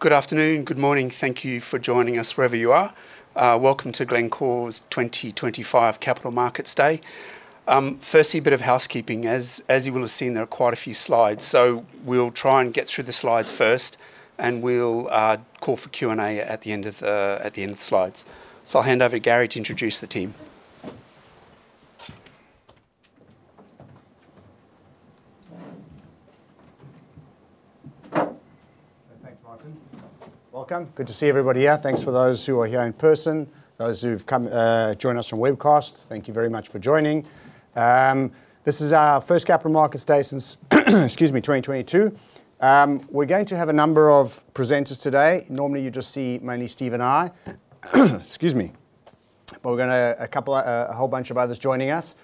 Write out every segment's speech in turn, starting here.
Good afternoon, good morning. Thank you for joining us wherever you are. Welcome to Glencore's 2025 Capital Markets Day. Firstly, a bit of housekeeping. As you will have seen, there are quite a few slides, so we'll try and get through the slides first, and we'll call for Q&A at the end of the slides. So I'll hand over to Gary to introduce the team. Thanks, Martin. Welcome. Good to see everybody here. Thanks for those who are here in person, those who've joined us from webcast. Thank you very much for joining. This is our first Capital Markets Day since, excuse me, 2022. We're going to have a number of presenters today. Normally, you just see mainly Steve and I, excuse me, but we're going to have a whole bunch of others joining us.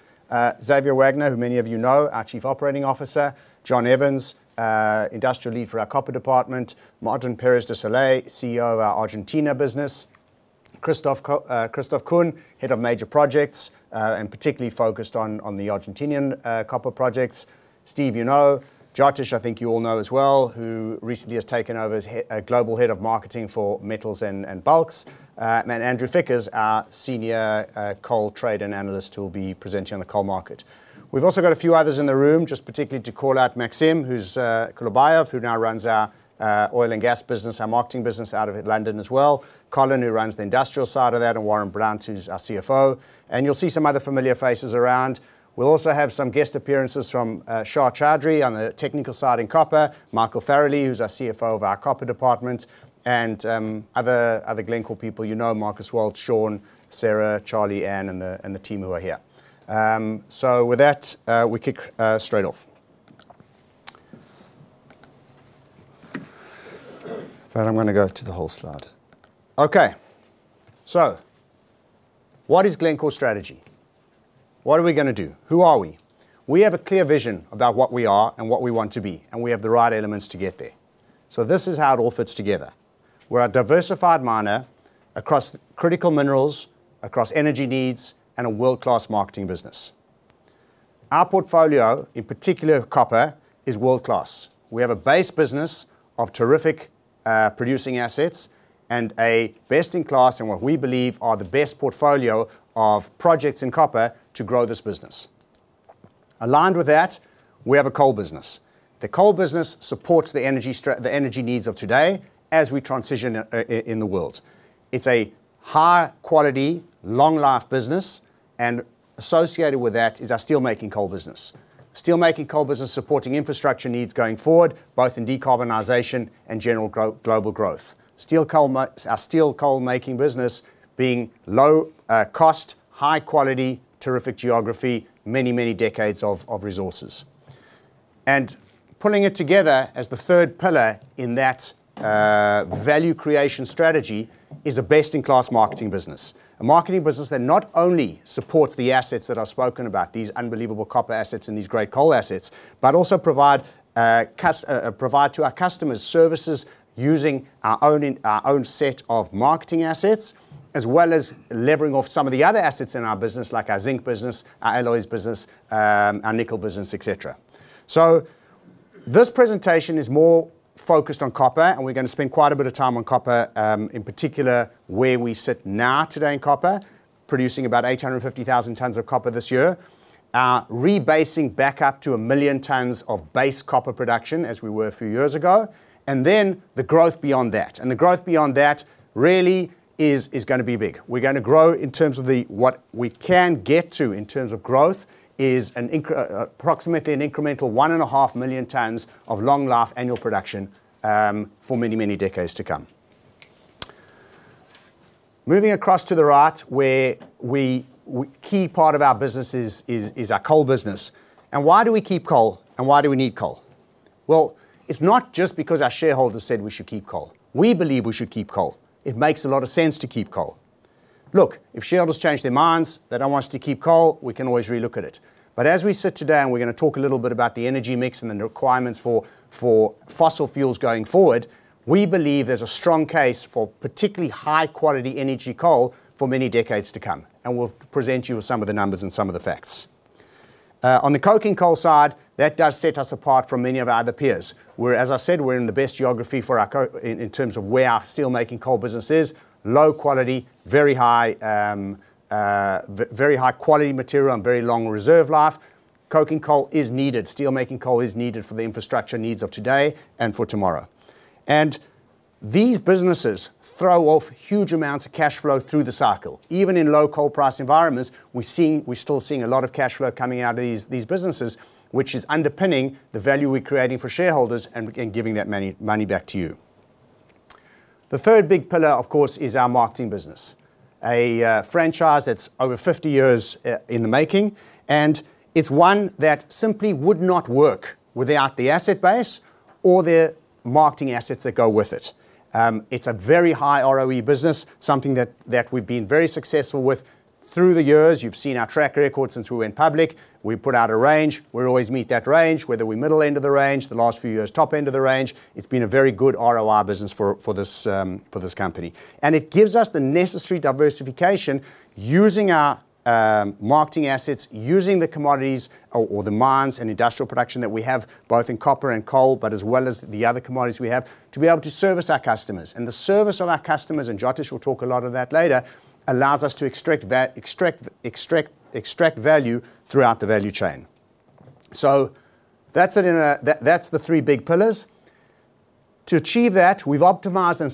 Xavier Wagner, who many of you know, our Chief Operating Officer, Jon Evans, Industrial Lead for our Copper Department, Martin Pérez de Solay, CEO of our Argentina business, Christoff Kühn, Head of Major Projects, and particularly focused on the Argentine copper projects, Steve, you know, Jyothish, I think you all know as well, who recently has taken over as Global Head of Marketing for Metals and Bulks, and Andrew Fikkers, our Senior Coal Trader and Analyst, who will be presenting on the coal market. We've also got a few others in the room, just particularly to call out Maxim Kolupaev, who now runs our oil and gas business, our marketing business out of London as well, Colin, who runs the industrial side of that, and Warren Blount, who's our CFO. You'll see some other familiar faces around. We'll also have some guest appearances from Shah Chaudari on the technical side in copper; Michael Farrelly, who's our CFO of our copper department; and other Glencore people you know: Markus Walt, Sean, Sarah, Charlie, Anne, and the team who are here. So with that, we kick straight off. I'm going to go to the whole slide. Okay, so what is Glencore's strategy? What are we going to do? Who are we? We have a clear vision about what we are and what we want to be, and we have the right elements to get there. So this is how it all fits together. We're a diversified miner across critical minerals, across energy needs, and a world-class marketing business. Our portfolio, in particular copper, is world-class. We have a base business of terrific producing assets and a best-in-class, and what we believe, are the best portfolio of projects in copper to grow this business. Aligned with that, we have a coal business. The coal business supports the energy needs of today as we transition in the world. It's a high-quality, long-life business, and associated with that is our steelmaking coal business. Steelmaking coal business supporting infrastructure needs going forward, both in decarbonization and general global growth. Steelmaking coal business being low cost, high quality, terrific geography, many, many decades of resources. And pulling it together as the third pillar in that value creation strategy is a best-in-class marketing business. A marketing business that not only supports the assets that I've spoken about, these unbelievable copper assets and these great coal assets, but also provide to our customers services using our own set of marketing assets, as well as levering off some of the other assets in our business, like our zinc business, our alloys business, our nickel business, etc. So this presentation is more focused on copper, and we're going to spend quite a bit of time on copper, in particular where we sit now today in copper, producing about 850,000 tons of copper this year, rebasing back up to a million tons of base copper production as we were a few years ago, and then the growth beyond that, and the growth beyond that really is going to be big. We're going to grow in terms of what we can get to in terms of growth is approximately an incremental 1.5 million tons of long-life annual production for many, many decades to come. Moving across to the right, where a key part of our business is our coal business, and why do we keep coal, and why do we need coal? Well, it's not just because our shareholders said we should keep coal. We believe we should keep coal. It makes a lot of sense to keep coal. Look, if shareholders change their minds, they don't want us to keep coal, we can always relook at it. But as we sit today, and we're going to talk a little bit about the energy mix and the requirements for fossil fuels going forward, we believe there's a strong case for particularly high-quality energy coal for many decades to come, and we'll present you with some of the numbers and some of the facts. On the coking coal side, that does set us apart from many of our other peers. As I said, we're in the best geography in terms of where our steelmaking coal business is: low quality, very high quality material, and very long reserve life. Coking coal is needed. Steelmaking coal is needed for the infrastructure needs of today and for tomorrow. And these businesses throw off huge amounts of cash flow through the cycle. Even in low coal price environments, we're still seeing a lot of cash flow coming out of these businesses, which is underpinning the value we're creating for shareholders and giving that money back to you. The third big pillar, of course, is our marketing business, a franchise that's over 50 years in the making, and it's one that simply would not work without the asset base or the marketing assets that go with it. It's a very high ROE business, something that we've been very successful with through the years. You've seen our track record since we went public. We put out a range. We always meet that range, whether we're middle end of the range, the last few years, top end of the range. It's been a very good ROI business for this company. And it gives us the necessary diversification using our marketing assets, using the commodities or the mines and industrial production that we have, both in copper and coal, but as well as the other commodities we have, to be able to service our customers. The service of our customers, and Jyothish will talk a lot of that later, allows us to extract value throughout the value chain. So that's the three big pillars. To achieve that, we've optimized and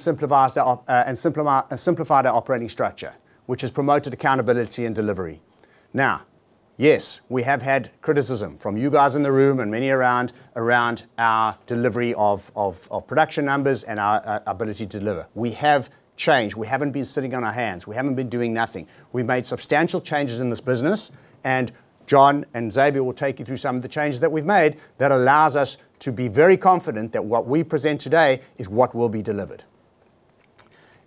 simplified our operating structure, which has promoted accountability and delivery. Now, yes, we have had criticism from you guys in the room and many around our delivery of production numbers and our ability to deliver. We have changed. We haven't been sitting on our hands. We haven't been doing nothing. We've made substantial changes in this business, and Jon and Xavier will take you through some of the changes that we've made that allows us to be very confident that what we present today is what will be delivered.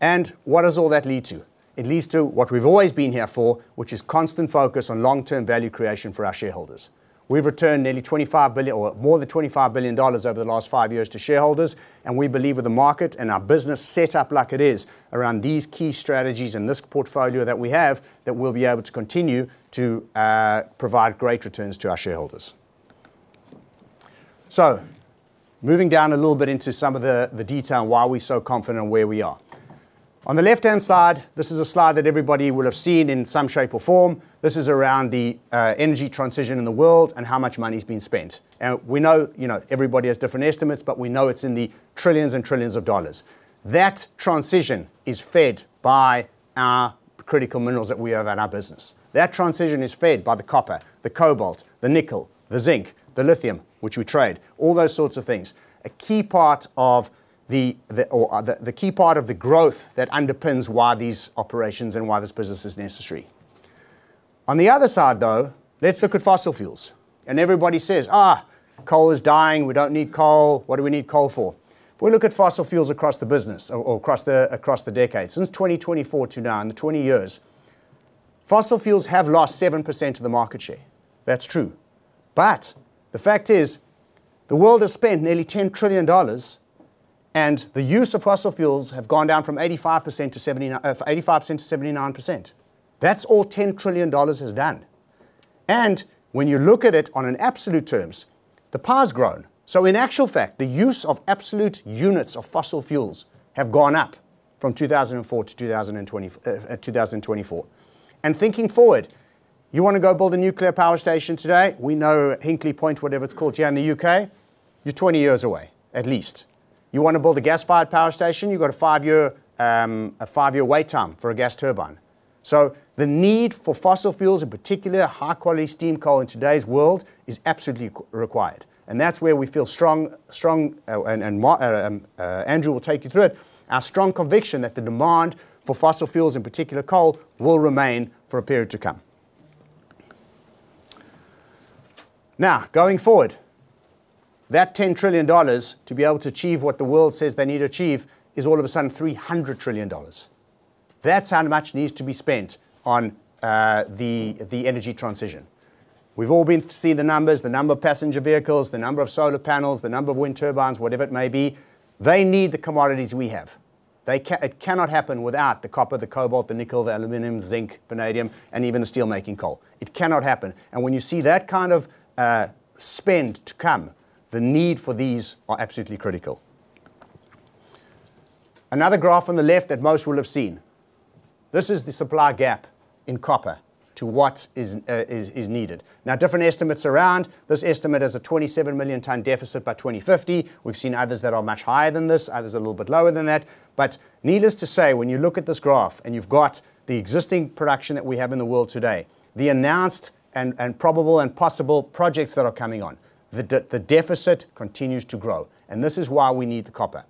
And what does all that lead to? It leads to what we've always been here for, which is constant focus on long-term value creation for our shareholders. We've returned nearly $25 billion, or more than $25 billion over the last five years to shareholders, and we believe with the market and our business set up like it is around these key strategies and this portfolio that we have, that we'll be able to continue to provide great returns to our shareholders. So moving down a little bit into some of the detail on why we're so confident on where we are. On the left-hand side, this is a slide that everybody will have seen in some shape or form. This is around the energy transition in the world and how much money's been spent, and we know everybody has different estimates, but we know it's in the trillions and trillions of dollars. That transition is fed by our critical minerals that we have in our business. That transition is fed by the copper, the cobalt, the nickel, the zinc, the lithium, which we trade, all those sorts of things. A key part of the growth that underpins why these operations and why this business is necessary. On the other side, though, let's look at fossil fuels, and everybody says, "coal is dying. We don't need coal. What do we need coal for?" We look at fossil fuels across the business, or across the decades. Since 2004 to now, in the 20 years, fossil fuels have lost 7% of the market share. That's true, but the fact is, the world has spent nearly $10 trillion, and the use of fossil fuels has gone down from 85% to 79%. That's all $10 trillion has done, and when you look at it on absolute terms, the pie's grown. So in actual fact, the use of absolute units of fossil fuels has gone up from 2004 to 2024, and thinking forward, you want to go build a nuclear power station today? We know Hinkley Point, whatever it's called here in the U.K., you're 20 years away, at least. You want to build a gas-fired power station? You've got a five-year wait time for a gas turbine. So the need for fossil fuels, in particular high-quality steam coal in today's world, is absolutely required. And that's where we feel strong, and Andrew will take you through it, our strong conviction that the demand for fossil fuels, in particular coal, will remain for a period to come. Now, going forward, that $10 trillion to be able to achieve what the world says they need to achieve is all of a sudden $300 trillion. That's how much needs to be spent on the energy transition. We've all been seeing the numbers, the number of passenger vehicles, the number of solar panels, the number of wind turbines, whatever it may be. They need the commodities we have. It cannot happen without the copper, the cobalt, the nickel, the aluminum, zinc, vanadium, and even the steelmaking coal. It cannot happen. And when you see that kind of spend to come, the need for these is absolutely critical. Another graph on the left that most will have seen. This is the supply gap in copper to what is needed. Now, different estimates around. This estimate is a 27 million-ton deficit by 2050. We've seen others that are much higher than this, others a little bit lower than that. But needless to say, when you look at this graph and you've got the existing production that we have in the world today, the announced and probable and possible projects that are coming on, the deficit continues to grow. And this is why we need the copper.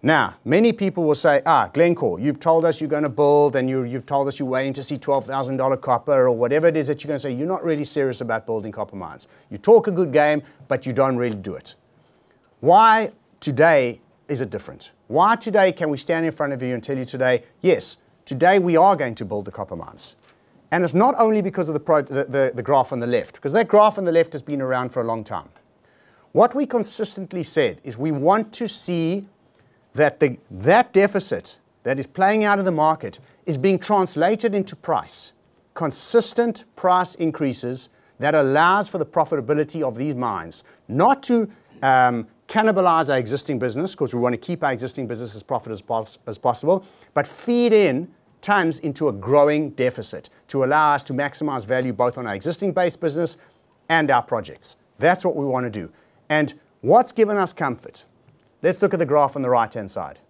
Now, many people will say, "Glencore, you've told us you're going to build, and you've told us you're waiting to see $12,000 copper," or whatever it is that you're going to say, "You're not really serious about building copper mines. You talk a good game, but you don't really do it." Why today is it different? Why today can we stand in front of you and tell you today, "Yes, today we are going to build the copper mines." It's not only because of the graph on the left, because that graph on the left has been around for a long time. What we consistently said is we want to see that that deficit that is playing out in the market is being translated into price, consistent price increases that allow for the profitability of these mines, not to cannibalize our existing business, because we want to keep our existing business as profitable as possible, but feed in tons into a growing deficit to allow us to maximize value both on our existing base business and our projects. That's what we want to do. What's given us comfort? Let's look at the graph on the right-hand side.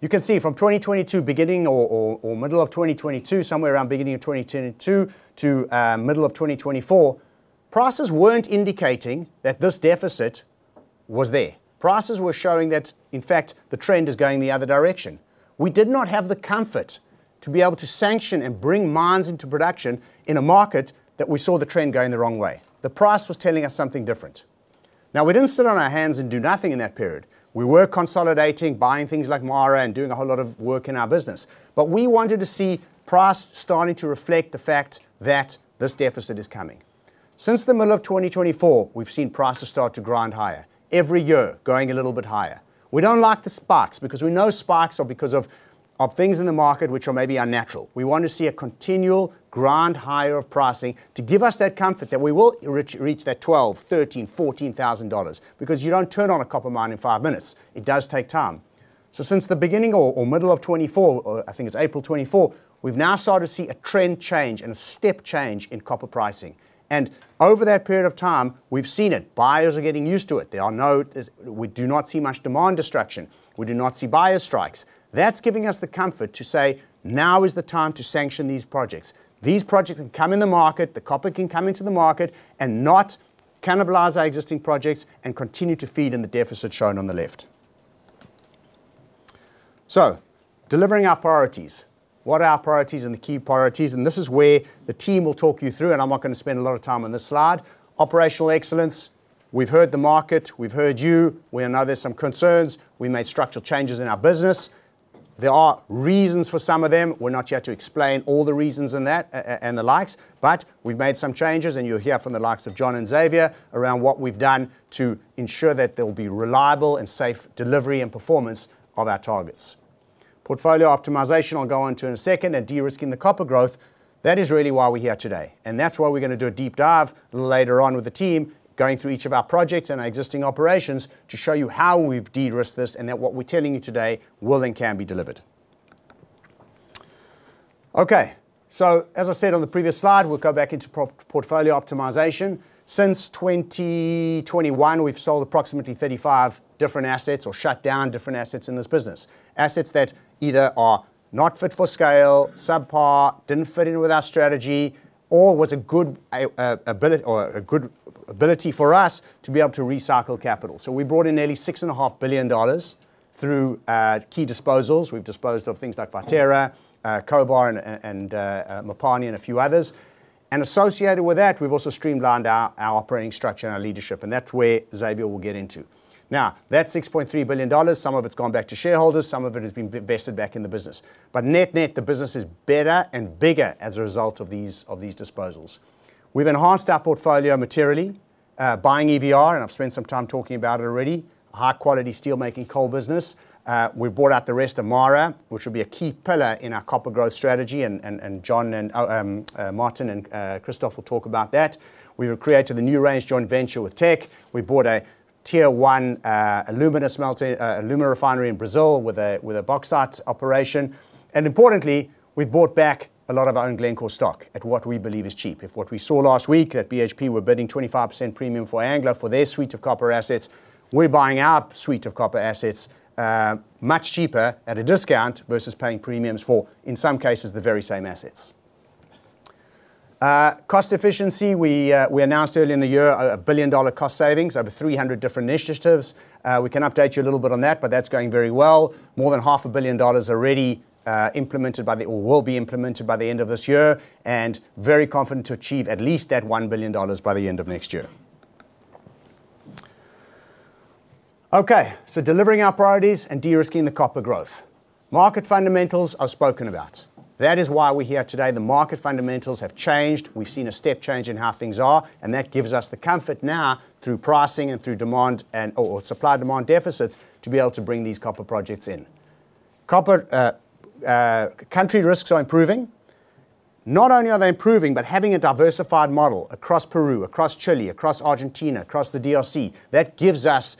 You can see from 2022, beginning or middle of 2022, somewhere around beginning of 2022 to middle of 2024, prices weren't indicating that this deficit was there. Prices were showing that, in fact, the trend is going the other direction. We did not have the comfort to be able to sanction and bring mines into production in a market that we saw the trend going the wrong way. The price was telling us something different. Now, we didn't sit on our hands and do nothing in that period. We were consolidating, buying things like MARA and doing a whole lot of work in our business. But we wanted to see price starting to reflect the fact that this deficit is coming. Since the middle of 2024, we've seen prices start to grind higher. Every year, going a little bit higher. We don't like the spikes because we know spikes are because of things in the market which are maybe unnatural. We want to see a continual grind higher of pricing to give us that comfort that we will reach that $12,000, $13,000, $14,000, because you don't turn on a copper mine in five minutes. It does take time, so since the beginning or middle of 2024, I think it's April 2024, we've now started to see a trend change and a step change in copper pricing, and over that period of time, we've seen it. Buyers are getting used to it. We do not see much demand destruction. We do not see buyer strikes. That's giving us the comfort to say, "Now is the time to sanction these projects." These projects can come in the market, the copper can come into the market, and not cannibalize our existing projects and continue to feed in the deficit shown on the left. So delivering our priorities. What are our priorities and the key priorities? And this is where the team will talk you through, and I'm not going to spend a lot of time on this slide. Operational excellence. We've heard the market. We've heard you. We know there's some concerns. We made structural changes in our business. There are reasons for some of them. We're not here to explain all the reasons and the likes, but we've made some changes, and you'll hear from the likes of Jon and Xavier around what we've done to ensure that there will be reliable and safe delivery and performance of our targets. Portfolio optimization, I'll go into in a second, and de-risking the copper growth. That is really why we're here today. And that's why we're going to do a deep dive later on with the team, going through each of our projects and our existing operations to show you how we've de-risked this and that what we're telling you today will and can be delivered. Okay. So as I said on the previous slide, we'll go back into portfolio optimization. Since 2021, we've sold approximately 35 different assets or shut down different assets in this business, assets that either are not fit for scale, subpar, didn't fit in with our strategy, or was a good ability for us to be able to recycle capital. So we brought in nearly $6.5 billion through key disposals. We've disposed of things like Viterra, Koniambo, and Mopani and a few others. And associated with that, we've also streamlined our operating structure and our leadership. And that's where Xavier will get into. Now, that's $6.3 billion. Some of it's gone back to shareholders. Some of it has been invested back in the business. But net-net, the business is better and bigger as a result of these disposals. We've enhanced our portfolio materially, buying EVR, and I've spent some time talking about it already, a high-quality steelmaking coal business. We've bought out the rest of MARA, which will be a key pillar in our copper growth strategy. And Jon and Martin and Christoph will talk about that. We've created a NewRange joint venture with Teck. We bought a tier-one alumina refinery in Brazil with a bauxite operation. And importantly, we've bought back a lot of our own Glencore stock at what we believe is cheap. If what we saw last week at BHP, we're bidding 25% premium for Anglo for their suite of copper assets. We're buying our suite of copper assets much cheaper at a discount versus paying premiums for, in some cases, the very same assets. Cost efficiency. We announced earlier in the year a $1 billion cost savings, over 300 different initiatives. We can update you a little bit on that, but that's going very well. More than $500 million already implemented, or will be implemented by the end of this year, and very confident to achieve at least that $1 billion by the end of next year. Okay. So delivering our priorities and de-risking the copper growth. Market fundamentals are spoken about. That is why we're here today. The market fundamentals have changed. We've seen a step change in how things are, and that gives us the comfort now through pricing and through demand or supply-demand deficits to be able to bring these copper projects in. Country risks are improving. Not only are they improving, but having a diversified model across Peru, across Chile, across Argentina, across the DRC, that gives us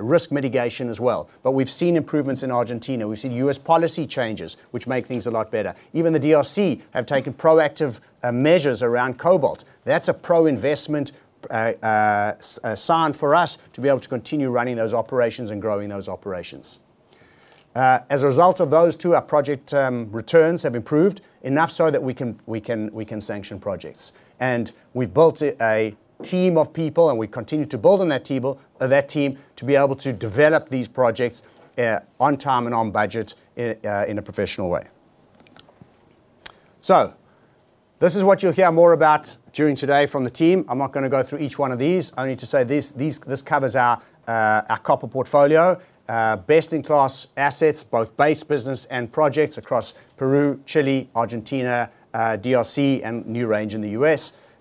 risk mitigation as well. But we've seen improvements in Argentina. We've seen U.S. policy changes, which make things a lot better. Even the DRC have taken proactive measures around cobalt. That's a pro-investment sign for us to be able to continue running those operations and growing those operations. As a result of those two, our project returns have improved enough so that we can sanction projects, and we've built a team of people, and we continue to build on that team to be able to develop these projects on time and on budget in a professional way, so this is what you'll hear more about during today from the team. I'm not going to go through each one of these. I only need to say this covers our copper portfolio, best-in-class assets, both base business and projects across Peru, Chile, Argentina, DRC, and NewRange in the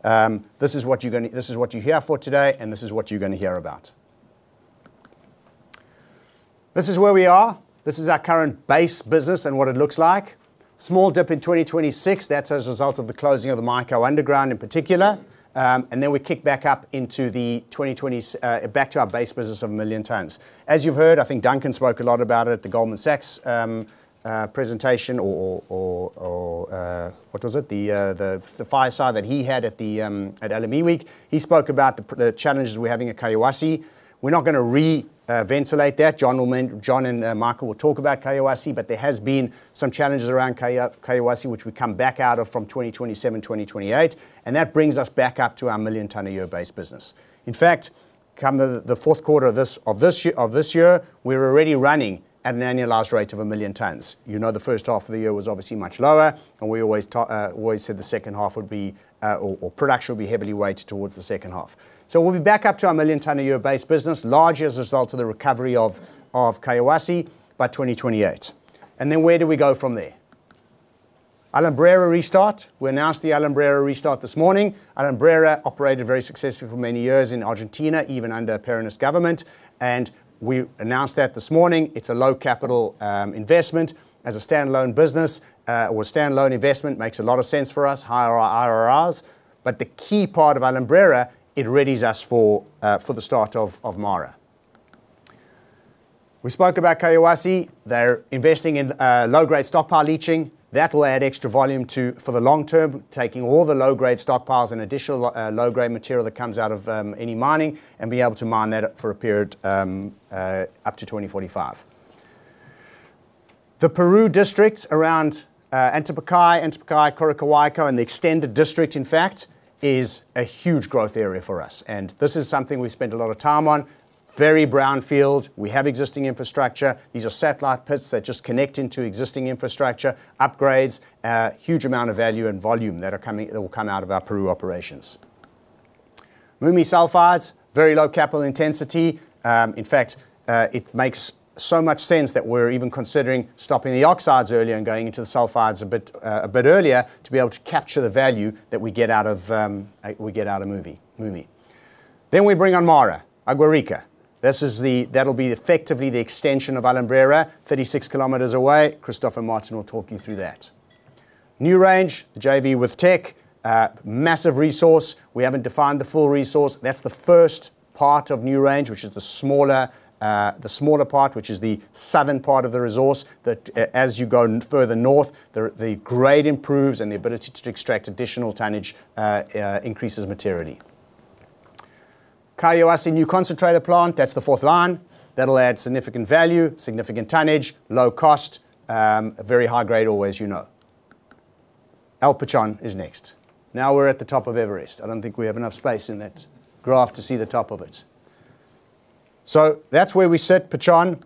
U.S.. This is what you're going to hear for today, and this is what you're going to hear about. This is where we are. This is our current base business and what it looks like. Small dip in 2026. That's as a result of the closing of the MICO underground in particular. Then we kick back up into the 2020s back to our base business of a million tons. As you've heard, I think Duncan spoke a lot about it at the Goldman Sachs presentation, or what was it, the fireside that he had at LME Week. He spoke about the challenges we're having at Collahuasi. We're not going to re-ventilate that. Jon and Michael will talk about Collahuasi, but there have been some challenges around Collahuasi, which we come back out of from 2027, 2028. That brings us back up to our million-ton a year base business. In fact, come the fourth quarter of this year, we're already running at an annualized rate of a million tons. The first half of the year was obviously much lower, and we always said the second half would be production would be heavily weighted towards the second half. So we'll be back up to our million-ton a year base business, largely as a result of the recovery of Collahuasi by 2028. And then where do we go from there? Alumbrera restart. We announced the Alumbrera restart this morning. Alumbrera operated very successfully for many years in Argentina, even under Peronist government. And we announced that this morning. It's a low-capital investment as a standalone business or a standalone investment. Makes a lot of sense for us, higher IRRs. But the key part of Alumbrera, it readies us for the start of MARA. We spoke about Collahuasi. They're investing in low-grade stockpile leaching. That will add extra volume for the long term, taking all the low-grade stockpiles and additional low-grade material that comes out of any mining and being able to mine that for a period up to 2045. The Peru district around Antapaccay, Antapaccay, Coroccohuayco, and the extended district, in fact, is a huge growth area for us. This is something we spend a lot of time on. Very brownfield. We have existing infrastructure. These are satellite pits that just connect into existing infrastructure. Upgrades, huge amount of value and volume that will come out of our Peru operations. MUMI sulfides, very low capital intensity. In fact, it makes so much sense that we're even considering stopping the oxides earlier and going into the sulfides a bit earlier to be able to capture the value that we get out of MUMI. Then we bring on MARA, Agua Rica. That'll be effectively the extension of Alumbrera, 36 km away. Christoff and Martin will talk you through that. NewRange, JV with Teck, massive resource. We haven't defined the full resource. That's the first part of NewRange, which is the smaller part, which is the southern part of the resource. As you go further north, the grade improves and the ability to extract additional tonnage increases materially. Collahuasi new concentrator plant. That's the fourth line. That'll add significant value, significant tonnage, low cost, very high grade always, you know. El Pachón is next. Now we're at the top of Everest. I don't think we have enough space in that graph to see the top of it. So that's where we sit Pachón.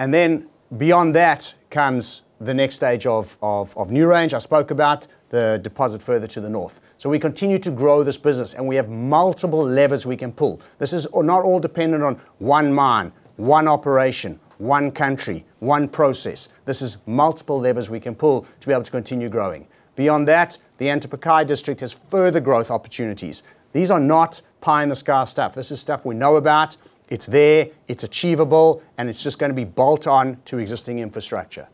And then beyond that comes the next stage of NewRange. I spoke about the deposit further to the north. We continue to grow this business, and we have multiple levers we can pull. This is not all dependent on one mine, one operation, one country, one process. This is multiple levers we can pull to be able to continue growing. Beyond that, the Antapaccay district has further growth opportunities. These are not pie-in-the-sky stuff. This is stuff we know about. It's there. It's achievable, and it's just going to be bolt-on to existing infrastructure.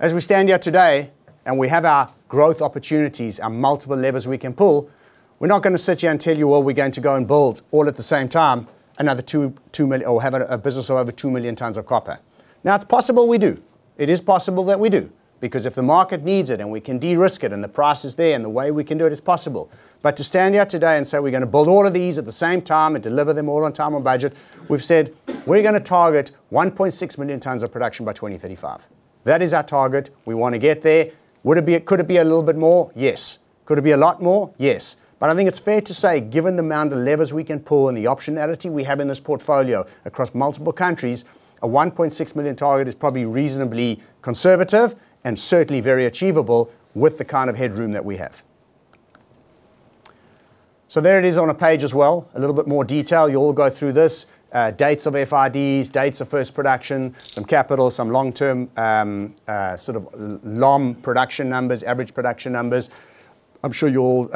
As we stand here today and we have our growth opportunities, our multiple levers we can pull, we're not going to sit here and tell you, "Well, we're going to go and build all at the same time another 2 million or have a business of over 2 million ton of copper." Now, it's possible we do. It is possible that we do, because if the market needs it and we can de-risk it and the price is there and the way we can do it is possible. But to stand here today and say, "We're going to build all of these at the same time and deliver them all on time on budget," we've said, "We're going to target 1.6 million tons of production by 2035." That is our target. We want to get there. Could it be a little bit more? Yes. Could it be a lot more? Yes. But I think it's fair to say, given the amount of levers we can pull and the optionality we have in this portfolio across multiple countries, a 1.6 million target is probably reasonably conservative and certainly very achievable with the kind of headroom that we have. So there it is on a page as well, a little bit more detail. You'll all go through this, dates of FRDs, dates of first production, some capital, some long-term sort of lump production numbers, average production numbers. I'm sure you'll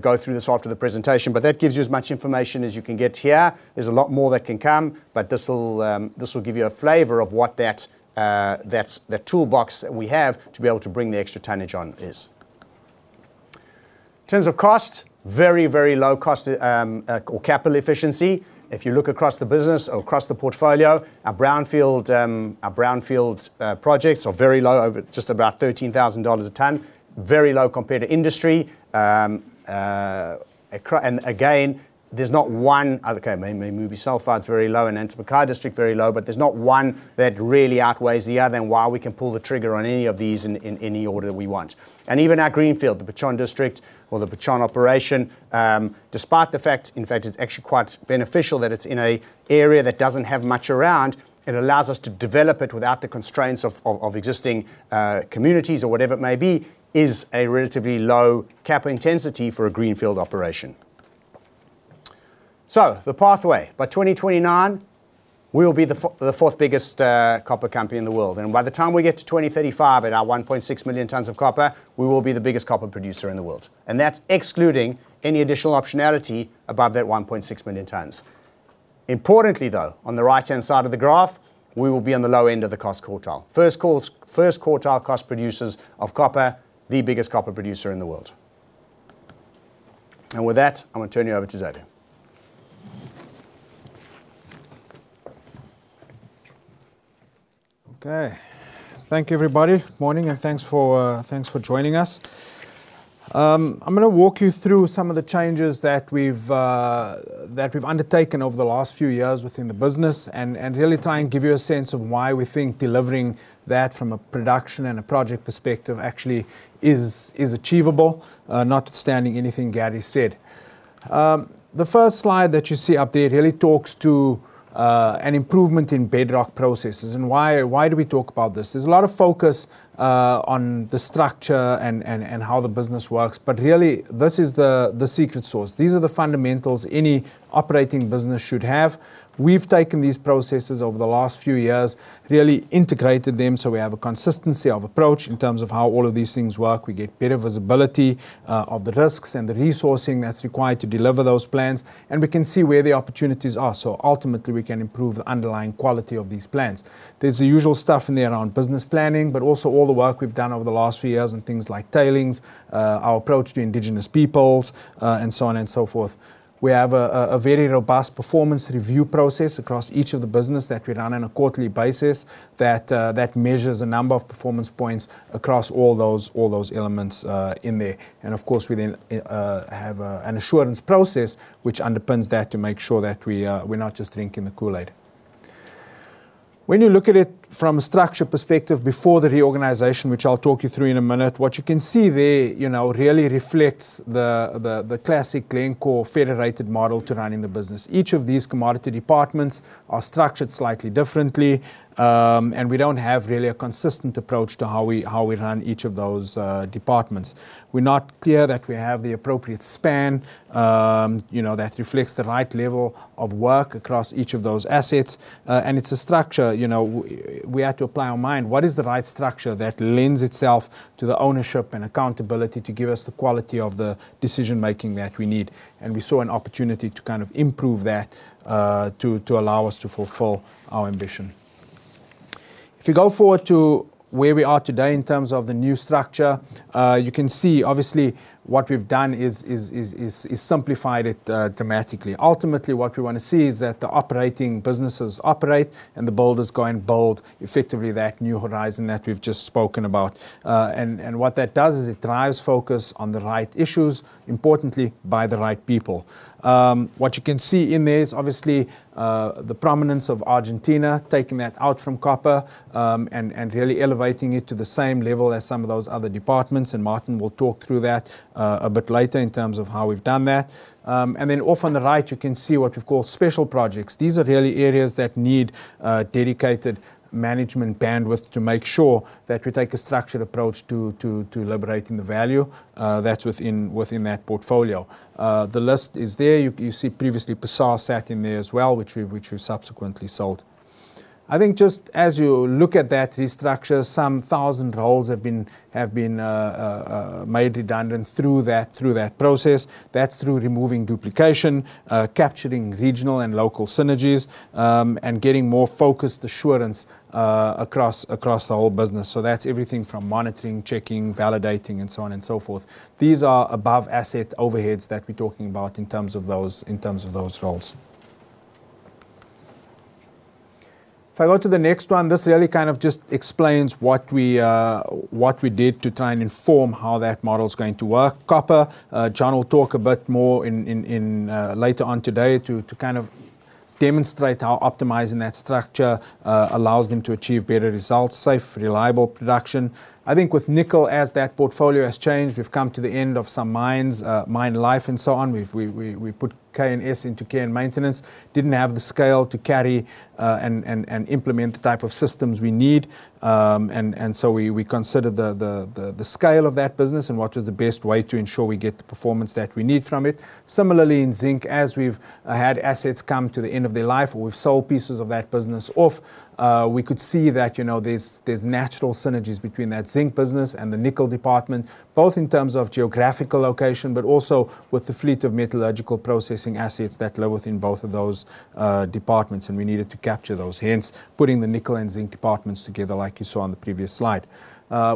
go through this after the presentation, but that gives you as much information as you can get here. There's a lot more that can come, but this will give you a flavor of what that toolbox we have to be able to bring the extra tonnage on is. In terms of cost, very, very low cost or capital efficiency. If you look across the business or across the portfolio, our brownfield projects are very low, just about $13,000 a ton, very low compared to industry. Again, there's not one, okay. Maybe MUMI sulfides very low and Antapaccay district very low, but there's not one that really outweighs the other and why we can pull the trigger on any of these in any order that we want. Even our greenfield, the Pachón district or the Pachón operation, despite the fact, in fact, it's actually quite beneficial that it's in an area that doesn't have much around. It allows us to develop it without the constraints of existing communities or whatever it may be is a relatively low capital intensity for a greenfield operation. The pathway, by 2029, we will be the fourth biggest copper company in the world. By the time we get to 2035 at our 1.6 million tons of copper, we will be the biggest copper producer in the world. That's excluding any additional optionality above that 1.6 million tons. Importantly, though, on the right-hand side of the graph, we will be on the low end of the cost quartile, first quartile cost producers of copper, the biggest copper producer in the world. With that, I'm going to turn you over to Xavier. Okay. Thank you, everybody. Morning, and thanks for joining us. I'm going to walk you through some of the changes that we've undertaken over the last few years within the business and really try and give you a sense of why we think delivering that from a production and a project perspective actually is achievable, notwithstanding anything Gary said. The first slide that you see up there really talks to an improvement in bedrock processes. Why do we talk about this? There's a lot of focus on the structure and how the business works, but really, this is the secret sauce. These are the fundamentals any operating business should have. We've taken these processes over the last few years, really integrated them so we have a consistency of approach in terms of how all of these things work. We get better visibility of the risks and the resourcing that's required to deliver those plans, and we can see where the opportunities are. So ultimately, we can improve the underlying quality of these plans. There's the usual stuff in there around business planning, but also all the work we've done over the last few years on things like tailings, our approach to indigenous peoples, and so on and so forth. We have a very robust performance review process across each of the business that we run on a quarterly basis that measures a number of performance points across all those elements in there. And of course, we then have an assurance process which underpins that to make sure that we're not just drinking the Kool-Aid. When you look at it from a structure perspective before the reorganization, which I'll talk you through in a minute, what you can see there really reflects the classic Glencore federated model to running the business. Each of these commodity departments are structured slightly differently, and we don't have really a consistent approach to how we run each of those departments. We're not clear that we have the appropriate span that reflects the right level of work across each of those assets. And it's a structure we had to apply our mind. What is the right structure that lends itself to the ownership and accountability to give us the quality of the decision-making that we need? And we saw an opportunity to kind of improve that to allow us to fulfill our ambition. If you go forward to where we are today in terms of the new structure, you can see obviously what we've done is simplified it dramatically. Ultimately, what we want to see is that the operating businesses operate and the builders go and build effectively that new horizon that we've just spoken about. And what that does is it drives focus on the right issues, importantly by the right people. What you can see in there is obviously the prominence of Argentina taking that out from copper and really elevating it to the same level as some of those other departments. And Martin will talk through that a bit later in terms of how we've done that. And then off on the right, you can see what we've called special projects. These are really areas that need dedicated management bandwidth to make sure that we take a structured approach to liberating the value that's within that portfolio. The list is there. You see previously sat in there as well, which we subsequently sold. I think just as you look at that restructure, some thousand roles have been made redundant through that process. That's through removing duplication, capturing regional and local synergies, and getting more focused assurance across the whole business. So that's everything from monitoring, checking, validating, and so on and so forth. These are above-asset overheads that we're talking about in terms of those roles. If I go to the next one, this really kind of just explains what we did to try and inform how that model is going to work. Copper, Jon will talk a bit more later on today to kind of demonstrate how optimizing that structure allows them to achieve better results, safe, reliable production. I think with nickel, as that portfolio has changed, we've come to the end of some mines, mine life, and so on. We put KNS into care and maintenance. Didn't have the scale to carry and implement the type of systems we need. We considered the scale of that business and what was the best way to ensure we get the performance that we need from it. Similarly, in zinc, as we've had assets come to the end of their life or we've sold pieces of that business off, we could see that there's natural synergies between that zinc business and the nickel department, both in terms of geographical location, but also with the fleet of metallurgical processing assets that live within both of those departments, and we needed to capture those. Hence, putting the nickel and zinc departments together like you saw on the previous slide.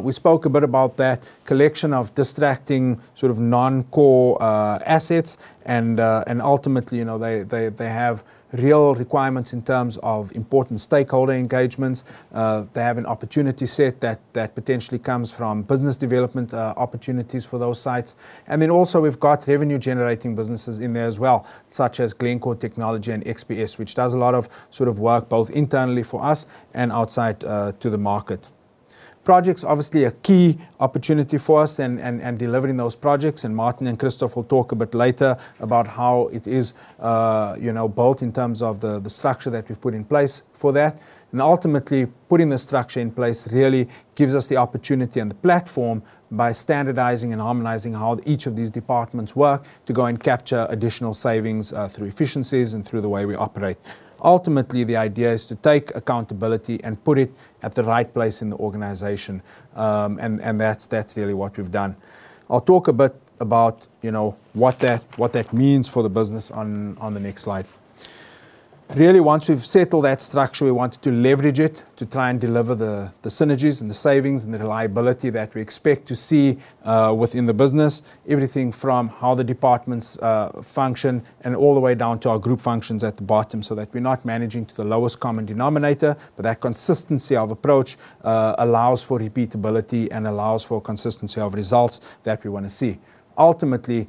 We spoke a bit about that collection of distracting sort of non-core assets, and ultimately, they have real requirements in terms of important stakeholder engagements. They have an opportunity set that potentially comes from business development opportunities for those sites. And then also we've got revenue-generating businesses in there as well, such as Glencore Technology and XPS, which does a lot of sort of work both internally for us and outside to the market. Projects obviously are key opportunity for us and delivering those projects. And Martin and Christoff will talk a bit later about how it is both in terms of the structure that we've put in place for that. And ultimately, putting the structure in place really gives us the opportunity and the platform by standardizing and harmonizing how each of these departments work to go and capture additional savings through efficiencies and through the way we operate. Ultimately, the idea is to take accountability and put it at the right place in the organization. And that's really what we've done. I'll talk a bit about what that means for the business on the next slide. Really, once we've settled that structure, we wanted to leverage it to try and deliver the synergies and the savings and the reliability that we expect to see within the business, everything from how the departments function and all the way down to our group functions at the bottom so that we're not managing to the lowest common denominator, but that consistency of approach allows for repeatability and allows for consistency of results that we want to see. Ultimately,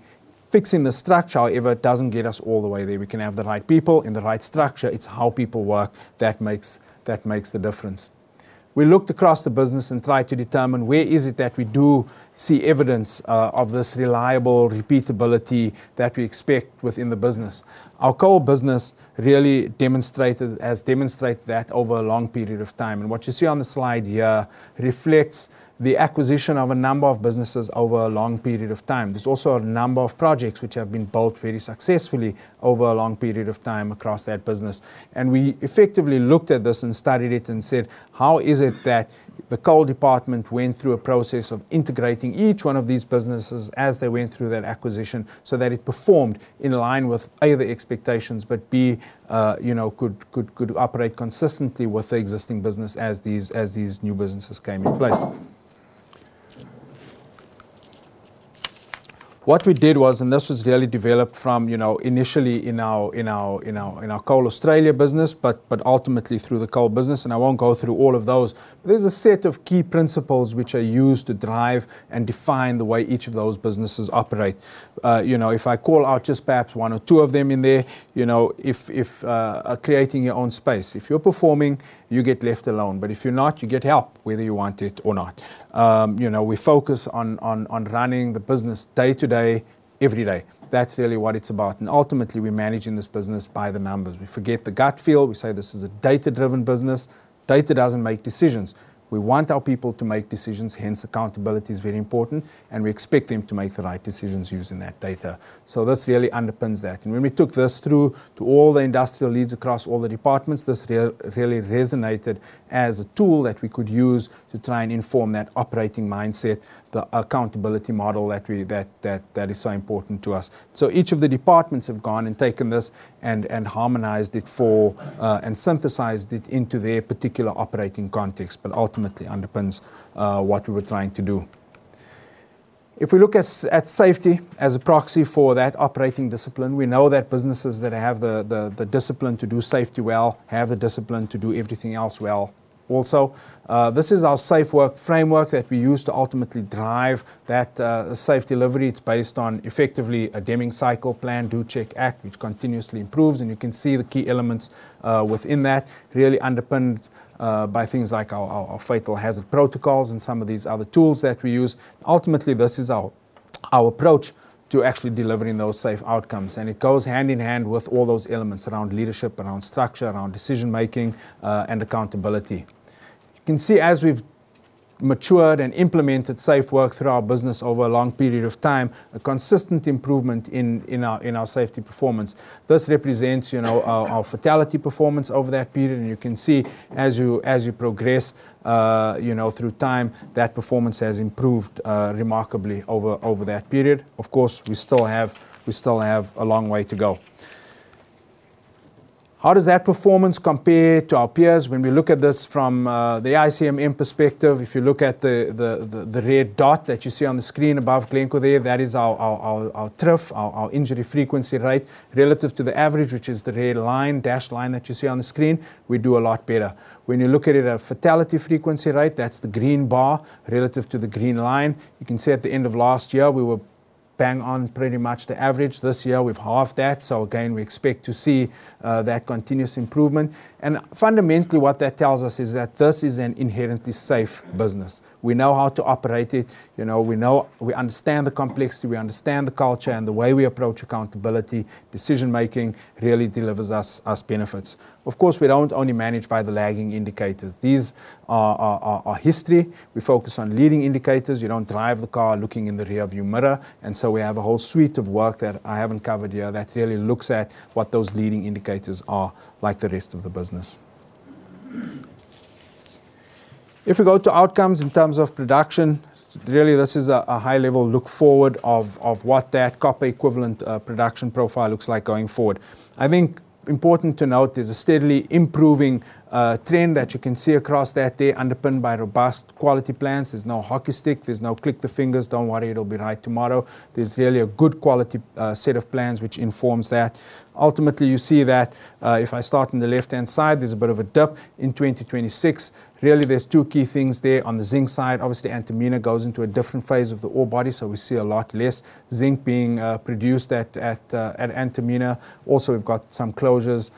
fixing the structure, however, doesn't get us all the way there. We can have the right people in the right structure. It's how people work that makes the difference. We looked across the business and tried to determine where is it that we do see evidence of this reliable repeatability that we expect within the business. Our coal business really demonstrated that over a long period of time. What you see on the slide here reflects the acquisition of a number of businesses over a long period of time. There's also a number of projects which have been built very successfully over a long period of time across that business. We effectively looked at this and studied it and said, "How is it that the coal department went through a process of integrating each one of these businesses as they went through that acquisition so that it performed in line with A, the expectations, but B, could operate consistently with the existing business as these new businesses came in place?" What we did was, and this was really developed from initially in our coal Australia business, but ultimately through the coal business, and I won't go through all of those. There's a set of key principles which are used to drive and define the way each of those businesses operate. If I call out just perhaps one or two of them in there, if creating your own space, if you're performing, you get left alone. But if you're not, you get help whether you want it or not. We focus on running the business day to day, every day. That's really what it's about. And ultimately, we're managing this business by the numbers. We forget the gut feel. We say this is a data-driven business. Data doesn't make decisions. We want our people to make decisions. Hence, accountability is very important, and we expect them to make the right decisions using that data. So this really underpins that. When we took this through to all the industrial leads across all the departments, this really resonated as a tool that we could use to try and inform that operating mindset, the accountability model that is so important to us. Each of the departments have gone and taken this and harmonised it for and synthesised it into their particular operating context, but ultimately underpins what we were trying to do. If we look at safety as a proxy for that operating discipline, we know that businesses that have the discipline to do safety well have the discipline to do everything else well also. This is our safe work framework that we use to ultimately drive that safe delivery. It's based on effectively a Deming Cycle plan, do, check, act, which continuously improves. You can see the key elements within that really underpinned by things like our fatal hazard protocols and some of these other tools that we use. Ultimately, this is our approach to actually delivering those safe outcomes. It goes hand in hand with all those elements around leadership, around structure, around decision-making, and accountability. You can see as we've matured and implemented safe work through our business over a long period of time, a consistent improvement in our safety performance. This represents our fatality performance over that period. You can see as you progress through time, that performance has improved remarkably over that period. Of course, we still have a long way to go. How does that performance compare to our peers? When we look at this from the ICMM perspective, if you look at the red dot that you see on the screen above Glencore there, that is our TRIF, our injury frequency rate relative to the average, which is the red line, dashed line that you see on the screen, we do a lot better. When you look at it at fatality frequency rate, that's the green bar relative to the green line. You can see at the end of last year, we were bang on pretty much the average. This year, we've halved that. So again, we expect to see that continuous improvement, and fundamentally, what that tells us is that this is an inherently safe business. We know how to operate it. We understand the complexity. We understand the culture and the way we approach accountability. Decision-making really delivers us benefits. Of course, we don't only manage by the lagging indicators. These are history. We focus on leading indicators. You don't drive the car looking in the rearview mirror, and so we have a whole suite of work that I haven't covered here that really looks at what those leading indicators are like the rest of the business. If we go to outcomes in terms of production, really, this is a high-level look forward of what that copper equivalent production profile looks like going forward. I think important to note, there's a steadily improving trend that you can see across that. They're underpinned by robust quality plans. There's no hockey stick. There's no click the fingers. Don't worry. It'll be right tomorrow. There's really a good quality set of plans which informs that. Ultimately, you see that if I start on the left-hand side, there's a bit of a dip in 2026. Really, there's two key things there on the zinc side. Obviously, Antamina goes into a different phase of the ore body, so we see a lot less zinc being produced at Antamina. Also, we've got some closures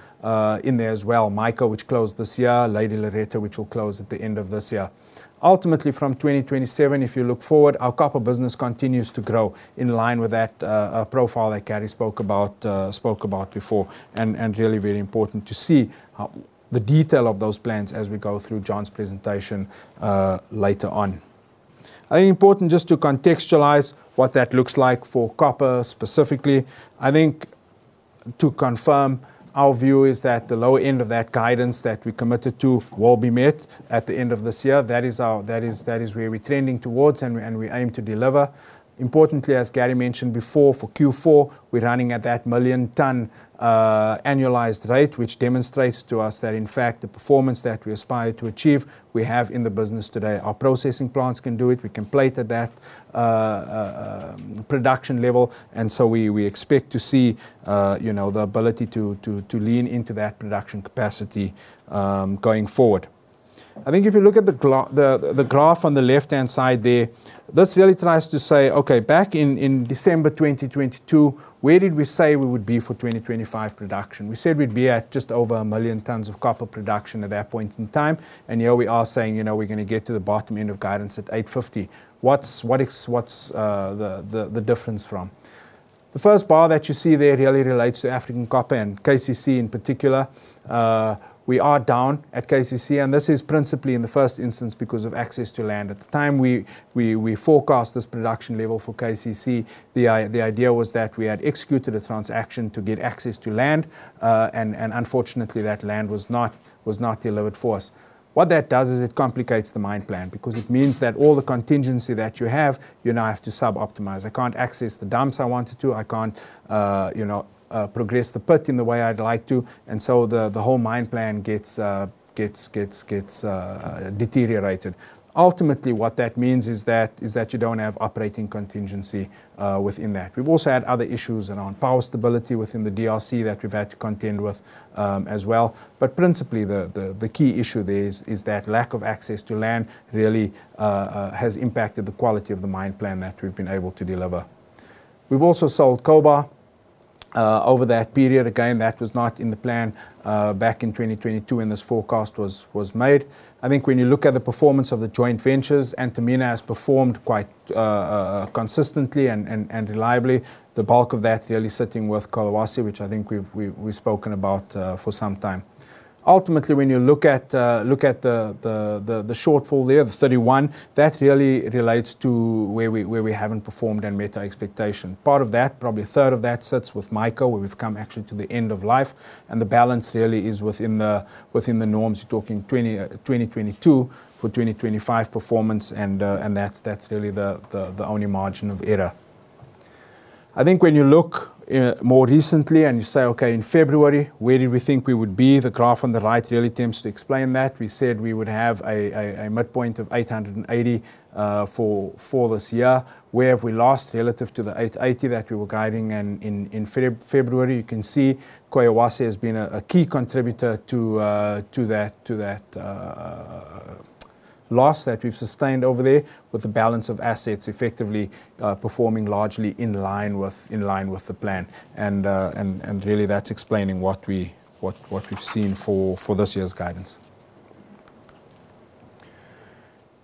in there as well. MICO, which closed this year. Lady Loretta, which will close at the end of this year. Ultimately, from 2027, if you look forward, our copper business continues to grow in line with that profile that Gary spoke about before. And really, very important to see the detail of those plans as we go through Jon's presentation later on. I think important just to contextualize what that looks like for copper specifically. I think to confirm, our view is that the low end of that guidance that we committed to will be met at the end of this year. That is where we're trending towards and we aim to deliver. Importantly, as Gary mentioned before, for Q4, we're running at that million-ton annualized rate, which demonstrates to us that in fact, the performance that we aspire to achieve, we have in the business today. Our processing plants can do it. We can plate at that production level. And so we expect to see the ability to lean into that production capacity going forward. I think if you look at the graph on the left-hand side there, this really tries to say, "Okay, back in December 2022, where did we say we would be for 2025 production?" We said we'd be at just over a million tons of copper production at that point in time. And here we are saying we're going to get to the bottom end of guidance at 850. What's the difference from? The first bar that you see there really relates to African copper and KCC in particular. We are down at KCC, and this is principally in the first instance because of access to land. At the time, we forecast this production level for KCC. The idea was that we had executed a transaction to get access to land, and unfortunately, that land was not delivered for us. What that does is it complicates the mine plan because it means that all the contingency that you have, you now have to sub-optimize. I can't access the dumps I wanted to. I can't progress the pit in the way I'd like to. And so the whole mine plan gets deteriorated. Ultimately, what that means is that you don't have operating contingency within that. We've also had other issues around power stability within the DRC that we've had to contend with as well. But principally, the key issue there is that lack of access to land really has impacted the quality of the mine plan that we've been able to deliver. We've also sold Cobar over that period. Again, that was not in the plan back in 2022 when this forecast was made. I think when you look at the performance of the joint ventures, Antamina has performed quite consistently and reliably. The bulk of that really sitting with Collahuasi, which I think we've spoken about for some time. Ultimately, when you look at the shortfall there, the 31, that really relates to where we haven't performed and met our expectation. Part of that, probably a third of that sits with MICO, where we've come actually to the end of life. And the balance really is within the norms. You're talking 2022 for 2025 performance, and that's really the only margin of error. I think when you look more recently and you say, "Okay, in February, where did we think we would be?" The graph on the right really attempts to explain that. We said we would have a midpoint of 880 for this year. Where have we lost relative to the 880 that we were guiding in February? You can see Collahuasi has been a key contributor to that loss that we've sustained over there with the balance of assets effectively performing largely in line with the plan, and really, that's explaining what we've seen for this year's guidance.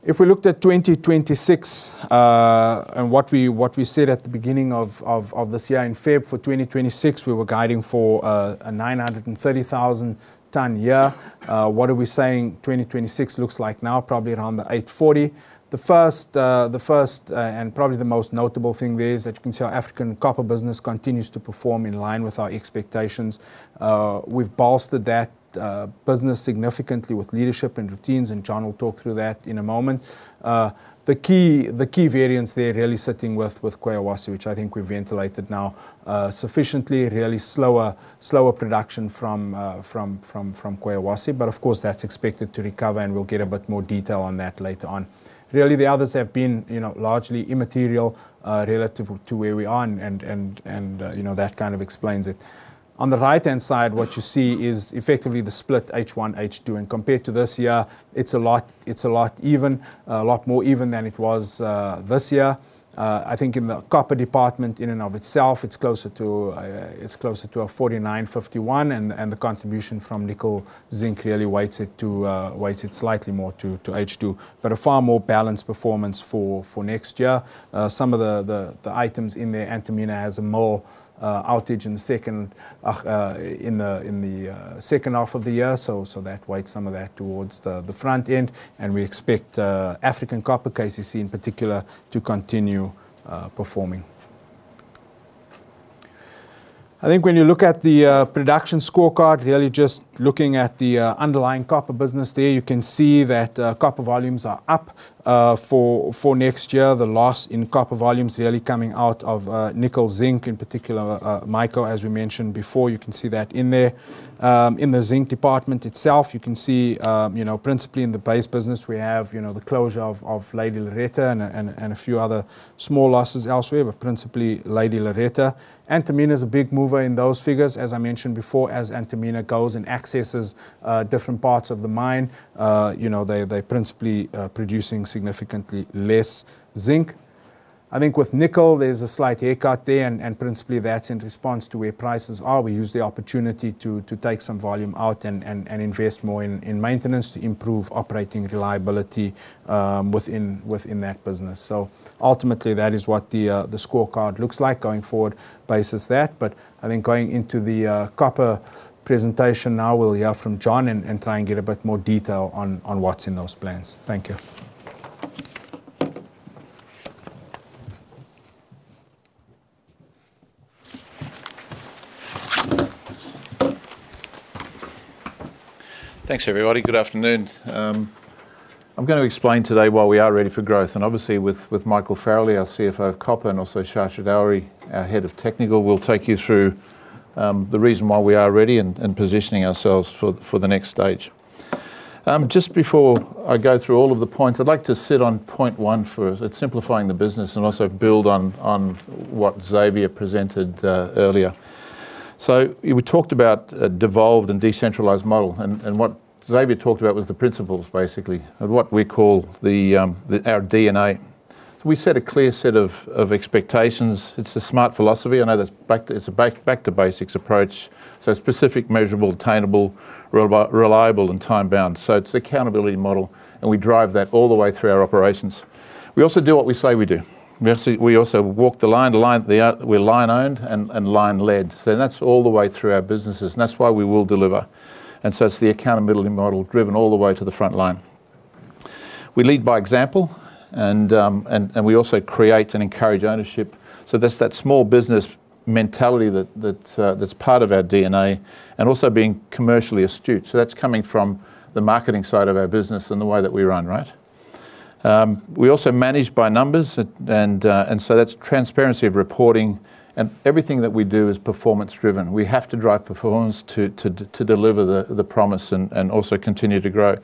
If we looked at 2026 and what we said at the beginning of this year in February for 2026, we were guiding for a 930,000-ton year. What are we saying 2026 looks like now? Probably around the 840. The first and probably the most notable thing there is that you can see our African copper business continues to perform in line with our expectations. We've bolstered that business significantly with leadership and routines, and Jon will talk through that in a moment. The key variance there really sitting with Collahuasi, which I think we've ventilated now sufficiently, really slower production from Collahuasi. But of course, that's expected to recover, and we'll get a bit more detail on that later on. Really, the others have been largely immaterial relative to where we are, and that kind of explains it. On the right-hand side, what you see is effectively the split H1, H2. And compared to this year, it's a lot even, a lot more even than it was this year. I think in the copper department, in and of itself, it's closer to a 49-51, and the contribution from nickel zinc really weights it slightly more to H2, but a far more balanced performance for next year. Some of the items in there, Antamina has a mill outage in the second half of the year, so that weighs some of that towards the front end. We expect African copper, KCC in particular, to continue performing. I think when you look at the production scorecard, really just looking at the underlying copper business there, you can see that copper volumes are up for next year. The loss in copper volumes really coming out of nickel zinc, in particular, MICO, as we mentioned before, you can see that in there. In the zinc department itself, you can see principally in the base business, we have the closure of Lady Loretta and a few other small losses elsewhere, but principally Lady Loretta. Antamina is a big mover in those figures. As I mentioned before, as Antamina goes and accesses different parts of the mine, they're principally producing significantly less zinc. I think with nickel, there's a slight haircut there, and principally that's in response to where prices are. We use the opportunity to take some volume out and invest more in maintenance to improve operating reliability within that business. So ultimately, that is what the scorecard looks like going forward, basis that. But I think going into the copper presentation now, we'll hear from Jon and try and get a bit more detail on what's in those plans. Thank you. Thanks, everybody. Good afternoon. I'm going to explain today why we are ready for growth, and obviously, with Michael Farrelly, our CFO of Copper and also Shah Chaudari, our head of technical, we'll take you through the reason why we are ready and positioning ourselves for the next stage. Just before I go through all of the points, I'd like to sit on point one for simplifying the business and also build on what Xavier presented earlier. So we talked about a devolved and decentralized model, and what Xavier talked about was the principles, basically, of what we call our DNA. So we set a clear set of expectations. It's a smart philosophy. I know it's a back-to-basics approach. So specific, measurable, attainable, reliable, and time-bound. So it's the accountability model, and we drive that all the way through our operations. We also do what we say we do. We also walk the line. We're line-owned and line-led. So that's all the way through our businesses, and that's why we will deliver. And so it's the accountability model driven all the way to the front line. We lead by example, and we also create and encourage ownership. So that's that small business mentality that's part of our DNA and also being commercially astute. So that's coming from the marketing side of our business and the way that we run, right? We also manage by numbers, and so that's transparency of reporting. And everything that we do is performance-driven. We have to drive performance to deliver the promise and also continue to grow.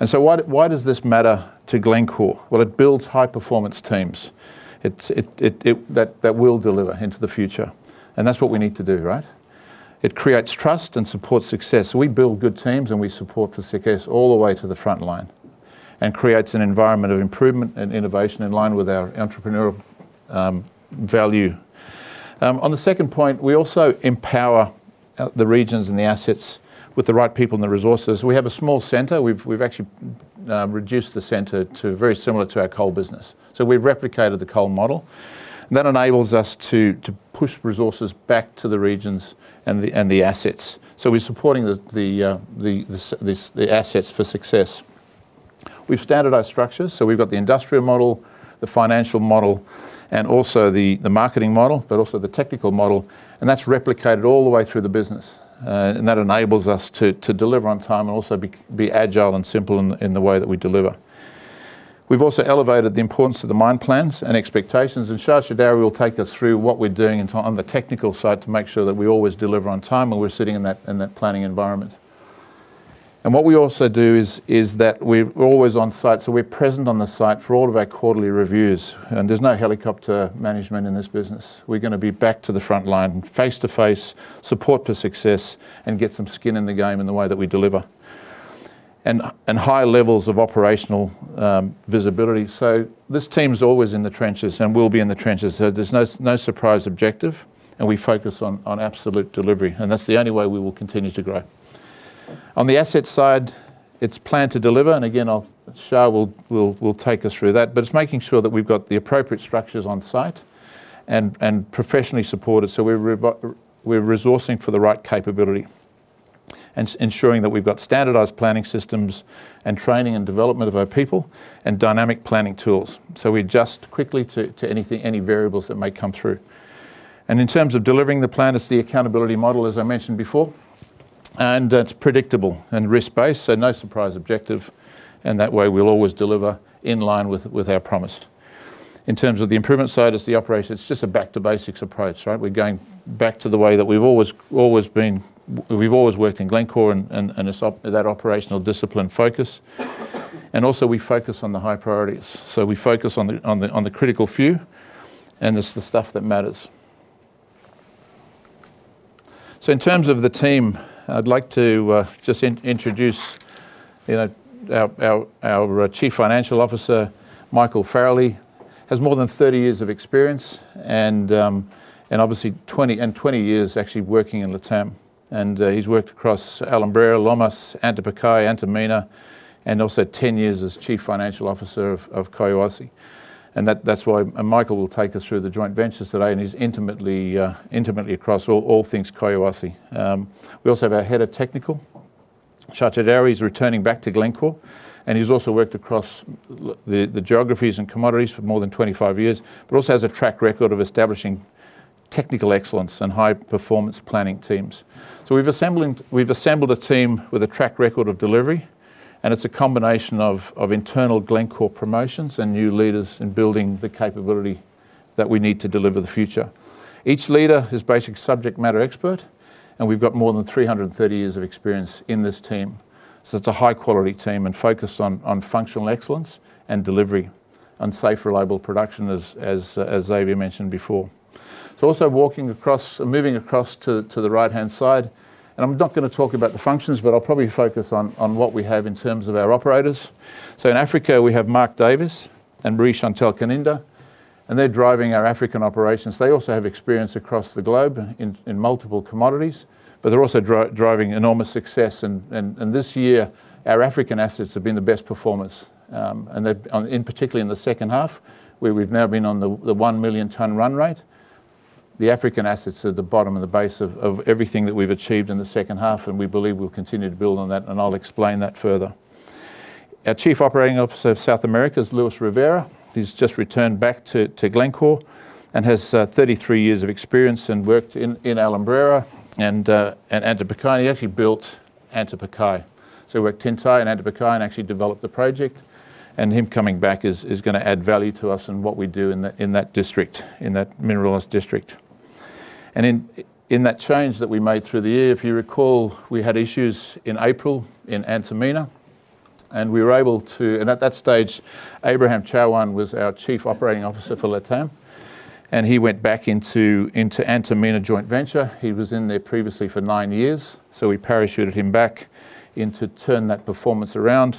And so why does this matter to Glencore? Well, it builds high-performance teams that will deliver into the future. And that's what we need to do, right? It creates trust and supports success. We build good teams, and we support for success all the way to the front line and creates an environment of improvement and innovation in line with our entrepreneurial value. On the second point, we also empower the regions and the assets with the right people and the resources. We have a small center. We've actually reduced the center to very similar to our coal business, so we've replicated the coal model. That enables us to push resources back to the regions and the assets, so we're supporting the assets for success. We've standardized structures, so we've got the industrial model, the financial model, and also the marketing model, but also the technical model, and that's replicated all the way through the business, and that enables us to deliver on time and also be agile and simple in the way that we deliver. We've also elevated the importance of the mine plans and expectations, and Shah Chaudari will take us through what we're doing on the technical side to make sure that we always deliver on time when we're sitting in that planning environment, and what we also do is that we're always on site. We're present on the site for all of our quarterly reviews. There's no helicopter management in this business. We're going to be back to the front line and face-to-face support for success and get some skin in the game in the way that we deliver and high levels of operational visibility. This team's always in the trenches and will be in the trenches. There's no surprise objective, and we focus on absolute delivery. That's the only way we will continue to grow. On the asset side, it's planned to deliver. Again, Shah will take us through that. It's making sure that we've got the appropriate structures on site and professionally supported. We're resourcing for the right capability and ensuring that we've got standardized planning systems and training and development of our people and dynamic planning tools. We adjust quickly to any variables that may come through. In terms of delivering the plan, it's the accountability model, as I mentioned before. It's predictable and risk-based, so no surprise objective. That way, we'll always deliver in line with our promise. In terms of the improvement side, it's the operation. It's just a back-to-basics approach, right? We're going back to the way that we've always been. We've always worked in Glencore and that operational discipline focus. Also, we focus on the high priorities. We focus on the critical few and the stuff that matters. In terms of the team, I'd like to just introduce our Chief Financial Officer, Michael Farrelly. He has more than 30 years of experience and obviously 20 years actually working in LATAM. He has worked across Alumbrera, Lomas, Antapaccay, Antamina, and also 10 years as Chief Financial Officer of Collahuasi. That's why Michael will take us through the joint ventures today, and he is intimately across all things Collahuasi. We also have our Head of Technical, Shah Chaudari. He is returning back to Glencore, and he has also worked across the geographies and commodities for more than 25 years, but also has a track record of establishing technical excellence and high-performance planning teams. We have assembled a team with a track record of delivery, and it is a combination of internal Glencore promotions and new leaders in building the capability that we need to deliver the future. Each leader is basically a subject matter expert, and we have got more than 330 years of experience in this team. It's a high-quality team and focused on functional excellence and delivery and safe, reliable production, as Xavier mentioned before. So also walking across and moving across to the right-hand side. And I'm not going to talk about the functions, but I'll probably focus on what we have in terms of our operators. So in Africa, we have Mark Davis and Marie-Chantal Kaninda, and they're driving our African operations. They also have experience across the globe in multiple commodities, but they're also driving enormous success. And this year, our African assets have been the best performance, and particularly in the second half, where we've now been on the 1 million-ton run rate. The African assets are at the bottom and the base of everything that we've achieved in the second half, and we believe we'll continue to build on that, and I'll explain that further. Our Chief Operating Officer of South America is Luis Rivera. He's just returned back to Glencore and has 33 years of experience and worked in Alumbrera and Antapaccay. He actually built Antapaccay. So he worked Antamina and Antapaccay and actually developed the project. Him coming back is going to add value to us and what we do in that district, in that mineralized district. In that change that we made through the year, if you recall, we had issues in April in Antamina, and we were able to, and at that stage, Abraham Chahuán was our Chief Operating Officer for LATAM, and he went back into Antamina Joint Venture. He was in there previously for nine years, so we parachuted him back in to turn that performance around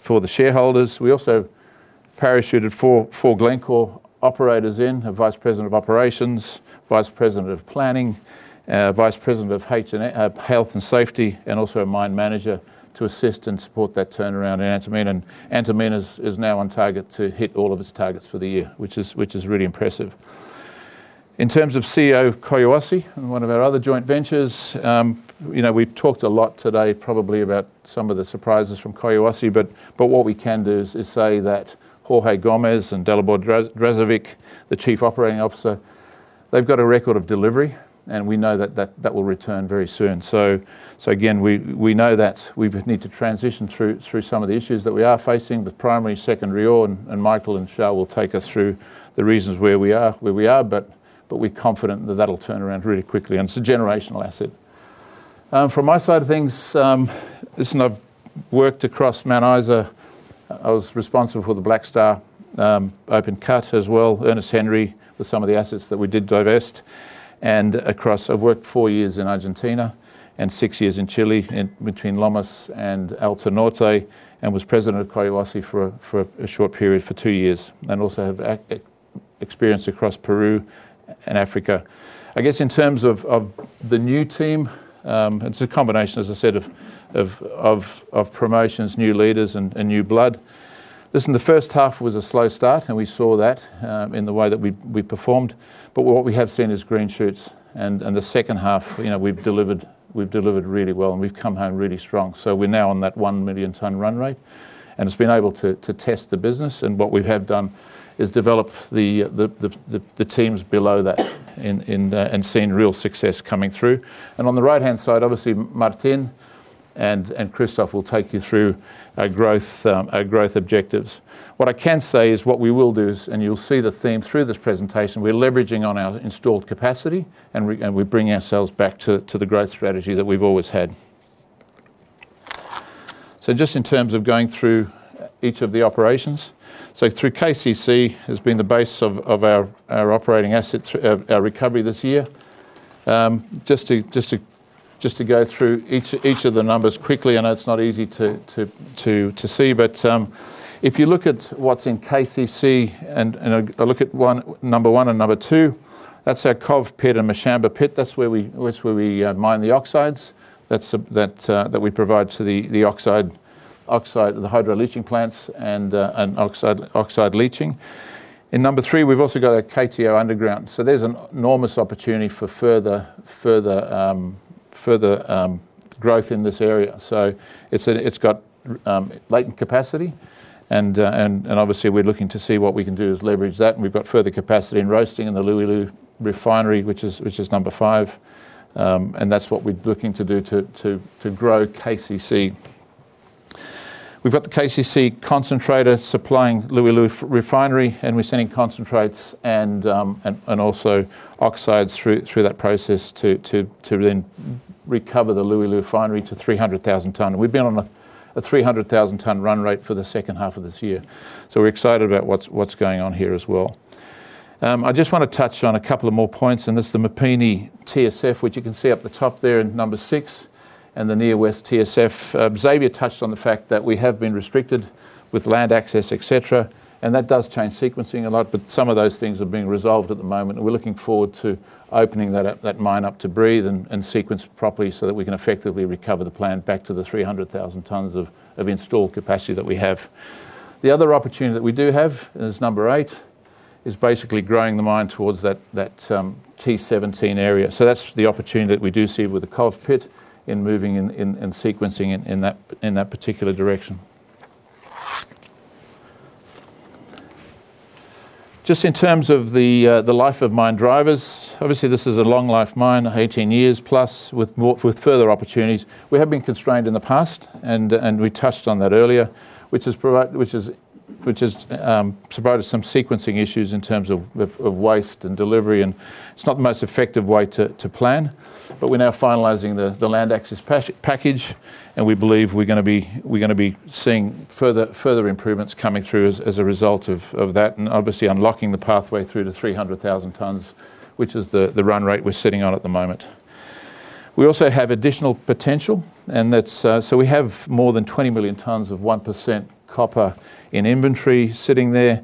for the shareholders. We also parachuted four Glencore operators in, a Vice President of Operations, Vice President of Planning, Vice President of Health and Safety, and also a Mine Manager to assist and support that turnaround in Antamina. And Antamina is now on target to hit all of its targets for the year, which is really impressive. In terms of Collahuasi and one of our other joint ventures, we've talked a lot today, probably about some of the surprises from Collahuasi, but what we can do is say that Jorge Gómez and Dalibor Dragicevic, the Chief Operating Officer, they've got a record of delivery, and we know that that will return very soon. So again, we know that we need to transition through some of the issues that we are facing, the primary, secondary ore, and Michael and Shah will take us through the reasons where we are, but we're confident that that'll turn around really quickly. And it's a generational asset. From my side of things, listen, I've worked across Mount Isa. I was responsible for the Blackstar Open Cut as well. Ernest Henry was some of the assets that we did divest. And I've worked four years in Argentina and six years in Chile between Lomas and Altonorte and was President of Collahuasi for a short period for two years. And also have experience across Peru and Africa. I guess in terms of the new team, it's a combination, as I said, of promotions, new leaders, and new blood. Listen, the first half was a slow start, and we saw that in the way that we performed. But what we have seen is green shoots. And the second half, we've delivered really well, and we've come home really strong. So we're now on that 1 million ton run rate, and it's been able to test the business. And what we have done is develop the teams below that and seen real success coming through. And on the right-hand side, obviously, Martin and Christoff will take you through our growth objectives. What I can say is what we will do is, and you'll see the theme through this presentation, we're leveraging on our installed capacity, and we bring ourselves back to the growth strategy that we've always had. So just in terms of going through each of the operations, so through KCC has been the base of our recovery this year. Just to go through each of the numbers quickly. I know it's not easy to see, but if you look at what's in KCC and look at number one and number two, that's our KOV pit and Mashamba pit. That's where we mine the oxides that we provide to the oxide, the hydrometallurgical plants and oxide leaching. In number three, we've also got our KTO underground, so there's an enormous opportunity for further growth in this area. It's got latent capacity, and obviously, we're looking to see what we can do is leverage that. We've got further capacity in roasting in the Luilu refinery, which is number five. That's what we're looking to do to grow KCC. We've got the KCC concentrator supplying Luilu refinery, and we're sending concentrates and also oxides through that process to then recover the Luilu refinery to 300,000 ton. We've been on a 300,000 ton run rate for the second half of this year, so we're excited about what's going on here as well. I just want to touch on a couple of more points, and this is the Mupine TSF, which you can see up the top there in number six and the Near West TSF. Xavier touched on the fact that we have been restricted with land access, etc., and that does change sequencing a lot, but some of those things are being resolved at the moment, and we're looking forward to opening that mine up to breathe and sequence properly so that we can effectively recover the plan back to the 300,000 tons of installed capacity that we have. The other opportunity that we do have is number eight, is basically growing the mine towards that T-17 area. So that's the opportunity that we do see with the KOV pit in moving and sequencing in that particular direction. Just in terms of the life of mine drivers, obviously, this is a long-life mine, 18 years plus with further opportunities. We have been constrained in the past, and we touched on that earlier, which has provided some sequencing issues in terms of waste and delivery. And it's not the most effective way to plan, but we're now finalizing the land access package, and we believe we're going to be seeing further improvements coming through as a result of that and obviously unlocking the pathway through to 300,000 tons, which is the run rate we're sitting on at the moment. We also have additional potential, and so we have more than 20 million tons of 1% copper in inventory sitting there.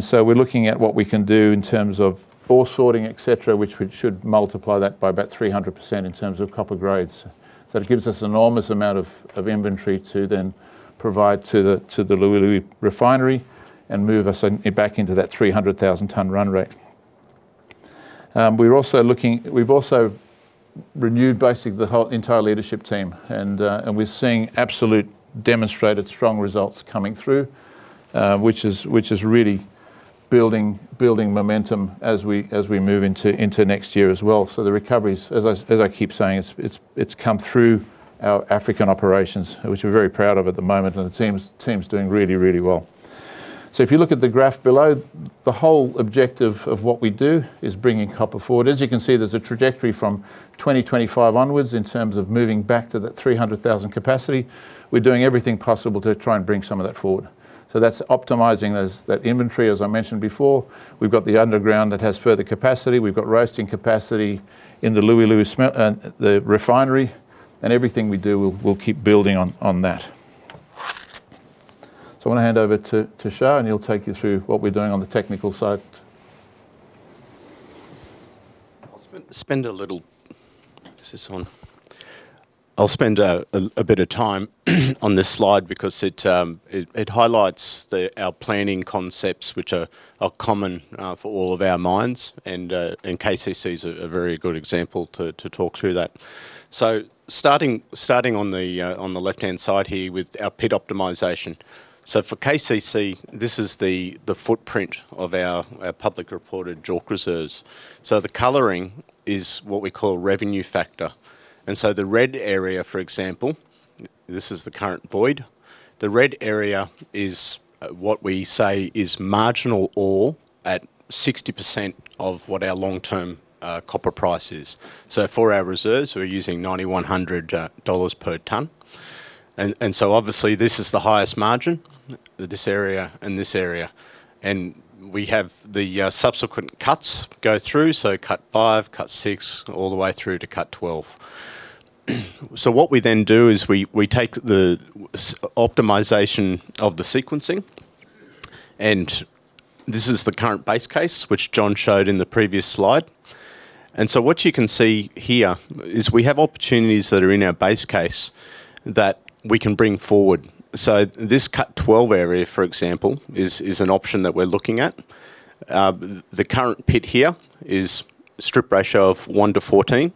So we're looking at what we can do in terms of ore sorting, etc., which should multiply that by about 300% in terms of copper grades. So that gives us an enormous amount of inventory to then provide to the Luilu refinery and move us back into that 300,000-ton run rate. We've also renewed basically the entire leadership team, and we're seeing absolute demonstrated strong results coming through, which is really building momentum as we move into next year as well. So the recoveries, as I keep saying, it's come through our African operations, which we're very proud of at the moment, and the team's doing really, really well. So if you look at the graph below, the whole objective of what we do is bringing copper forward. As you can see, there's a trajectory from 2025 onwards in terms of moving back to that 300,000 capacity. We're doing everything possible to try and bring some of that forward. So that's optimizing that inventory, as I mentioned before. We've got the underground that has further capacity. We've got roasting capacity in the Luilu refinery, and everything we do, we'll keep building on that. So I want to hand over to Shah, and he'll take you through what we're doing on the technical side. I'll spend a bit of time on this slide because it highlights our planning concepts, which are common for all of our mines, and KCC is a very good example to talk through that. So starting on the left-hand side here with our pit optimization. So for KCC, this is the footprint of our public reported JORC reserves. So the coloring is what we call a revenue factor. And so the red area, for example, is the current void. The red area is what we say is marginal ore at 60% of what our long-term copper price is. So for our reserves, we're using $9,100 per ton. And so obviously, this is the highest margin, this area and this area. And we have the subsequent cuts go through, so cut five, cut six, all the way through to cut twelve. So what we then do is we take the optimization of the sequencing, and this is the current base case, which Jon showed in the previous slide. And so what you can see here is we have opportunities that are in our base case that we can bring forward. So this cut twelve area, for example, is an option that we're looking at. The current pit here is strip ratio of one to fourteen.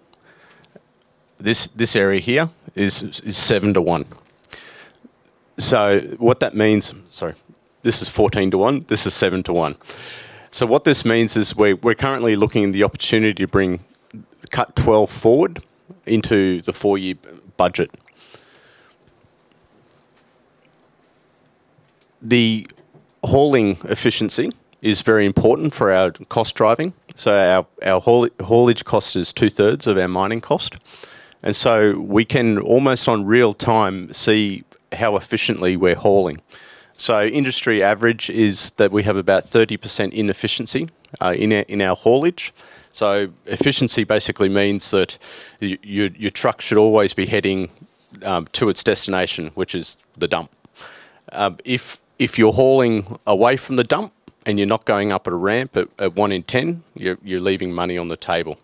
This area here is seven to one. So what that means, sorry, this is 14 to one. This is seven to one. So what this means is we're currently looking at the opportunity to bring cut 12 forward into the four-year budget. The hauling efficiency is very important for our cost driving. So our haulage cost is two-thirds of our mining cost. And so we can almost on real time see how efficiently we're hauling. So industry average is that we have about 30% inefficiency in our haulage. So efficiency basically means that your truck should always be heading to its destination, which is the dump. If you're hauling away from the dump and you're not going up at a ramp at one in ten, you're leaving money on the table.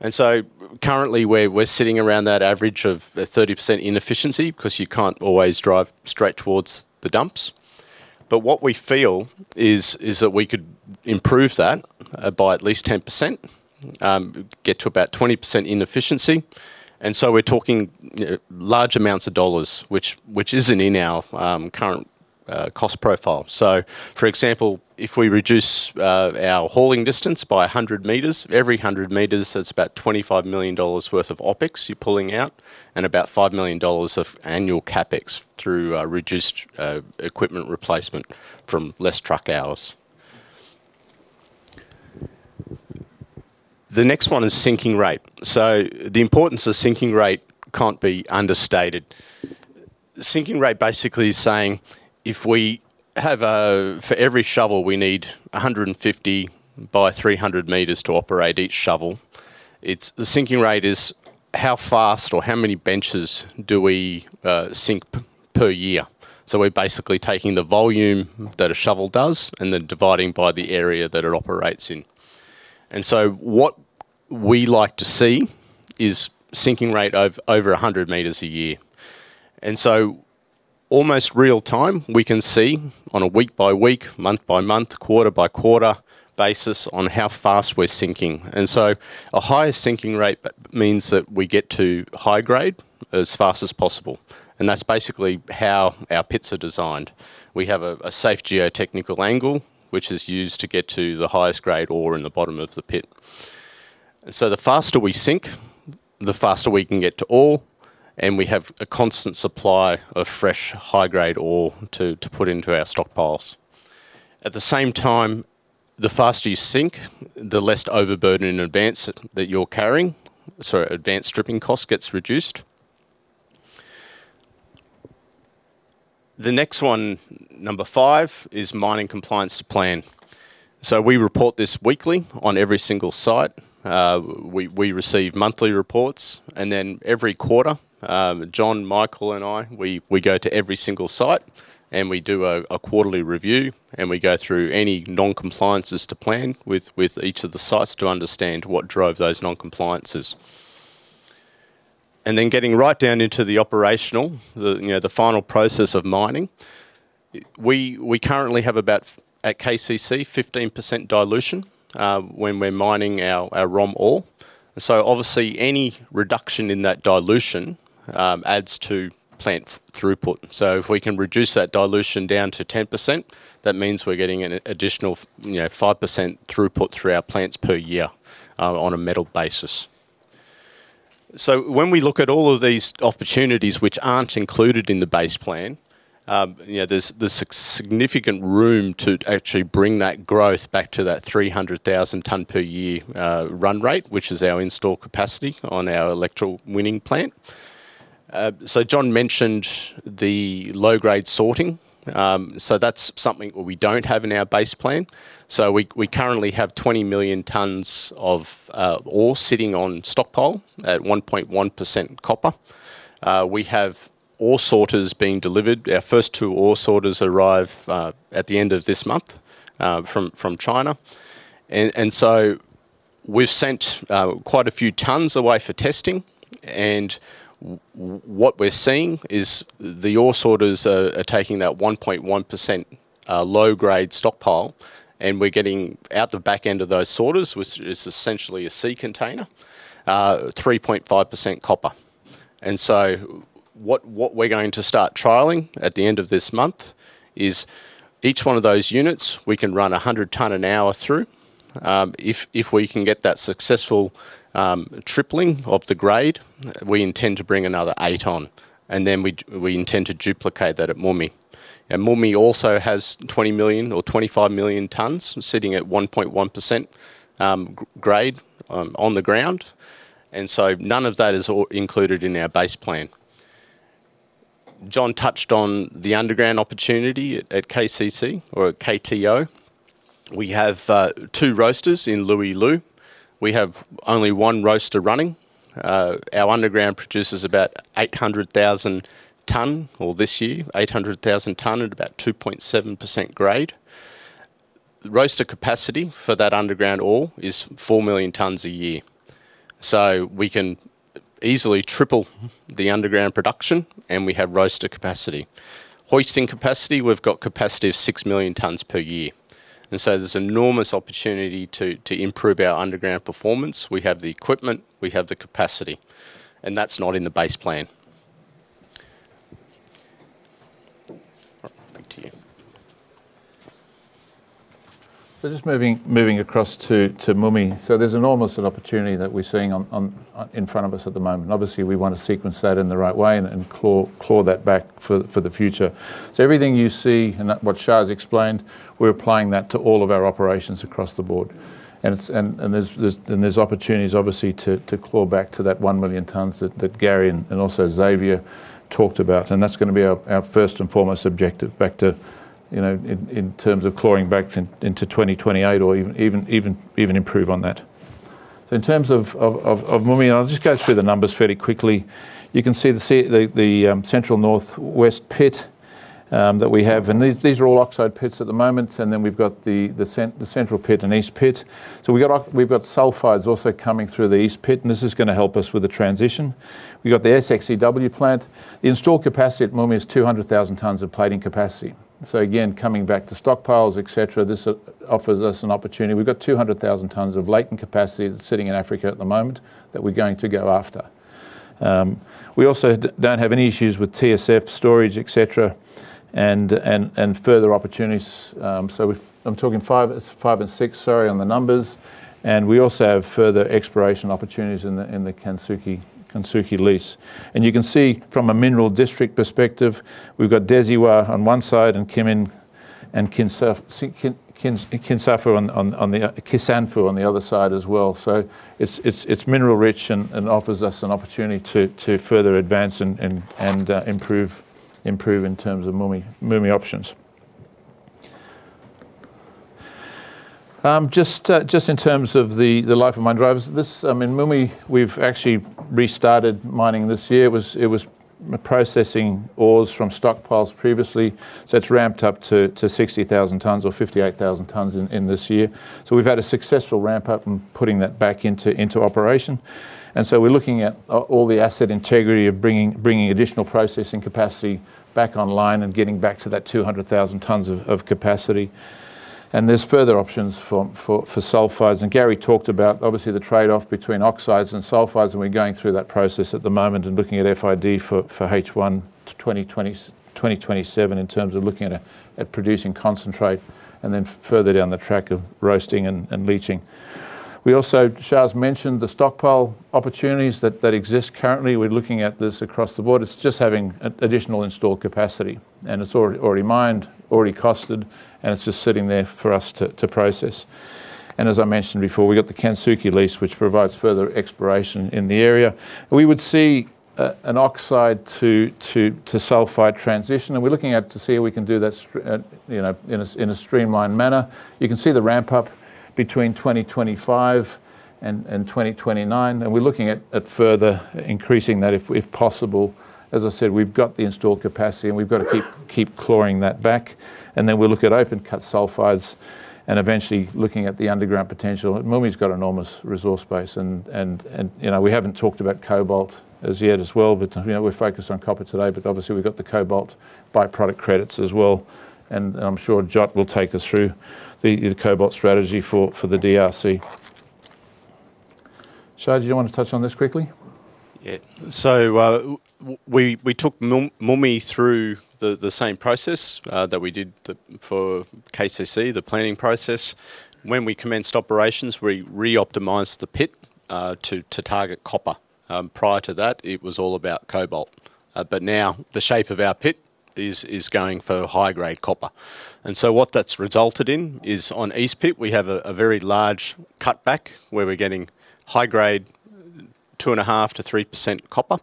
And so currently, we're sitting around that average of 30% inefficiency because you can't always drive straight towards the dumps. But what we feel is that we could improve that by at least 10%, get to about 20% inefficiency. And so we're talking large amounts of dollars, which isn't in our current cost profile. So for example, if we reduce our hauling distance by 100 m, every 100 m, that's about $25 million worth of OpEx you're pulling out and about $5 million of annual CapEx through reduced equipment replacement from less truck hours. The next one is sinking rate. So the importance of sinking rate can't be understated. Sinking rate basically is saying if we have a—for every shovel, we need 150 by 300 m to operate each shovel. The sinking rate is how fast or hmetow many benches do we sink per year. So we're basically taking the volume that a shovel does and then dividing by the area that it operates in. What we like to see is sinking rate over 100 m a year. Almost real time, we can see on a week-by-week, month-by-month, quarter-by-quarter basis on how fast we're sinking. A higher sinking rate means that we get to high grade as fast as possible. That's basically how our pits are designed. We have a safe geotechnical angle, which is used to get to the highest grade ore in the bottom of the pit. The faster we sink, the faster we can get to ore, and we have a constant supply of fresh high-grade ore to put into our stockpiles. At the same time, the faster you sink, the less overburden in advance that you're carrying, so advanced stripping cost gets reduced. The next one, number five, is mining compliance to plan. We report this weekly on every single site. We receive monthly reports, and then every quarter, Jon, Michael, and I, we go to every single site and we do a quarterly review and we go through any non-compliances to plan with each of the sites to understand what drove those non-compliances, and then getting right down into the operational, the final process of mining, we currently have about, at KCC, 15% dilution when we're mining our ROM ore, and so obviously, any reduction in that dilution adds to plant throughput, so if we can reduce that dilution down to 10%, that means we're getting an additional 5% throughput through our plants per year on a metal basis. When we look at all of these opportunities which aren't included in the base plan, there's significant room to actually bring that growth back to that 300,000 ton per year run rate, which is our installed capacity on our electrowinning plant. Jon mentioned the low-grade sorting. That's something we don't have in our base plan. We currently have 20 million tons of ore sitting on stockpile at 1.1% copper. We have ore sorters being delivered. Our first two ore sorters arrive at the end of this month from China. We've sent quite a few tons away for testing. What we're seeing is the ore sorters are taking that 1.1% low-grade stockpile and we're getting out the back end of those sorters, which is essentially a sea container, 3.5% copper. What we're going to start trialing at the end of this month is each one of those units. We can run 100 tons an hour through. If we can get that successful tripling of the grade, we intend to bring another eight on. Then we intend to duplicate that at MUMI. MUMI also has 20 million or 25 million tons sitting at 1.1% grade on the ground. None of that is included in our base plan. Jon touched on the underground opportunity at KCC or at KTO. We have two roasters in Lualaba. We have only one roaster running. Our underground produces about 800,000 tons or this year 800,000 tons at about 2.7% grade. Roaster capacity for that underground ore is 4 million tons a year. We can easily triple the underground production and we have roaster capacity. Hoisting capacity, we've got capacity of six million tons per year, and so there's enormous opportunity to improve our underground performance. We have the equipment, we have the capacity, and that's not in the base plan. Back to you. Just moving across to MUMI. There's enormous opportunity that we're seeing in front of us at the moment. Obviously, we want to sequence that in the right way and claw that back for the future. Everything you see and what Shah's explained, we're applying that to all of our operations across the board. There's opportunities, obviously, to claw back to that 1 million tons that Gary and also Xavier talked about. That's going to be our first and foremost objective back to in terms of clawing back into 2028 or even improve on that. In terms of MUMI, I'll just go through the numbers fairly quickly. You can see the central North West pit that we have. These are all oxide pits at the moment. Then we've got the Central pit and East pit. We've got sulfides also coming through the east pit. This is going to help us with the transition. We've got the SX-EW plant. The installed capacity at MUMI is 200,000 tons of plating capacity. Again, coming back to stockpiles, etc., this offers us an opportunity. We've got 200,000 tons of latent capacity sitting in Africa at the moment that we're going to go after. We also don't have any issues with TSF storage, etc., and further opportunities. I'm talking five and six, sorry, on the numbers. We also have further exploration opportunities in the Kansuki lease. You can see from a mineral district perspective, we've got Deziwa on one side and Kisanfu and Kisanfu on the other side as well. It's mineral-rich and offers us an opportunity to further advance and improve in terms of MUMI options. Just in terms of the life of mine drivers, I mean, MUMI, we've actually restarted mining this year. It was processing ores from stockpiles previously. So it's ramped up to 60,000 tons or 58,000 tons in this year, and we've had a successful ramp-up and putting that back into operation, and so we're looking at all the asset integrity of bringing additional processing capacity back online and getting back to that 200,000 tons of capacity, and there's further options for sulfides. Gary talked about, obviously, the trade-off between oxides and sulfides, and we're going through that process at the moment and looking at FID for H1 2027 in terms of looking at producing concentrate and then further down the track of roasting and leaching. We also, Shah's mentioned the stockpile opportunities that exist currently. We're looking at this across the board. It's just having additional installed capacity. And it's already mined, already costed, and it's just sitting there for us to process. And as I mentioned before, we've got the Kansuki lease, which provides further exploration in the area. We would see an oxide to sulfide transition. And we're looking at to see if we can do that in a streamlined manner. You can see the ramp-up between 2025 and 2029. And we're looking at further increasing that if possible. As I said, we've got the installed capacity and we've got to keep clawing that back. And then we look at open-cut sulfides and eventually looking at the underground potential. MUMI's got an enormous resource base. And we haven't talked about cobalt as yet as well, but we're focused on copper today. But obviously, we've got the cobalt byproduct credits as well. And I'm sure Jyot will take us through the cobalt strategy for the DRC. Shah, did you want to touch on this quickly? Yeah. So we took Mutanda through the same process that we did for KCC, the planning process. When we commenced operations, we re-optimized the pit to target copper. Prior to that, it was all about cobalt. But now the shape of our pit is going for high-grade copper. And so what that's resulted in is on East pit, we have a very large cutback where we're getting high-grade, 2.5%-3% copper.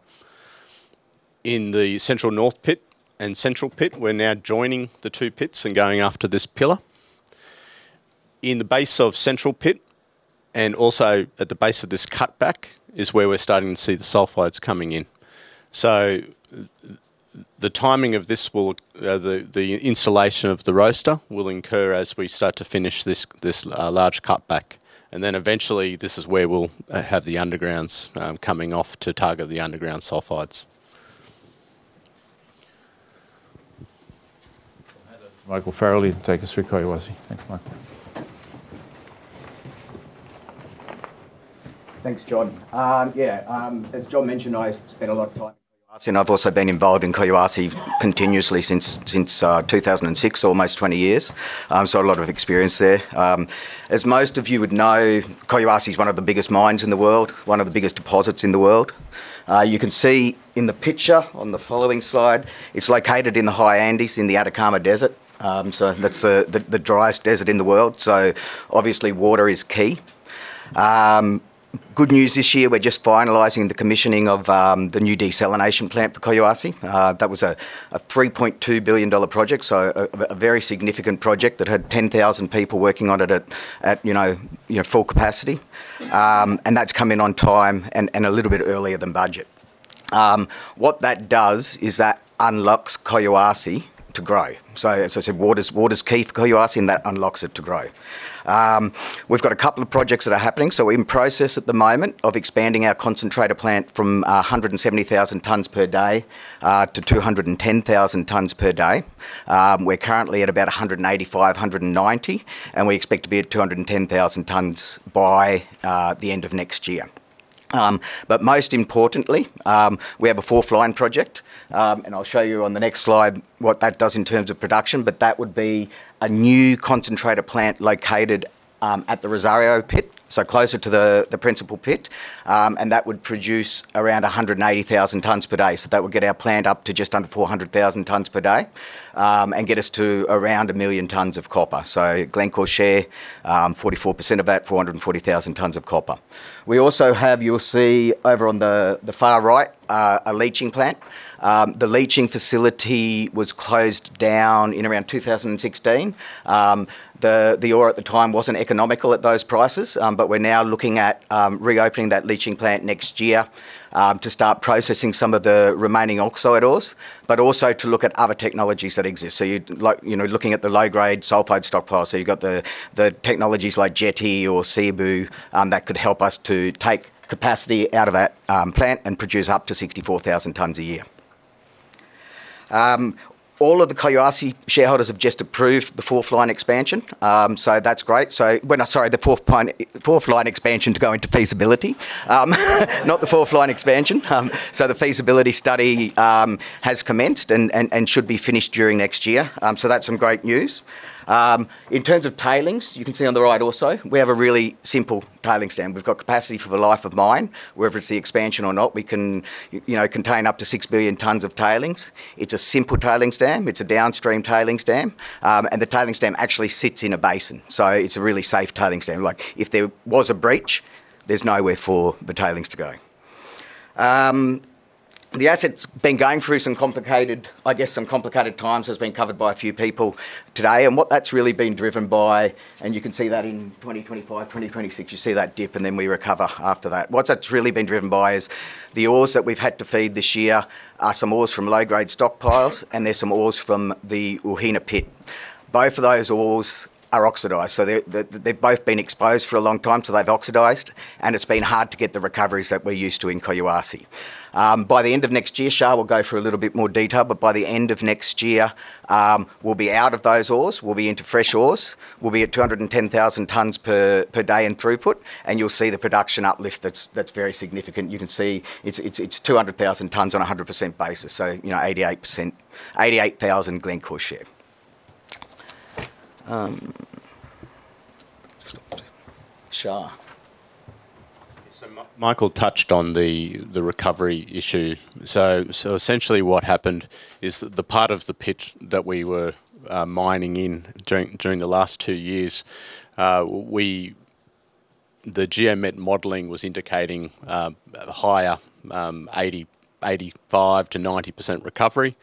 In the Central North pit and Central pit, we're now joining the two pits and going after this pillar. In the base of Central pit and also at the base of this cutback is where we're starting to see the sulfides coming in. So the timing of this, the installation of the roaster will occur as we start to finish this large cutback. And then eventually, this is where we'll have the undergrounds coming off to target the underground sulfides. Michael Farrelly, take us through Collahuasi. Thanks, Michael. Thanks, Jon. Yeah, as Jon mentioned, I spent a lot of time in Collahuasi, and I've also been involved in Collahuasi continuously since 2006, almost 20 years, so a lot of experience there. As most of you would know, Collahuasi is one of the biggest mines in the world, one of the biggest deposits in the world. You can see in the picture on the following slide; it's located in the High Andes in the Atacama Desert, so that's the driest desert in the world. Obviously, water is key. Good news this year; we're just finalizing the commissioning of the new desalination plant for Collahuasi. That was a $3.2 billion project, a very significant project that had 10,000 people working on it at full capacity, and that's come in on time and a little bit earlier than budget. What that does is that unlocks Collahuasi to grow. As I said, water's key for Collahuasi and that unlocks it to grow. We've got a couple of projects that are happening. We're in process at the moment of expanding our concentrator plant from 170,000 tons per day to 210,000 tons per day. We're currently at about 185,000-190,000, and we expect to be at 210,000 tons by the end of next year. But most importantly, we have a flotation project. I'll show you on the next slide what that does in terms of production. That would be a new concentrator plant located at the Rosario pit, so closer to the principal pit. That would produce around 180,000 tons per day. That would get our plant up to just under 400,000 tons per day and get us to around a million tons of copper. Glencore share 44% of that, 440,000 tons of copper. We also have, you'll see over on the far right, a leaching plant. The leaching facility was closed down in around 2016. The ore at the time wasn't economical at those prices. But we're now looking at reopening that leaching plant next year to start processing some of the remaining oxide ores, but also to look at other technologies that exist. So looking at the low-grade sulfide stockpile. So you've got the technologies like Jetti or Ceibo that could help us to take capacity out of that plant and produce up to 64,000 tons a year. All of the Collahuasi shareholders have just approved the fourth line expansion. So that's great. Sorry, the fourth line expansion to go into feasibility, not the fourth line expansion. So the feasibility study has commenced and should be finished during next year. So that's some great news. In terms of tailings, you can see on the right also, we have a really simple tailings stand. We've got capacity for the life of mine. Whether it's the expansion or not, we can contain up to 6 million tons of tailings. It's a simple tailings stand. It's a downstream tailings stand, and the tailings stand actually sits in a basin, so it's a really safe tailings stand. If there was a breach, there's nowhere for the tailings to go. The asset's been going through some, I guess, some complicated times. It's been covered by a few people today, and what that's really been driven by, and you can see that in 2025, 2026, you see that dip and then we recover after that. has that really been driven by is the ores that we've had to feed this year are some ores from low-grade stockpiles and there's some ores from the Ujina pit. Both of those ores are oxidized. So they've both been exposed for a long time. So they've oxidized. And it's been hard to get the recoveries that we're used to in Collahuasi. By the end of next year, Shah will go through a little bit more detail. But by the end of next year, we'll be out of those ores. We'll be into fresh ores. We'll be at 210,000 tons per day in throughput. And you'll see the production uplift that's very significant. You can see it's 200,000 tons on a 100% basis. So 88,000 Glencore's share. Shah. Michael touched on the recovery issue. Essentially what happened is the part of the pit that we were mining in during the last two years, the geometry modeling was indicating a higher 85%-90% recovery.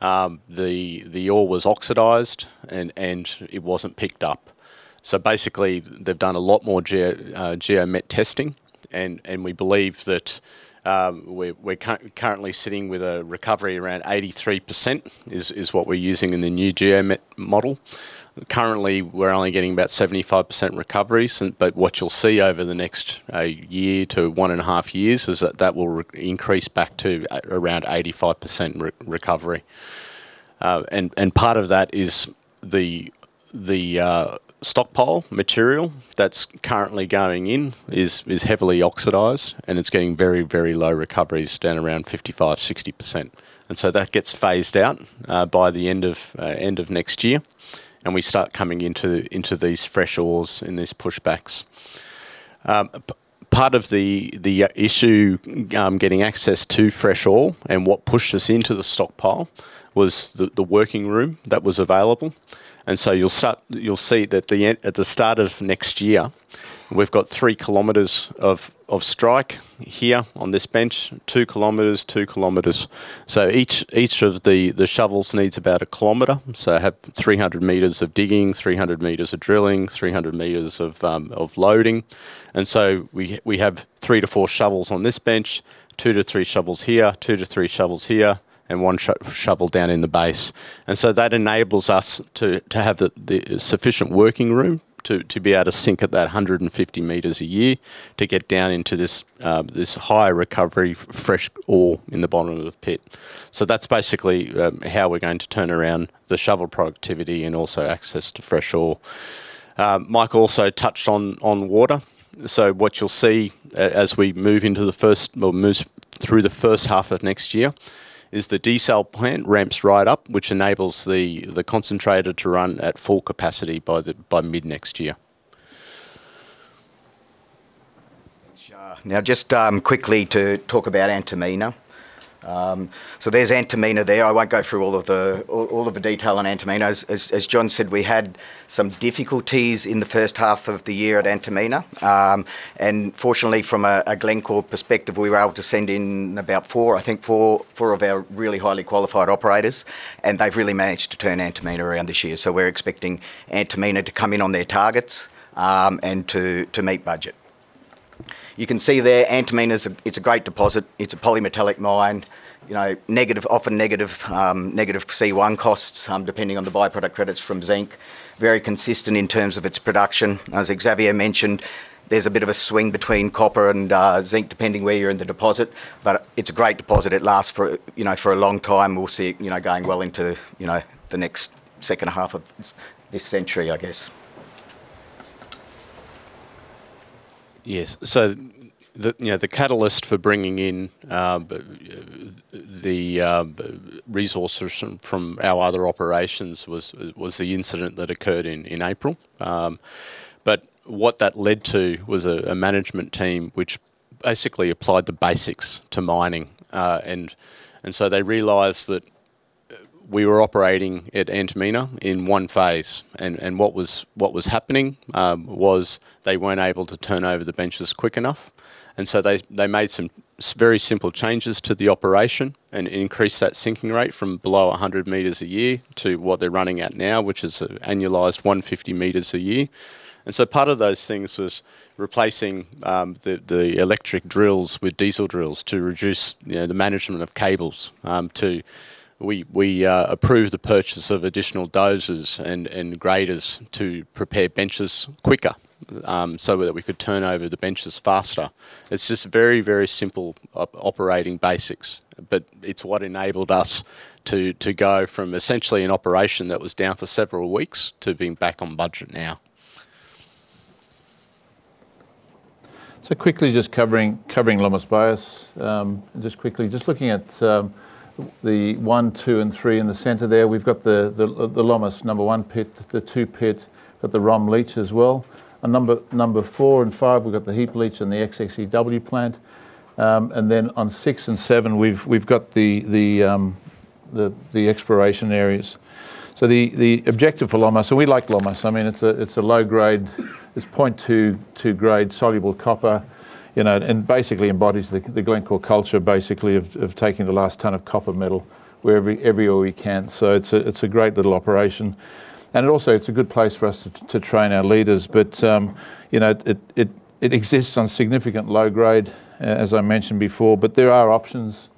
The ore was oxidized and it wasn't picked up. Basically, they've done a lot more geomet testing. We believe that we're currently sitting with a recovery around 83% is what we're using in the new geomet model. Currently, we're only getting about 75% recoveries. What you'll see over the next year to one and a half years is that that will increase back to around 85% recovery. Part of that is the stockpile material that's currently going in is heavily oxidized. It's getting very, very low recoveries down around 55%-60%. That gets phased out by the end of next year. We start coming into these fresh ores in these pushbacks. Part of the issue getting access to fresh ore and what pushed us into the stockpile was the working room that was available. You'll see that at the start of next year, we've got 3 km of strike here on this bench, 2 km, 2 km. Each of the shovels needs about a kmeter. I have 300 m of digging, 300 m of drilling, 300 m of loading. That enables us to have the sufficient working room to be able to sink at that 150 m a year to get down into this high recovery fresh ore in the bottom of the pit. So that's basically how we're going to turn around the shovel productivity and also access to fresh ore. Michael also touched on water. So what you'll see as we move through the first half of next year is the desal plant ramps right up, which enables the concentrator to run at full capacity by mid-next year. Thanks, Shah. Now, just quickly to talk about Antamina. So there's Antamina there. I won't go through all of the detail on Antamina. As Jon said, we had some difficulties in the first half of the year at Antamina. And fortunately, from a Glencore perspective, we were able to send in about four, I think four of our really highly qualified operators. And they've really managed to turn Antamina around this year. So we're expecting Antamina to come in on their targets and to meet budget. You can see there, Antamina is a great deposit. It's a polymetallic mine, often negative C1 costs depending on the byproduct credits from zinc, very consistent in terms of its production. As Xavier mentioned, there's a bit of a swing between copper and zinc depending where you're in the deposit. But it's a great deposit. It lasts for a long time. We'll see it going well into the next second half of this century, I guess. Yes. The catalyst for bringing in the resources from our other operations was the incident that occurred in April. But what that led to was a management team which basically applied the basics to mining. They realized that we were operating at Antamina in one phase. What was happening was they weren't able to turn over the benches quick enough. They made some very simple changes to the operation and increased that sinking rate from below 100 m a year to what they're running at now, which is annualized 150 m a year. Part of those things was replacing the electric drills with diesel drills to reduce the management of cables. We approved the purchase of additional dozers and graders to prepare benches quicker so that we could turn over the benches faster. It's just very, very simple operating basics. It's what enabled us to go from essentially an operation that was down for several weeks to being back on budget now. Quickly just covering Lomas Bayas. Just quickly, just looking at the one, two, and three in the center there, we've got the Lomas number one pit, the two pit, we've got the ROM leach as well. On number four and five, we've got the heap leach and the SX-EW plant. And then on six and seven, we've got the exploration areas. The objective for Lomas, we like Lomas. I mean, it's a low grade, it's 0.2 grade soluble copper, and basically embodies the Glencore culture basically of taking the last ton of copper metal wherever we can. It's a great little operation. And also, it's a good place for us to train our leaders. But it exists on significant low grade, as I mentioned before. But there are options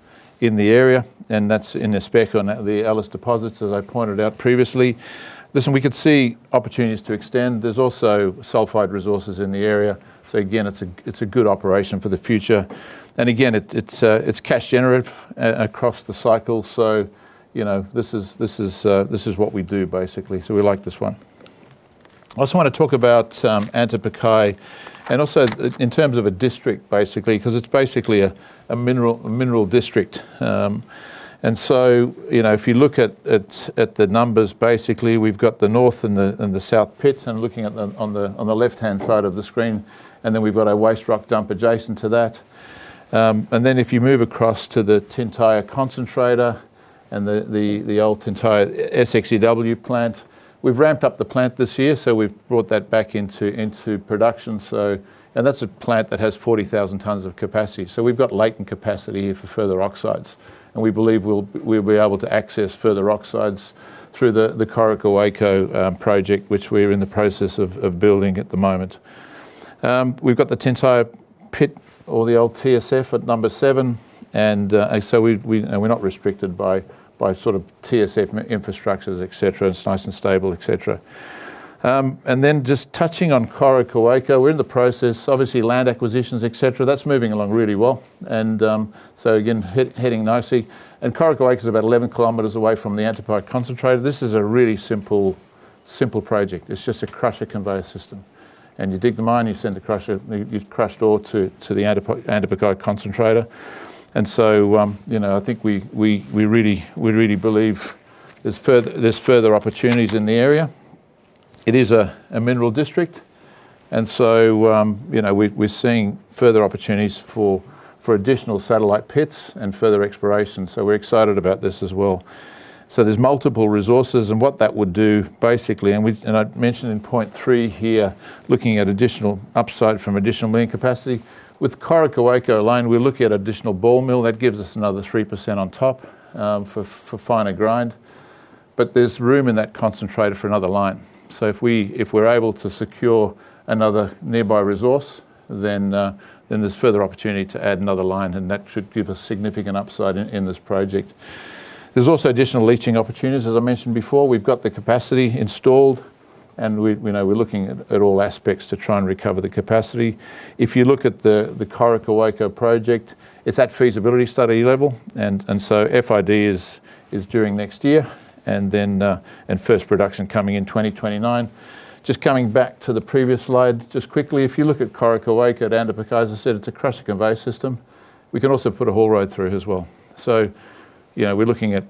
in the area. And that's in the spec on the Alice deposits, as I pointed out previously. Listen, we could see opportunities to extend. There's also sulfide resources in the area. So again, it's a good operation for the future. And again, it's cash generative across the cycle. So this is what we do basically. So we like this one. I also want to talk about Antapaccay. And also in terms of a district, basically, because it's basically a mineral district. And so if you look at the numbers, basically, we've got the north and the south pits. And looking at them on the left-hand side of the screen. And then we've got our waste rock dump adjacent to that. And then if you move across to the Tintaya concentrator and the old Tintaya SX-EW plant, we've ramped up the plant this year. So we've brought that back into production. And that's a plant that has 40,000 tons of capacity. We've got latent capacity here for further oxides. We believe we'll be able to access further oxides through the Coroccohuayco project, which we're in the process of building at the moment. We've got the Tintaya pit or the old TSF at number seven. We're not restricted by sort of TSF infrastructures, etc. It's nice and stable, etc. Just touching on Coroccohuayco, we're in the process, obviously land acquisitions, etc. That's moving along really well. Heading nicely. Coroccohuayco is about 11 km away from the Antamina concentrator. This is a really simple project. It's just a crusher conveyor system. You dig the mine, you send the crusher crushed ore to the Antamina concentrator. I think we really believe there's further opportunities in the area. It is a mineral district. We're seeing further opportunities for additional satellite pits and further exploration. We're excited about this as well. There's multiple resources. What that would do basically, and I mentioned in point three here, looking at additional upside from additional mining capacity. With Coroccohuayco alone, we're looking at additional ball mill. That gives us another 3% on top for finer grind. There's room in that concentrator for another line. If we're able to secure another nearby resource, then there's further opportunity to add another line. That should give us significant upside in this project. There's also additional leaching opportunities, as I mentioned before. We've got the capacity installed. We're looking at all aspects to try and recover the capacity. If you look at the Coroccohuayco project, it's at feasibility study level. FID is during next year and first production coming in 2029. Just coming back to the previous slide, just quickly, if you look at Coroccohuayco at Antapaccay, as I said, it's a crusher conveyor system. We can also put a haul road through as well. We're looking at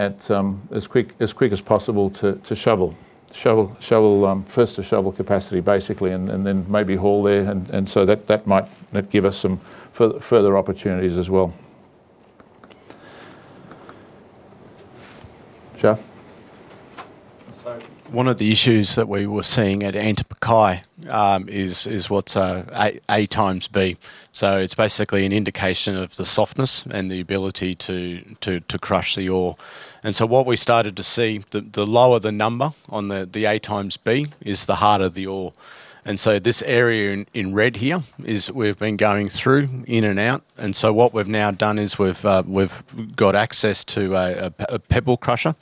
as quick as possible to shovel, first to shovel capacity basically, and then maybe haul there. That might give us some further opportunities as well. Shah. One of the issues that we were seeing at Antapaccay is what's A x b. It's basically an indication of the softness and the ability to crush the ore. What we started to see, the lower the number on the A x b is the harder the ore. This area in red here is we've been going through in and out. What we've now done is we've got access to a pebble crusher.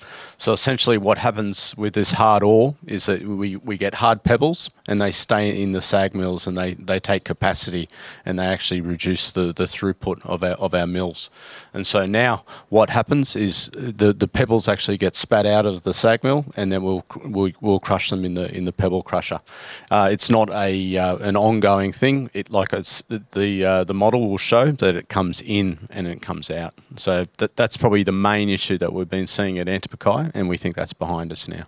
Essentially what happens with this hard ore is that we get hard pebbles and they stay in the SAG mills and they take capacity and they actually reduce the throughput of our mills. Now what happens is the pebbles actually get spat out of the SAG mill and then we'll crush them in the pebble crusher. It's not an ongoing thing. The model will show that it comes in and it comes out. So that's probably the main issue that we've been seeing at Antapaccay, and we think that's behind us now.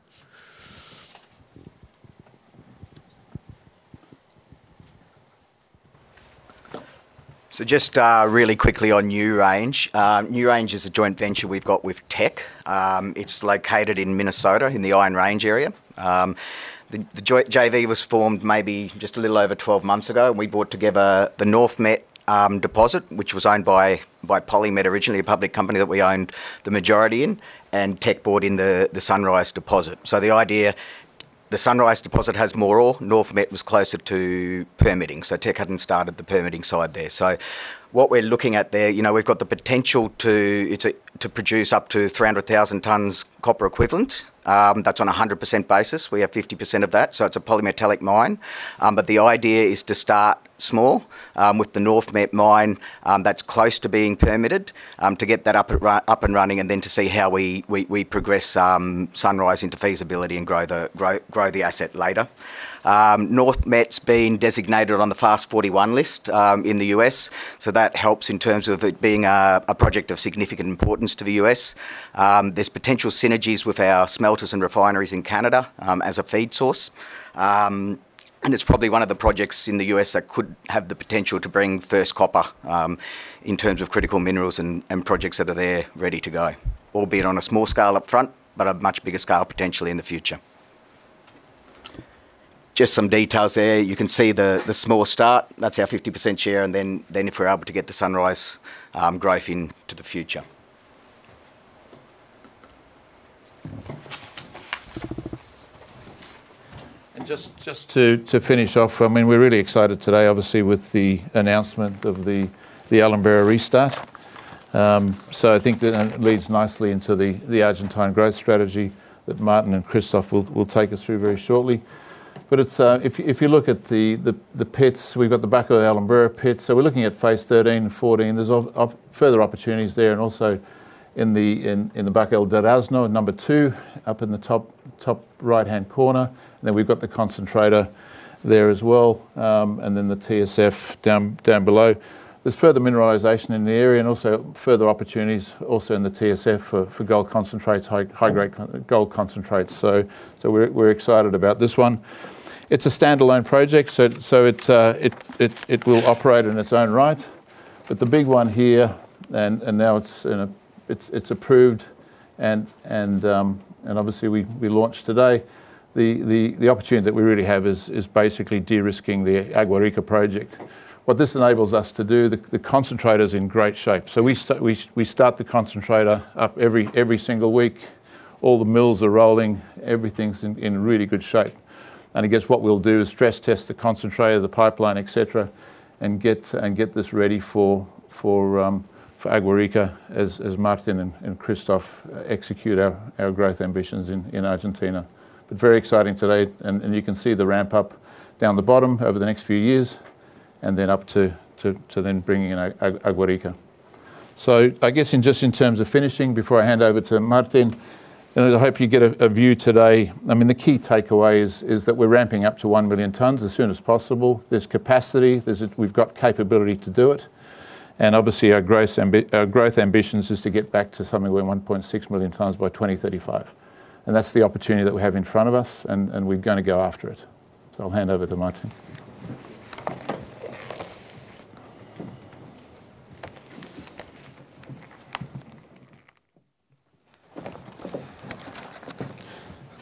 So just really quickly on NewRange. NewRange is a joint venture we've got with Teck. It's located in Minnesota in the Iron Range area. The JV was formed maybe just a little over 12 months ago. And we brought together the NorthMet Deposit, which was owned by PolyMet originally, a public company that we owned the majority in, and Teck bought in the Sunrise Deposit. So the idea, the Sunrise deposit has more ore. NorthMet was closer to permitting. So Teck hadn't started the permitting side there. So what we're looking at there, we've got the potential to produce up to 300,000 tons copper equivalent. That's on a 100% basis. We have 50% of that. So it's a polymetallic mine. But the idea is to start small with the NorthMet mine that's close to being permitted to get that up and running and then to see how we progress Sunrise into feasibility and grow the asset later. NorthMet's been designated on the FAST-41 list in the U.S. So that helps in terms of it being a project of significant importance to the U.S. There's potential synergies with our smelters and refineries in Canada as a feed source. And it's probably one of the projects in the U.S. that could have the potential to bring first copper in terms of critical minerals and projects that are there ready to go, albeit on a small scale upfront, but a much bigger scale potentially in the future. Just some details there. You can see the small start. That's our 50% share. And then if we're able to get the Sunrise growth into the future. Just to finish off, I mean, we're really excited today, obviously, with the announcement of the Alumbrera restart. I think that leads nicely into the Argentine growth strategy that Martin and Christoff will take us through very shortly. If you look at the pits, we've got the Bajo Alumbrera pits. We're looking at phase 13 and 14. There's further opportunities there and also in the Bajo Durazno number two up in the top right-hand corner. Then we've got the concentrator there as well. The TSF down below. There's further mineralization in the area and also further opportunities also in the TSF for gold concentrates, high-grade gold concentrates. We're excited about this one. It's a standalone project. It will operate in its own right. But the big one here, and now it's approved and obviously we launched today, the opportunity that we really have is basically de-risking the Agua Rica project. What this enables us to do, the concentrator's in great shape. So we start the concentrator up every single week. All the mills are rolling. Everything's in really good shape. And I guess what we'll do is stress test the concentrator, the pipeline, etc., and get this ready for Agua Rica as Martin and Christoff execute our growth ambitions in Argentina. But very exciting today. And you can see the ramp up down the bottom over the next few years and then up to then bringing in Agua Rica. So I guess just in terms of finishing, before I hand over to Martin, I hope you get a view today. I mean, the key takeaway is that we're ramping up to one million tons as soon as possible. There's capacity. We've got capability to do it. And obviously, our growth ambition is to get back to something where 1.6 million tons by 2035. And that's the opportunity that we have in front of us. And we're going to go after it. So I'll hand over to Martin.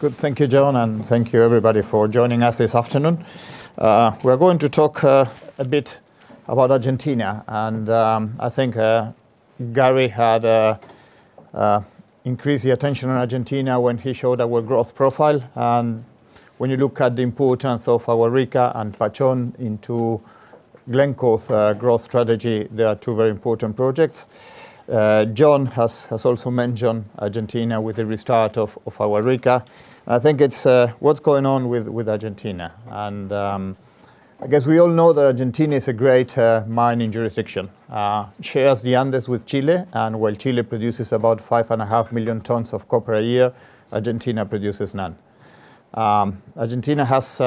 It's good. Thank you, Jon, and thank you, everybody, for joining us this afternoon. We're going to talk a bit about Argentina. I think Gary had increased the attention on Argentina when he showed our growth profile. When you look at the importance of Agua Rica and Pachón into Glencore's growth strategy, there are two very important projects. Jon has also mentioned Argentina with the restart of Agua Rica. I think it's what's going on with Argentina. I guess we all know that Argentina is a great mining jurisdiction. It shares the Andes with Chile. While Chile produces about 5.5 million tons of copper a year, Argentina produces none. Argentina has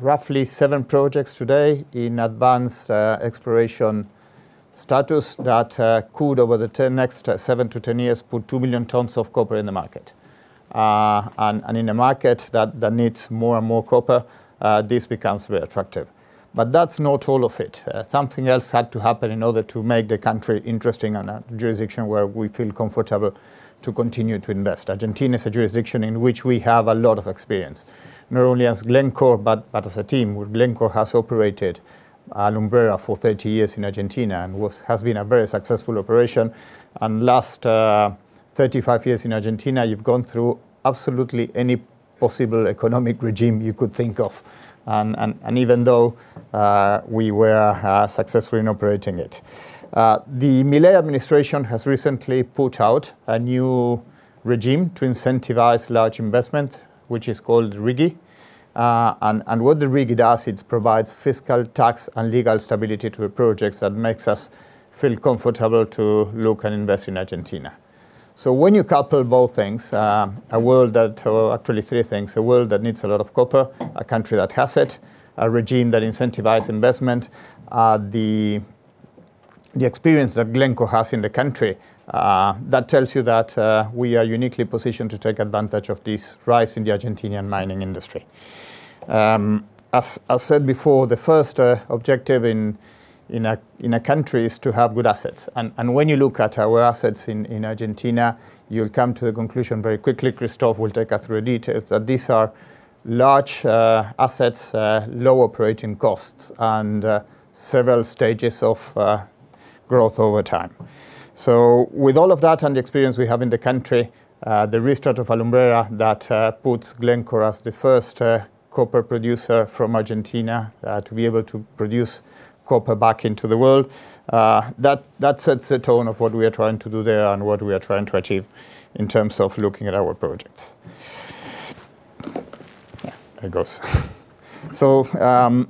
roughly seven projects today in advanced exploration status that could, over the next 7-10 years, put two million tons of copper in the market. In a market that needs more and more copper, this becomes very attractive. But that's not all of it. Something else had to happen in order to make the country interesting on a jurisdiction where we feel comfortable to continue to invest. Argentina is a jurisdiction in which we have a lot of experience, not only as Glencore, but as a team. Glencore has operated Alumbrera for 30 years in Argentina and has been a very successful operation. And last 35 years in Argentina, you've gone through absolutely any possible economic regime you could think of, even though we were successful in operating it. The Milei administration has recently put out a new regime to incentivize large investment, which is called RIGI. And what the RIGI does, it provides fiscal, tax, and legal stability to the projects that makes us feel comfortable to look and invest in Argentina. So when you couple both things, a world that, or actually three things, a world that needs a lot of copper, a country that has it, a regime that incentivizes investment, the experience that Glencore has in the country, that tells you that we are uniquely positioned to take advantage of this rise in the Argentinian mining industry. As said before, the first objective in a country is to have good assets. And when you look at our assets in Argentina, you'll come to the conclusion very quickly. Christoff will take us through details, that these are large assets, low operating costs, and several stages of growth over time. With all of that and the experience we have in the country, the restart of Alumbrera that puts Glencore as the first copper producer from Argentina to be able to produce copper back into the world, that sets the tone of what we are trying to do there and what we are trying to achieve in terms of looking at our projects. There it goes. I'll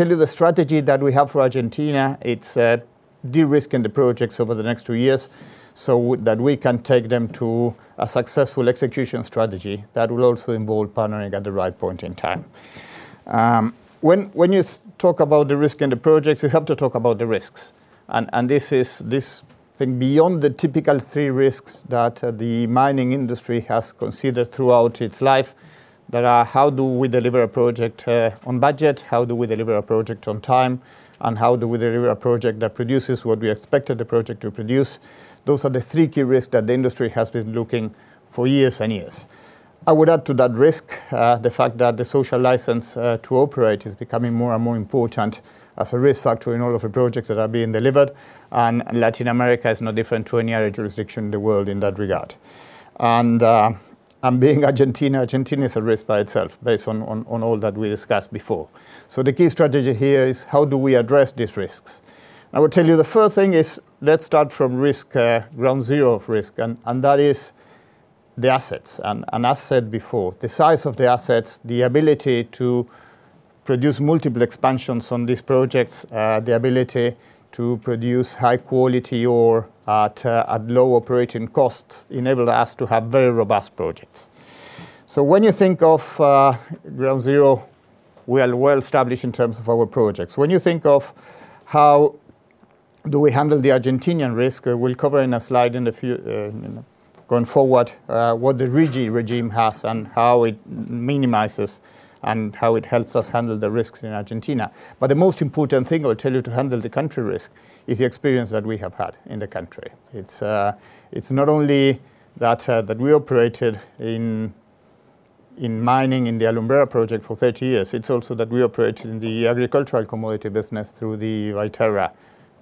tell you the strategy that we have for Argentina. It's de-risking the projects over the next two years so that we can take them to a successful execution strategy that will also involve partnering at the right point in time. When you talk about the risk in the projects, you have to talk about the risks. This is the thing beyond the typical three risks that the mining industry has considered throughout its life that are how do we deliver a project on budget, how do we deliver a project on time, and how do we deliver a project that produces what we expected the project to produce. Those are the three key risks that the industry has been looking for years and years. I would add to that risk the fact that the social license to operate is becoming more and more important as a risk factor in all of the projects that are being delivered. Latin America is no different to any other jurisdiction in the world in that regard. Being Argentina, Argentina is a risk by itself based on all that we discussed before. The key strategy here is how do we address these risks. I will tell you the first thing is let's start from risk, ground zero of risk. And that is the assets. And as said before, the size of the assets, the ability to produce multiple expansions on these projects, the ability to produce high-quality ore at low operating costs enabled us to have very robust projects. So when you think of ground zero, we are well established in terms of our projects. When you think of how do we handle the Argentine risk, we'll cover in a slide going forward what the RIGI regime has and how it minimizes and how it helps us handle the risks in Argentina. But the most important thing I'll tell you to handle the country risk is the experience that we have had in the country. It's not only that we operated in mining in the Alumbrera project for 30 years. It's also that we operated in the agricultural commodity business through the Viterra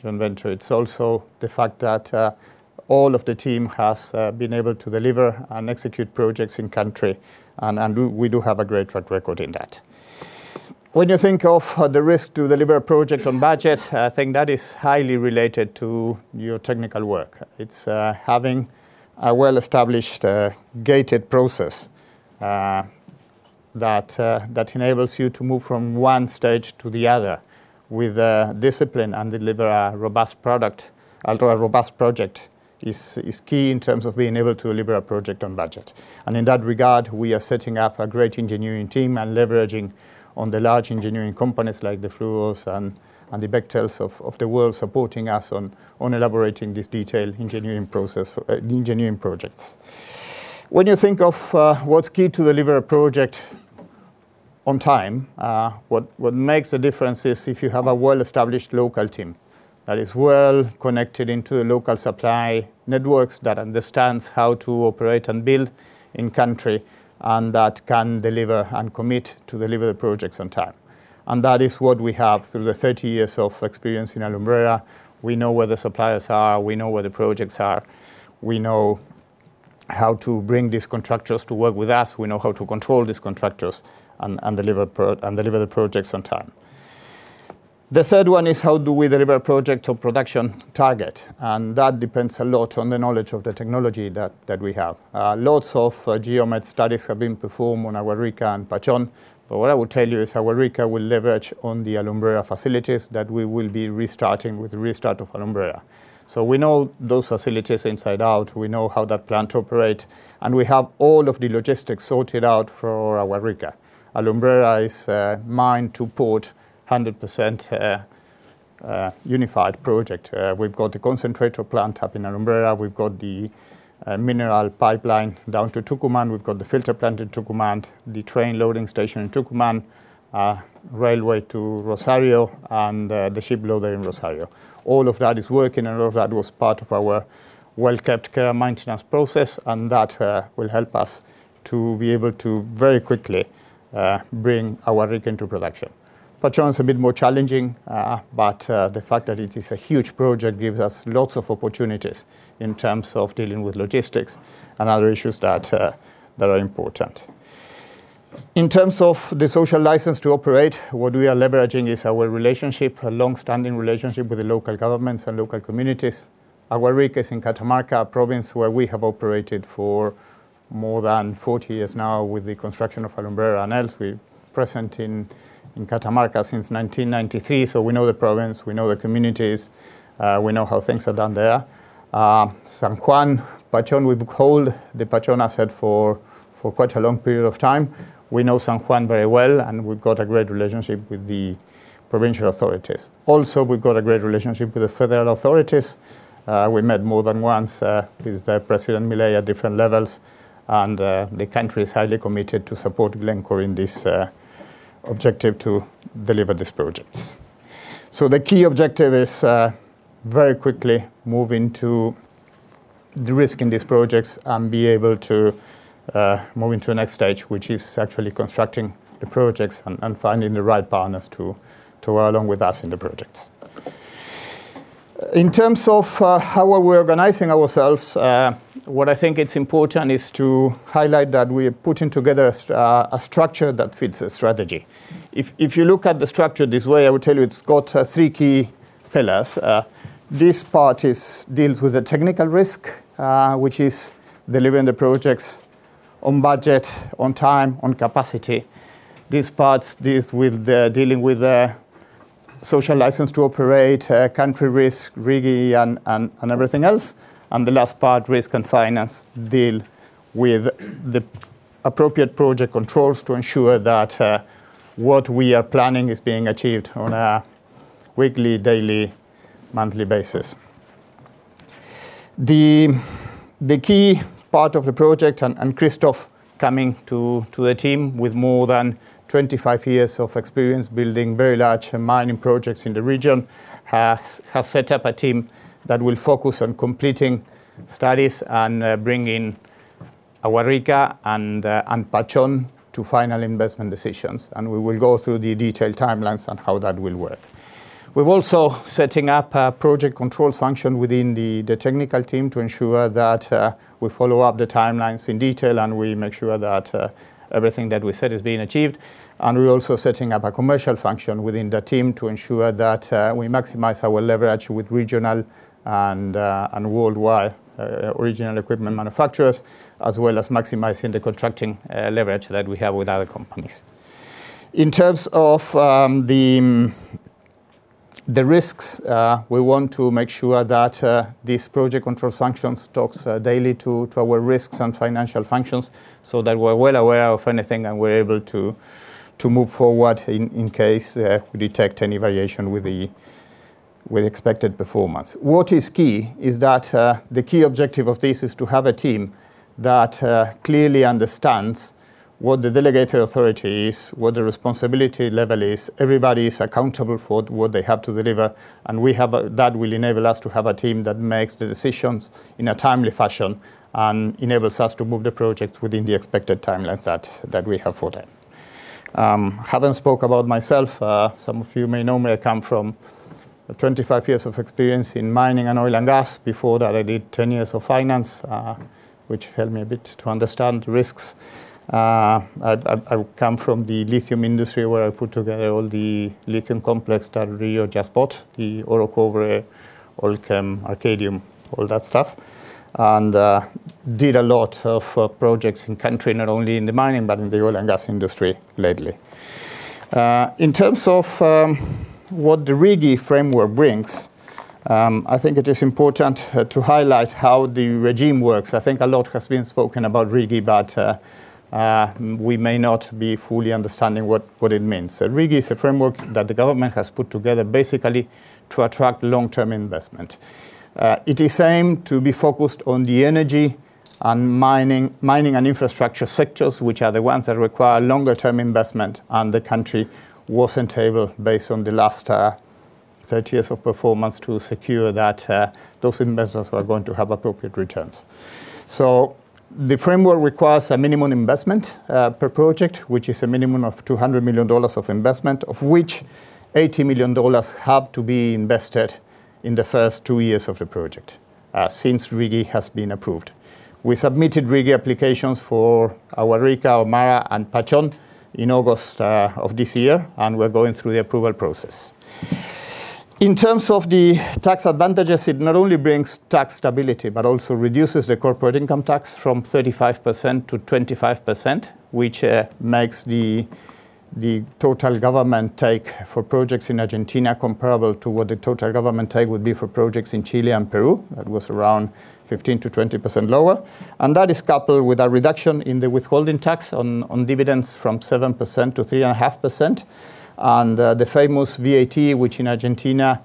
joint venture. It's also the fact that all of the team has been able to deliver and execute projects in country. And we do have a great track record in that. When you think of the risk to deliver a project on budget, I think that is highly related to your technical work. It's having a well-established gated process that enables you to move from one stage to the other with discipline and deliver a robust product, a robust project is key in terms of being able to deliver a project on budget. And in that regard, we are setting up a great engineering team and leveraging on the large engineering companies like the Fluors and the Bechtels of the world supporting us on elaborating this detailed engineering process, engineering projects. When you think of what's key to deliver a project on time, what makes a difference is if you have a well-established local team that is well connected into the local supply networks that understands how to operate and build in country and that can deliver and commit to deliver the projects on time, and that is what we have through the 30 years of experience in Alumbrera. We know where the suppliers are. We know where the projects are. We know how to bring these contractors to work with us. We know how to control these contractors and deliver the projects on time. The third one is how do we deliver a project or production target, and that depends a lot on the knowledge of the technology that we have. Lots of geomet studies have been performed on Agua Rica and Pachón. But what I will tell you is Agua Rica will leverage on the Alumbrera facilities that we will be restarting with the restart of Alumbrera. So we know those facilities inside out. We know how that plant operates. And we have all of the logistics sorted out for Agua Rica. Alumbrera is a mine to port 100% unified project. We've got the concentrator plant up in Alumbrera. We've got the mineral pipeline down to Tucumán. We've got the filter plant in Tucumán, the train loading station in Tucumán, railway to Rosario, and the ship loader in Rosario. All of that is working. And all of that was part of our well-kept care and maintenance process. And that will help us to be able to very quickly bring Agua Rica into production. Pachón is a bit more challenging. But the fact that it is a huge project gives us lots of opportunities in terms of dealing with logistics and other issues that are important. In terms of the social license to operate, what we are leveraging is our relationship, a long-standing relationship with the local governments and local communities. Agua Rica is in Catamarca, a province where we have operated for more than 40 years now with the construction of Alumbrera and else. We're present in Catamarca since 1993. So we know the province. We know the communities. We know how things are done there. San Juan, Pachón, we've held the Pachón asset for quite a long period of time. We know San Juan very well. And we've got a great relationship with the provincial authorities. Also, we've got a great relationship with the federal authorities. We met more than once with President Milei at different levels. The country is highly committed to support Glencore in this objective to deliver these projects. The key objective is very quickly moving to the risk in these projects and be able to move into the next stage, which is actually constructing the projects and finding the right partners to work along with us in the projects. In terms of how are we organizing ourselves, what I think it's important is to highlight that we are putting together a structure that fits a strategy. If you look at the structure this way, I will tell you it's got three key pillars. This part deals with the technical risk, which is delivering the projects on budget, on time, on capacity. This part deals with dealing with the social license to operate, country risk, RIGI, and everything else. The last part, risk and finance, deal with the appropriate project controls to ensure that what we are planning is being achieved on a weekly, daily, monthly basis. The key part of the project, and Christoff coming to the team with more than 25 years of experience building very large mining projects in the region, has set up a team that will focus on completing studies and bringing Agua Rica and Pachón to final investment decisions. We will go through the detailed timelines on how that will work. We're also setting up a project control function within the technical team to ensure that we follow up the timelines in detail and we make sure that everything that we set is being achieved. We're also setting up a commercial function within the team to ensure that we maximize our leverage with regional and worldwide original equipment manufacturers, as well as maximizing the contracting leverage that we have with other companies. In terms of the risks, we want to make sure that this project control function talks daily to our risks and financial functions so that we're well aware of anything and we're able to move forward in case we detect any variation with the expected performance. What is key is that the key objective of this is to have a team that clearly understands what the delegated authority is, what the responsibility level is. Everybody is accountable for what they have to deliver. That will enable us to have a team that makes the decisions in a timely fashion and enables us to move the project within the expected timelines that we have for them. I haven't spoken about myself. Some of you may know me. I come from 25 years of experience in mining and oil and gas. Before that, I did 10 years of finance, which helped me a bit to understand risks. I come from the lithium industry where I put together all the lithium complex that Rio just bought, the Orocobre, Allkem, Arcadium, all that stuff, and did a lot of projects in country, not only in the mining, but in the oil and gas industry lately. In terms of what the RIGI framework brings, I think it is important to highlight how the regime works. I think a lot has been spoken about RIGI, but we may not be fully understanding what it means. RIGI is a framework that the government has put together basically to attract long-term investment. It is aimed to be focused on the energy and mining and infrastructure sectors, which are the ones that require longer-term investment, and the country wasn't able, based on the last 30 years of performance, to secure that those investments were going to have appropriate returns. So the framework requires a minimum investment per project, which is a minimum of $200 million of investment, of which $80 million have to be invested in the first two years of the project since RIGI has been approved. We submitted RIGI applications for Agua Rica, MARA, and Pachón in August of this year. And we're going through the approval process. In terms of the tax advantages, it not only brings tax stability, but also reduces the corporate income tax from 35% to 25%, which makes the total government take for projects in Argentina comparable to what the total government take would be for projects in Chile and Peru. That was around 15%-20% lower. That is coupled with a reduction in the withholding tax on dividends from 7% to 3.5%. The famous VAT, which in Argentina,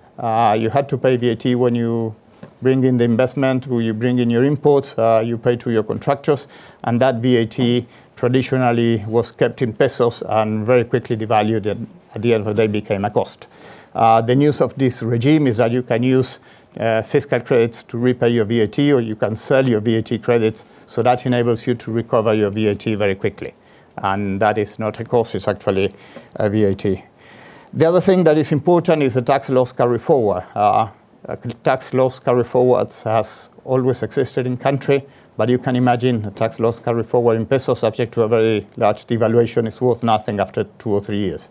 you had to pay VAT when you bring in the investment, when you bring in your imports, you pay to your contractors. That VAT traditionally was kept in pesos and very quickly devalued. At the end of the day, it became a cost. The news of this regime is that you can use fiscal credits to repay your VAT, or you can sell your VAT credits. So that enables you to recover your VAT very quickly. And that is not a cost. It's actually a VAT. The other thing that is important is the tax loss carry forward. Tax loss carry forwards has always existed in country. But you can imagine a tax loss carry forward in pesos, subject to a very large devaluation, is worth nothing after two or three years.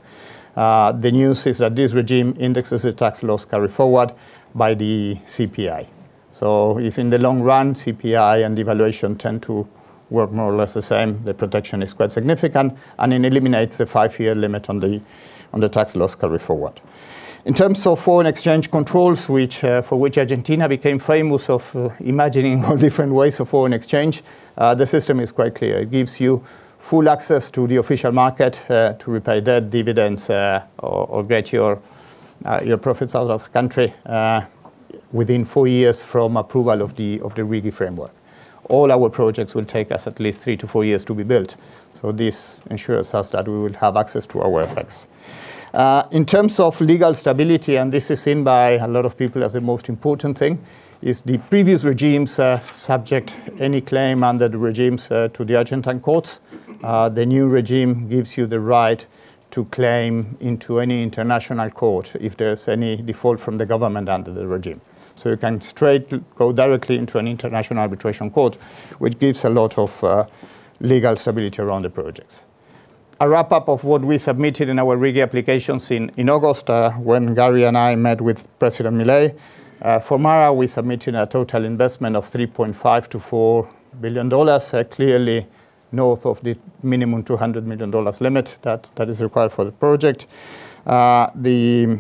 The news is that this regime indexes the tax loss carry forward by the CPI. So if in the long run, CPI and devaluation tend to work more or less the same, the protection is quite significant. And it eliminates the five-year limit on the tax loss carry forward. In terms of foreign exchange controls, for which Argentina became famous for imagining all different ways of foreign exchange, the system is quite clear. It gives you full access to the official market to repay debt, dividends, or get your profits out of the country within four years from approval of the RIGI framework. All our projects will take us at least three to four years to be built, so this ensures us that we will have access to our FX. In terms of legal stability, and this is seen by a lot of people as the most important thing, is the previous regimes subject any claim under the regimes to the Argentine courts. The new regime gives you the right to claim into any international court if there's any default from the government under the regime, so you can straight go directly into an international arbitration court, which gives a lot of legal stability around the projects. A wrap-up of what we submitted in our RIGI applications in August, when Gary and I met with President Milei. For MARA, we submitted a total investment of $3.5-$4 billion, clearly north of the minimum $200 million limit that is required for the project. The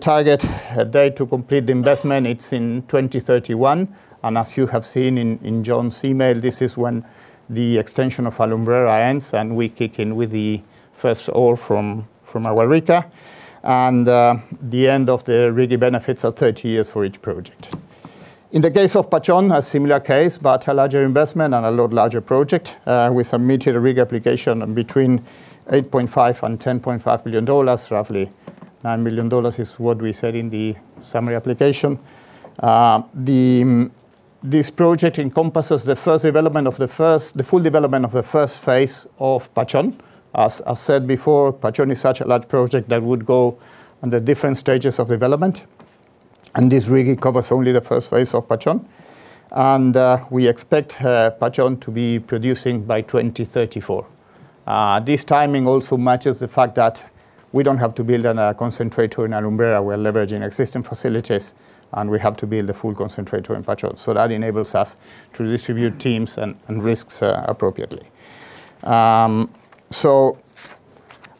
target date to complete the investment, it's in 2031. As you have seen in Jon's email, this is when the extension of Alumbrera ends, and we kick in with the first oil from Agua Rica. The end of the RIGI benefits are 30 years for each project. In the case of Pachón, a similar case, but a larger investment and a lot larger project. We submitted a RIGI application between $8.5-$10.5 billion. Roughly $9 million is what we said in the summary application. This project encompasses the full development of the first phase of Pachón. As said before, Pachón is such a large project that would go under different stages of development, and this RIGI covers only the first phase of Pachón, and we expect Pachón to be producing by 2034. This timing also matches the fact that we don't have to build a concentrator in Alumbrera. We're leveraging existing facilities, and we have to build a full concentrator in Pachón, so that enables us to distribute teams and risks appropriately, so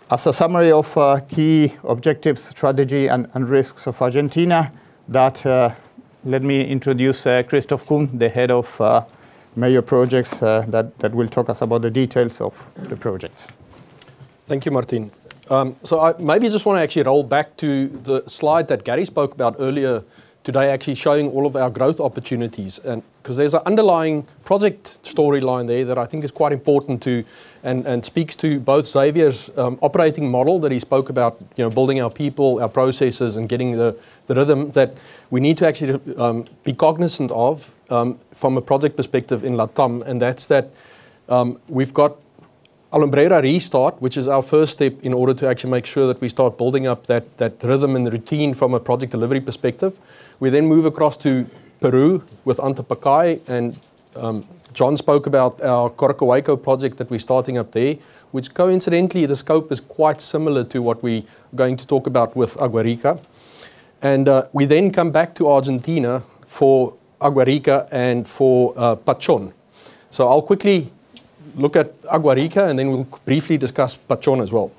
as a summary of key objectives, strategy, and risks of Argentina, let me introduce Christoff Kühn, the Head of Major Projects, that will talk to us about the details of the projects. Thank you, Martin, so I maybe just want to actually go back to the slide that Gary spoke about earlier today, actually showing all of our growth opportunities. Because there's an underlying project storyline there that I think is quite important to and speaks to both Xavier's operating model that he spoke about, building our people, our processes, and getting the rhythm that we need to actually be cognizant of from a project perspective in LATAM, and that's that we've got Alumbrera restart, which is our first step in order to actually make sure that we start building up that rhythm and routine from a project delivery perspective. We then move across to Peru with Antapaccay, and Jon spoke about our Coroccohuayco project that we're starting up there, which coincidentally, the scope is quite similar to what we are going to talk about with Agua Rica, and we then come back to Argentina for Agua Rica and for Pachón, so I'll quickly look at Agua Rica, and then we'll briefly discuss Pachón as well.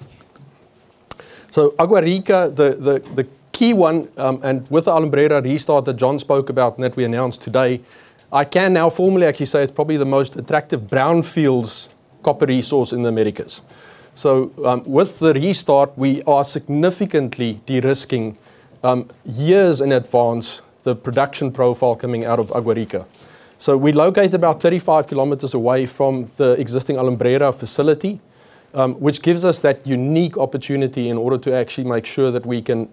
Agua Rica, the key one, and with Alumbrera restart that Jon spoke about and that we announced today, I can now formally actually say it's probably the most attractive brownfield copper resource in the Americas. With the restart, we are significantly de-risking years in advance the production profile coming out of Agua Rica. We're located about 35 km away from the existing Alumbrera facility, which gives us that unique opportunity in order to actually make sure that we can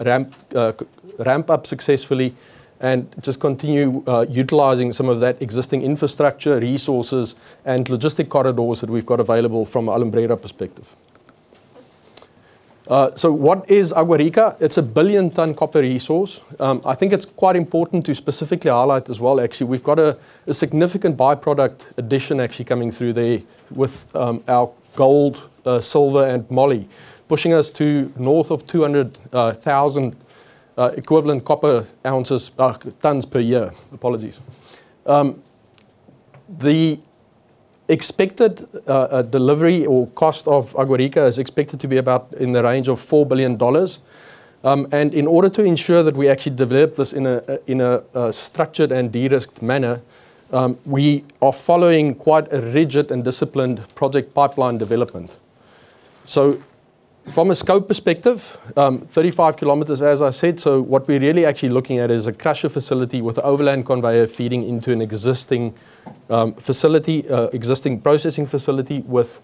ramp up successfully and just continue utilizing some of that existing infrastructure, resources, and logistic corridors that we've got available from Alumbrera perspective. What is Agua Rica? It's a billion-ton copper resource. I think it's quite important to specifically highlight as well, actually. We've got a significant byproduct addition actually coming through there with our gold, silver, and moly, pushing us to north of 200,000 equivalent copper ounces tons per year. Apologies. The expected delivery or cost of Agua Rica is expected to be about in the range of $4 billion. And in order to ensure that we actually develop this in a structured and de-risked manner, we are following quite a rigid and disciplined project pipeline development. So from a scope perspective, 35 km, as I said. So what we're really actually looking at is a crusher facility with an overland conveyor feeding into an existing facility, existing processing facility with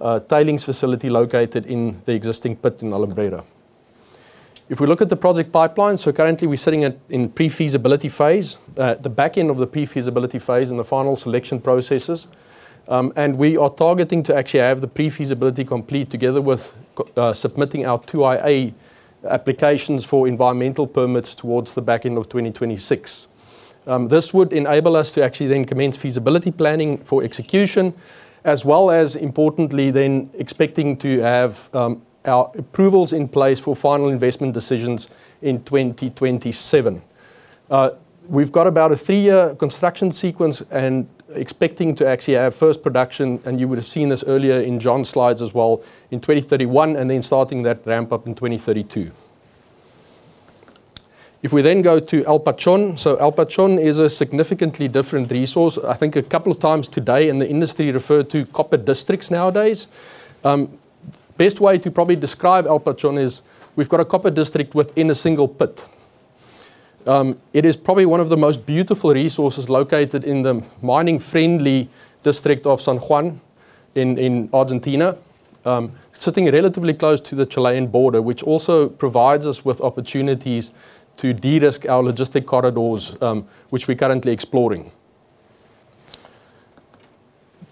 a tailings facility located in the existing pit in Alumbrera. If we look at the project pipeline, so currently, we're sitting in pre-feasibility phase, the back end of the pre-feasibility phase and the final selection processes. We are targeting to actually have the pre-feasibility complete together with submitting our IIA applications for environmental permits towards the back end of 2026. This would enable us to actually then commence feasibility planning for execution, as well as, importantly, then expecting to have our approvals in place for final investment decisions in 2027. We've got about a three-year construction sequence and expecting to actually have first production. You would have seen this earlier in Jon's slides as well in 2031 and then starting that ramp up in 2032. If we then go to El Pachón, so El Pachón is a significantly different resource. I think a couple of times today in the industry referred to copper districts nowadays. Best way to probably describe El Pachón is we've got a copper district within a single pit. It is probably one of the most beautiful resources located in the mining-friendly district of San Juan in Argentina, sitting relatively close to the Chilean border, which also provides us with opportunities to de-risk our logistic corridors, which we're currently exploring.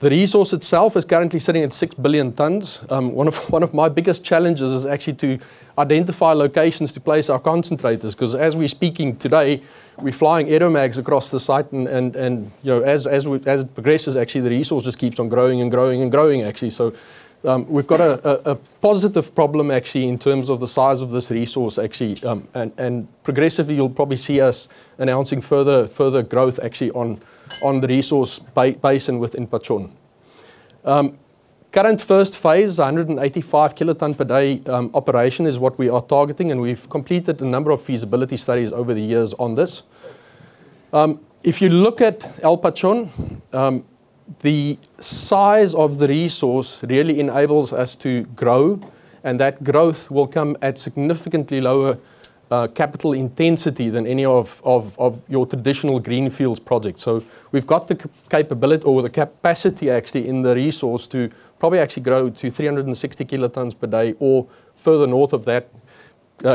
The resource itself is currently sitting at 6 billion tons. One of my biggest challenges is actually to identify locations to place our concentrators. Because as we're speaking today, we're flying Aeromags across the site. And as it progresses, actually, the resource just keeps on growing and growing and growing, actually. So we've got a positive problem actually in terms of the size of this resource, actually. And progressively, you'll probably see us announcing further growth actually on the resource basin within Pachón. Current first phase, 185 kt per day operation, is what we are targeting. And we've completed a number of feasibility studies over the years on this. If you look at El Pachón, the size of the resource really enables us to grow. And that growth will come at significantly lower capital intensity than any of your traditional greenfields projects. So we've got the capability or the capacity actually in the resource to probably actually grow to 360 kts per day or further north of that,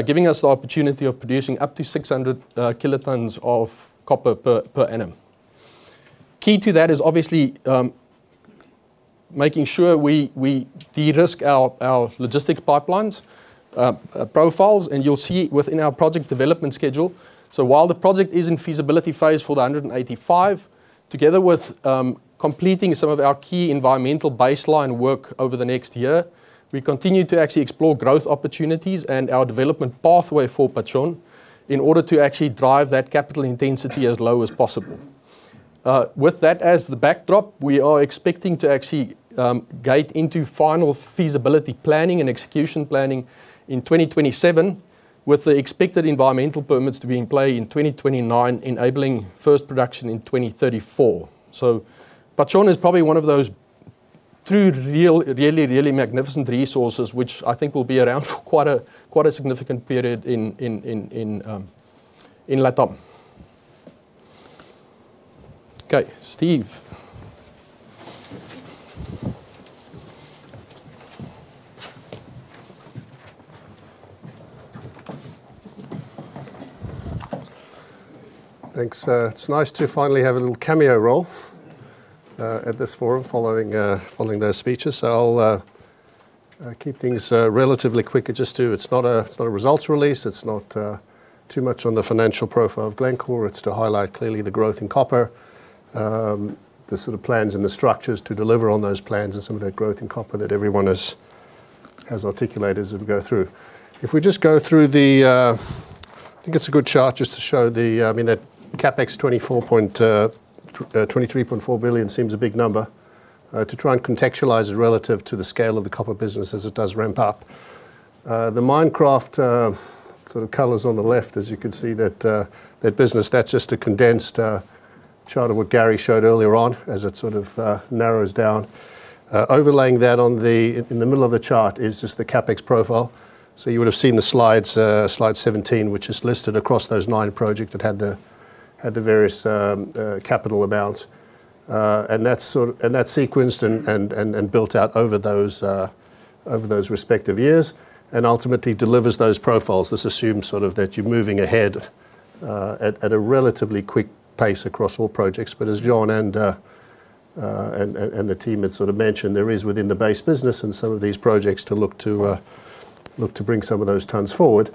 giving us the opportunity of producing up to 600 kts of copper per annum. Key to that is obviously making sure we de-risk our logistics pipelines profiles. And you'll see it within our project development schedule. So while the project is in feasibility phase for the 185, together with completing some of our key environmental baseline work over the next year, we continue to actually explore growth opportunities and our development pathway for Pachón in order to actually drive that capital intensity as low as possible. With that as the backdrop, we are expecting to actually gate into final feasibility planning and execution planning in 2027, with the expected environmental permits to be in play in 2029, enabling first production in 2034. So Pachón is probably one of those true, really, really magnificent resources, which I think will be around for quite a significant period in LATAM. Okay, Steve. Thanks. It's nice to finally have a little cameo, at this forum following those speeches. So I'll keep things relatively quick. It's not a results release. It's not too much on the financial profile of Glencore. It's to highlight clearly the growth in copper, the sort of plans and the structures to deliver on those plans and some of that growth in copper that everyone has articulated as we go through. If we just go through the, I think it's a good chart just to show the, I mean, that CapEx $23.4 billion seems a big number to try and contextualize it relative to the scale of the copper business as it does ramp up. The mine chart sort of colors on the left, as you can see, that business, that's just a condensed chart of what Gary showed earlier on as it sort of narrows down. Overlaying that in the middle of the chart is just the CapEx profile. So you would have seen the slides, slide 17, which is listed across those nine projects that had the various capital amounts, and that's sequenced and built out over those respective years and ultimately delivers those profiles. This assumes sort of that you're moving ahead at a relatively quick pace across all projects. But as Jon and the team had sort of mentioned, there is within the base business and some of these projects to look to bring some of those tons forward.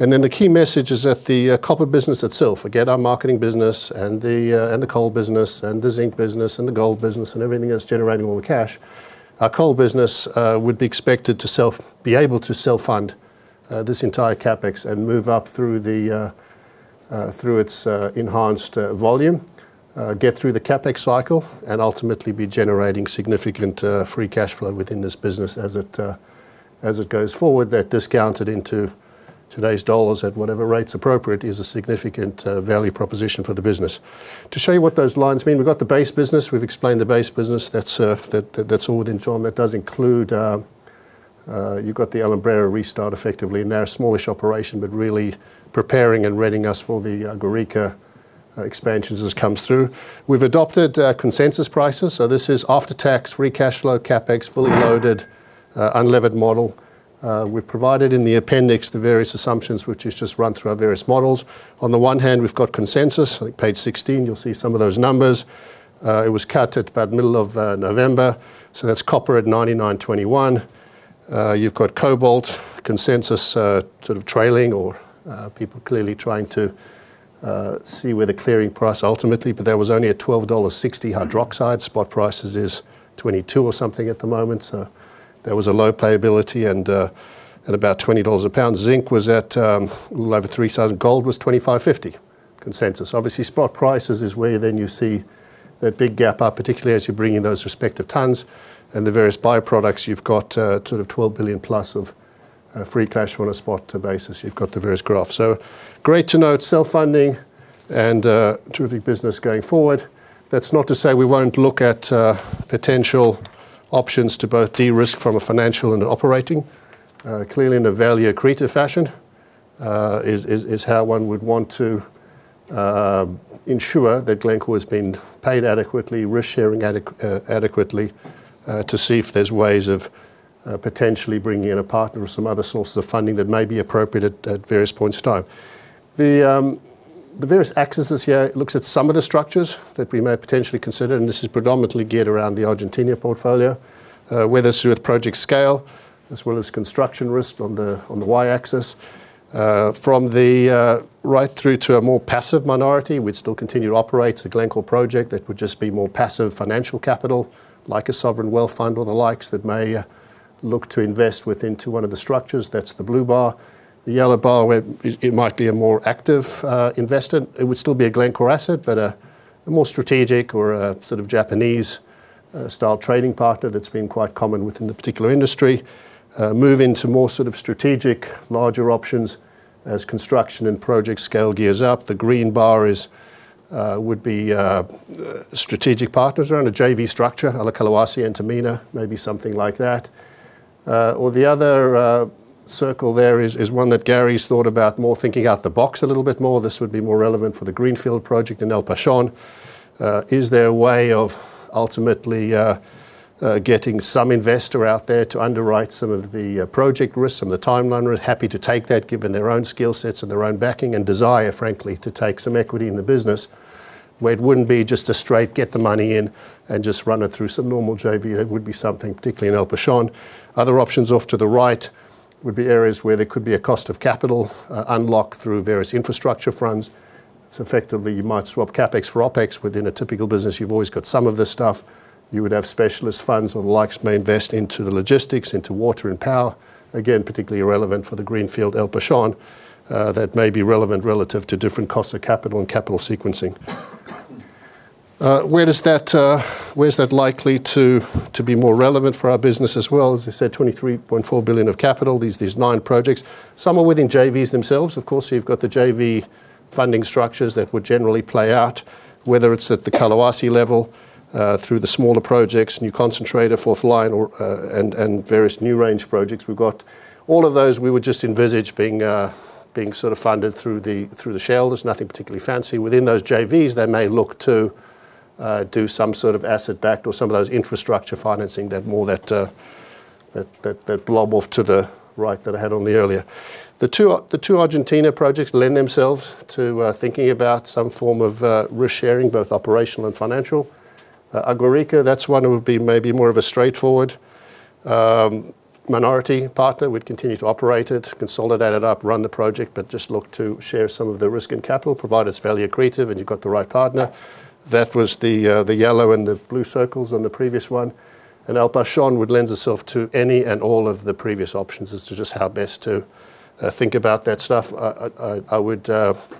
And then the key message is that the copper business itself, again, our marketing business and the coal business and the zinc business and the gold business and everything that's generating all the cash, our coal business would be expected to be able to self-fund this entire CapEx and move up through its enhanced volume, get through the CapEx cycle, and ultimately be generating significant free cash flow within this business as it goes forward that discounted into today's dollars at whatever rates appropriate is a significant value proposition for the business. To show you what those lines mean, we've got the base business. We've explained the base business. That's all within Jon. That does include. You've got the Alumbrera restart effectively, and they're a smallish operation, but really preparing and readying us for the Agua Rica expansions as it comes through. We've adopted consensus prices, so this is after-tax free cash flow, CapEx, fully loaded, unlevered model. We've provided in the appendix the various assumptions, which is just run through our various models. On the one hand, we've got consensus. Page 16, you'll see some of those numbers. It was cut at about middle of November, so that's copper at $99.21. You've got cobalt consensus sort of trailing or people clearly trying to see where the clearing price ultimately, but there was only a $12.60 hydroxide. Spot prices is $22 or something at the moment, so there was a low payability at about $20 a pound. Zinc was at a little over $3.00. Gold was $25.50 consensus. Obviously, spot prices is where then you see that big gap up, particularly as you're bringing those respective tons, and the various byproducts. You've got sort of $12 billion plus of free cash on a spot basis. You've got the various graphs, so great to note self-funding and terrific business going forward. That's not to say we won't look at potential options to both de-risk from a financial and an operating. Clearly, in a value accretive fashion is how one would want to ensure that Glencore has been paid adequately, risk-sharing adequately to see if there's ways of potentially bringing in a partner or some other source of funding that may be appropriate at various points of time. The various axes here. It looks at some of the structures that we may potentially consider. This is predominantly geared around the Argentina portfolio, whether through a project scale as well as construction risk on the Y-axis. From the right through to a more passive minority, we'd still continue to operate a Glencore project that would just be more passive financial capital like a sovereign wealth fund or the likes that may look to invest within to one of the structures. That's the blue bar. The yellow bar, it might be a more active investment. It would still be a Glencore asset, but a more strategic or a sort of Japanese-style trading partner that's been quite common within the particular industry. Moving to more sort of strategic, larger options as construction and project scale gears up. The green bar would be strategic partners around a JV structure, Collahuasi and Antamina, maybe something like that. Or, the other circle there is one that Gary's thought about more, thinking out of the box a little bit more. This would be more relevant for the greenfield project in El Pachón. Is there a way of ultimately getting some investor out there to underwrite some of the project risk and the timeline? We're happy to take that given their own skill sets and their own backing and desire, frankly, to take some equity in the business where it wouldn't be just a straight get the money in and just run it through some normal JV. That would be something, particularly in El Pachón. Other options off to the right would be areas where there could be a cost of capital unlocked through various infrastructure funds. So effectively, you might swap CapEx for OpEx within a typical business. You've always got some of this stuff. You would have specialist funds or the likes may invest into the logistics, into water and power. Again, particularly irrelevant for the greenfield El Pachón. That may be relevant relative to different costs of capital and capital sequencing. Where is that likely to be more relevant for our business as well? As I said, $23.4 billion of capital, these nine projects. Some are within JVs themselves. Of course, you've got the JV funding structures that would generally play out, whether it's at the Collahuasi level through the smaller projects, new concentrator, fourth line, and various NewRange projects. We've got all of those we would just envisage being sort of funded through the shell. There's nothing particularly fancy. Within those JVs, they may look to do some sort of asset-backed or some of those infrastructure financing that blob off to the right that I had on the earlier. The two Argentina projects lend themselves to thinking about some form of risk-sharing, both operational and financial. Agua Rica, that's one that would be maybe more of a straightforward minority partner. We'd continue to operate it, consolidate it up, run the project, but just look to share some of the risk and capital, provide us value accretive, and you've got the right partner. That was the yellow and the blue circles on the previous one, and El Pachón would lend itself to any and all of the previous options as to just how best to think about that stuff. I would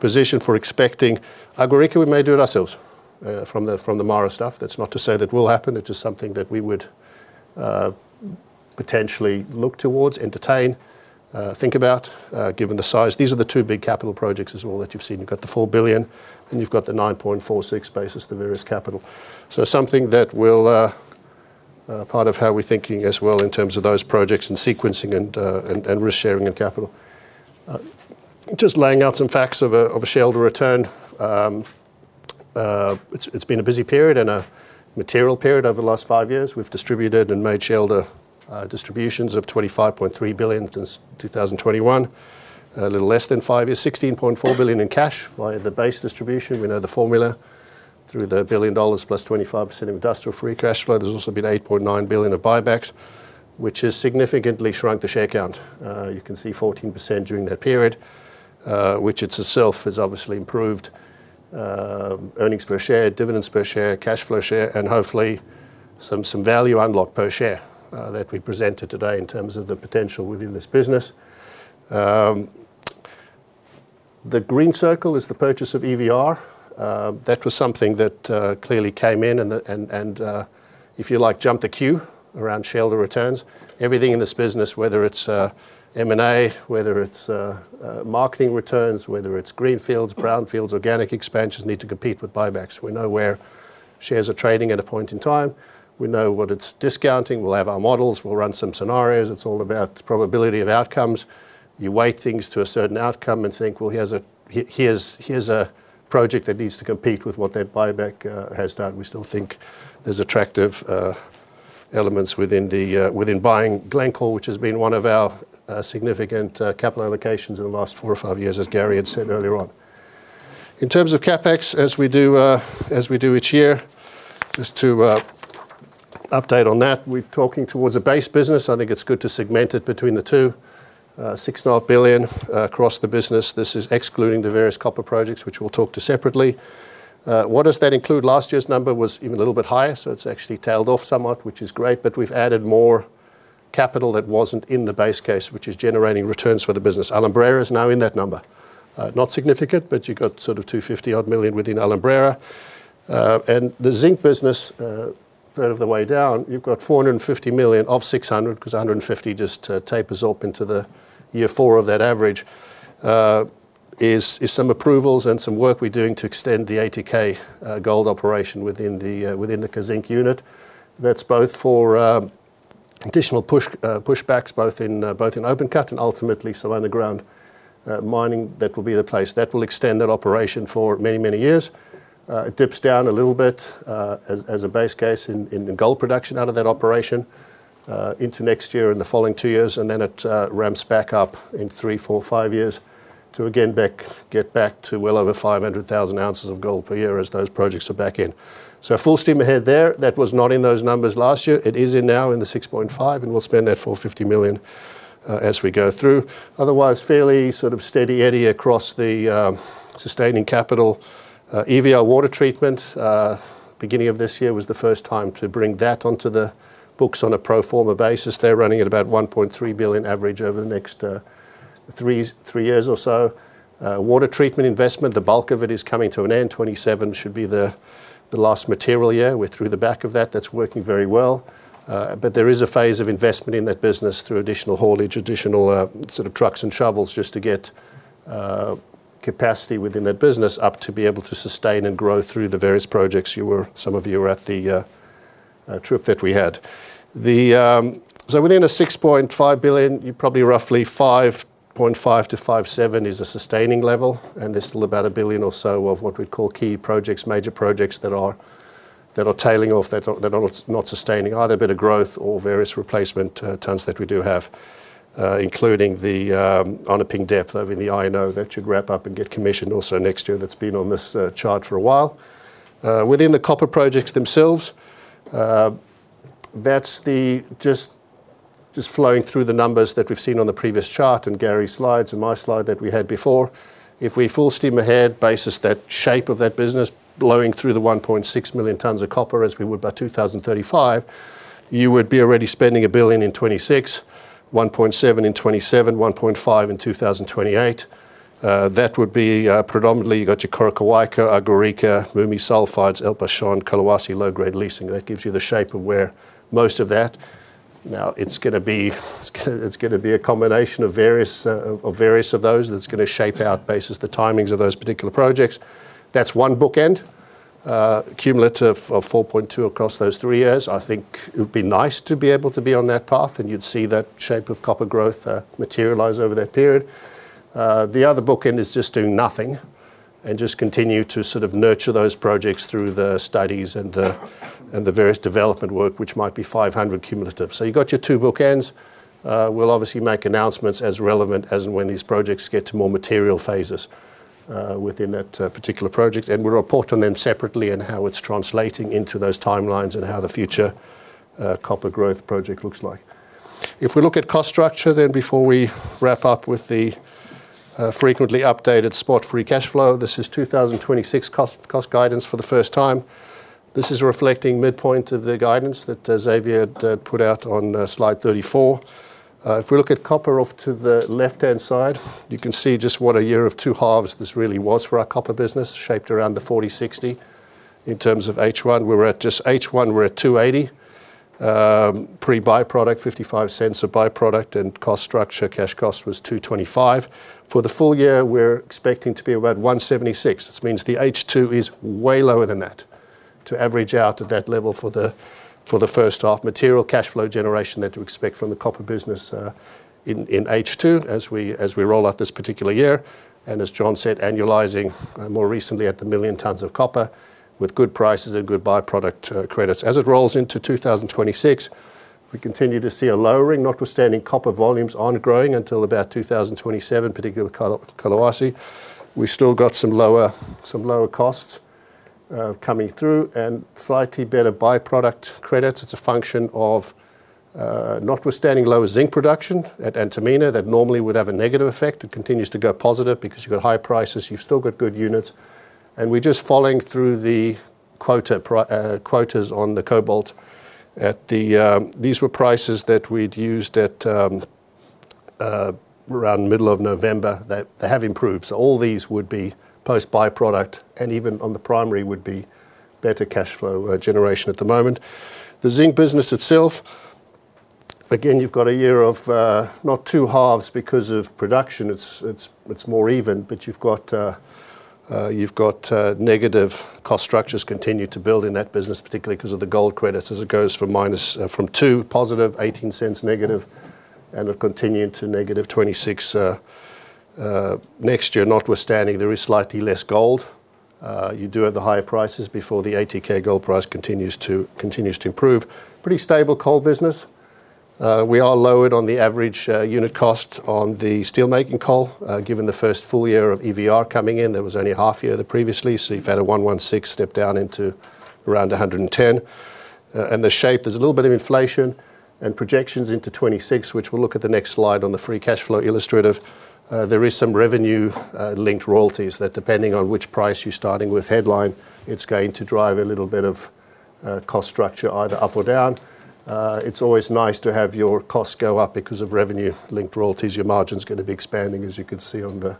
position for expecting Agua Rica, we may do it ourselves from the MARA stuff. That's not to say that will happen. It's just something that we would potentially look towards, entertain, think about given the size. These are the two big capital projects as well that you've seen. You've got the $4 billion and you've got the $9.46 billion, the various capital. So something that will part of how we're thinking as well in terms of those projects and sequencing and risk-sharing and capital. Just laying out some facts of a shareholder return. It's been a busy period and a material period over the last five years. We've distributed and made shareholder distributions of $25.3 billion since 2021, a little less than five years, $16.4 billion in cash via the base distribution. We know the formula. The base is $1 billion plus 25% industrial free cash flow. There's also been $8.9 billion of buybacks, which has significantly shrunk the share count. You can see 14% during that period, which itself has obviously improved earnings per share, dividends per share, cash flow share, and hopefully some value unlocked per share that we presented today in terms of the potential within this business. The green circle is the purchase of EVR. That was something that clearly came in. And if you like, jump the queue around shareholder returns. Everything in this business, whether it's M&A, whether it's marketing returns, whether it's greenfields, brownfields, organic expansions need to compete with buybacks. We know where shares are trading at a point in time. We know what it's discounting. We'll have our models. We'll run some scenarios. It's all about probability of outcomes. You weigh things to a certain outcome and think, "Well, here's a project that needs to compete with what that buyback has done." We still think there's attractive elements within buying Glencore, which has been one of our significant capital allocations in the last four or five years, as Gary had said earlier on. In terms of CapEx, as we do each year, just to update on that, we're talking towards a base business. I think it's good to segment it between the two. $6.5 billion across the business. This is excluding the various copper projects, which we'll talk to separately. What does that include? Last year's number was even a little bit higher. So it's actually tailed off somewhat, which is great. But we've added more capital that wasn't in the base case, which is generating returns for the business. Alumbrera is now in that number. Not significant, but you've got sort of $250 million within Alumbrera. And the zinc business, third of the way down, you've got $450 million of $600 because $150 just tapers up into the year four of that average. It's some approvals and some work we're doing to extend the 80,000 gold operation within the Kazzinc unit. That's both for additional pushbacks, both in open cut and ultimately some underground mining that will be the place. That will extend that operation for many, many years. It dips down a little bit as a base case in gold production out of that operation into next year and the following two years. Then it ramps back up in three, four, five years to again get back to well over 500,000 oz of gold per year as those projects are back in. Full steam ahead there. That was not in those numbers last year. It is now in the $6.5 billion. We'll spend that $450 million as we go through. Otherwise, fairly sort of steady eddy across the sustaining capital. EVR water treatment, beginning of this year, was the first time to bring that onto the books on a pro forma basis. They're running at about $1.3 billion average over the next three years or so. Water treatment investment, the bulk of it is coming to an end. 2027 should be the last material year. We're through the back of that. That's working very well. There is a phase of investment in that business through additional haulage, additional sort of trucks and shovels just to get capacity within that business up to be able to sustain and grow through the various projects some of you were at the trip that we had. Within a $6.5 billion, you probably roughly $5.5-$5.7 billion is a sustaining level. There's still about a billion or so of what we'd call key projects, major projects that are tailing off that are not sustaining either a bit of growth or various replacement tons that we do have, including the opening depth of the I&O that should wrap up and get commissioned also next year that's been on this chart for a while. Within the copper projects themselves, that's just flowing through the numbers that we've seen on the previous chart and Gary's slides and my slide that we had before. If we full steam ahead basis that shape of that business, blowing through the 1.6 million tons of copper as we would by 2035, you would be already spending $1 billion in 2026, $1.7 billion in 2027, $1.5 billion in 2028. That would be predominantly. You've got your Coroccohuayco, Agua Rica, MUMI sulfides, El Pachón, Collahuasi, low-grade leaching. That gives you the shape of where most of that. Now, it's going to be a combination of various of those that's going to shape out basis the timings of those particular projects. That's one bookend, cumulative of $4.2 billion across those three years. I think it would be nice to be able to be on that path and you'd see that shape of copper growth materialize over that period. The other bookend is just doing nothing and just continue to sort of nurture those projects through the studies and the various development work, which might be $500 cumulative. So you've got your two bookends. We'll obviously make announcements as relevant as and when these projects get to more material phases within that particular project, and we'll report on them separately and how it's translating into those timelines and how the future copper growth project looks like. If we look at cost structure, then before we wrap up with the frequently updated spot free cash flow, this is 2026 cost guidance for the first time. This is reflecting midpoint of the guidance that Xavier had put out on slide 34. If we look at copper off to the left-hand side, you can see just what a year of two halves this really was for our copper business shaped around the $40.60 in terms of H1. We're at just H1, we're at $280. Pre-byproduct, $0.55 of byproduct and cost structure, cash cost was $225. For the full year, we're expecting to be about $176. This means the H2 is way lower than that to average out at that level for the first half material cash flow generation that to expect from the copper business in H2 as we roll out this particular year. And as Jon said, annualizing more recently at the million tons of copper with good prices and good byproduct credits. As it rolls into 2026, we continue to see a lowering, notwithstanding copper volumes on growing until about 2027, particularly with Collahuasi. We've still got some lower costs coming through and slightly better byproduct credits. It's a function of, notwithstanding lower zinc production at Antamina that normally would have a negative effect. It continues to go positive because you've got high prices. You've still got good units. And we're just following through the quotas on the cobalt. These were prices that we'd used at around the middle of November that have improved. So all these would be post-byproduct and even on the primary would be better cash flow generation at the moment. The zinc business itself, again, you've got a year of not two halves because of production. It's more even, but you've got negative cost structures continue to build in that business, particularly because of the gold credits as it goes from two positive, -$0.18, and it'll continue to -$0.26 next year, notwithstanding there is slightly less gold. You do have the higher prices before the 80,000 gold price continues to improve. Pretty stable coal business. We are lowered on the average unit cost on the steelmaking coal given the first full year of EVR coming in. There was only a half year of the previous lease. So you've had a $116 step down into around $110. And the shape, there's a little bit of inflation and projections into 2026, which we'll look at the next slide on the free cash flow illustrative. There is some revenue-linked royalties that depending on which price you're starting with headline, it's going to drive a little bit of cost structure either up or down. It's always nice to have your costs go up because of revenue-linked royalties. Your margin's going to be expanding, as you can see on the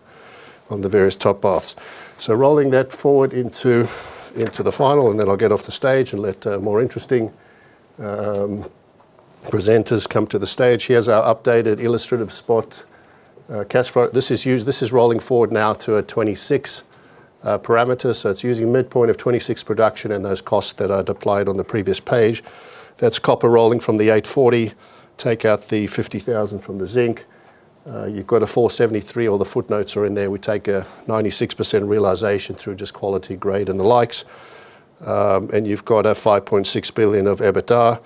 various top paths. So rolling that forward into the final, and then I'll get off the stage and let more interesting presenters come to the stage. Here's our updated illustrative spot cash flow. This is rolling forward now to a 2026 parameterseter. It's using midpoint of 2026 production and those costs that are deployed on the previous page. That's copper rolling from the $840, take out the $50,000 from the zinc. You've got a $473,000, all the footnotes are in there. We take a 96% realization through just quality grade and the likes. And you've got a $5.6 billion of EBITDA.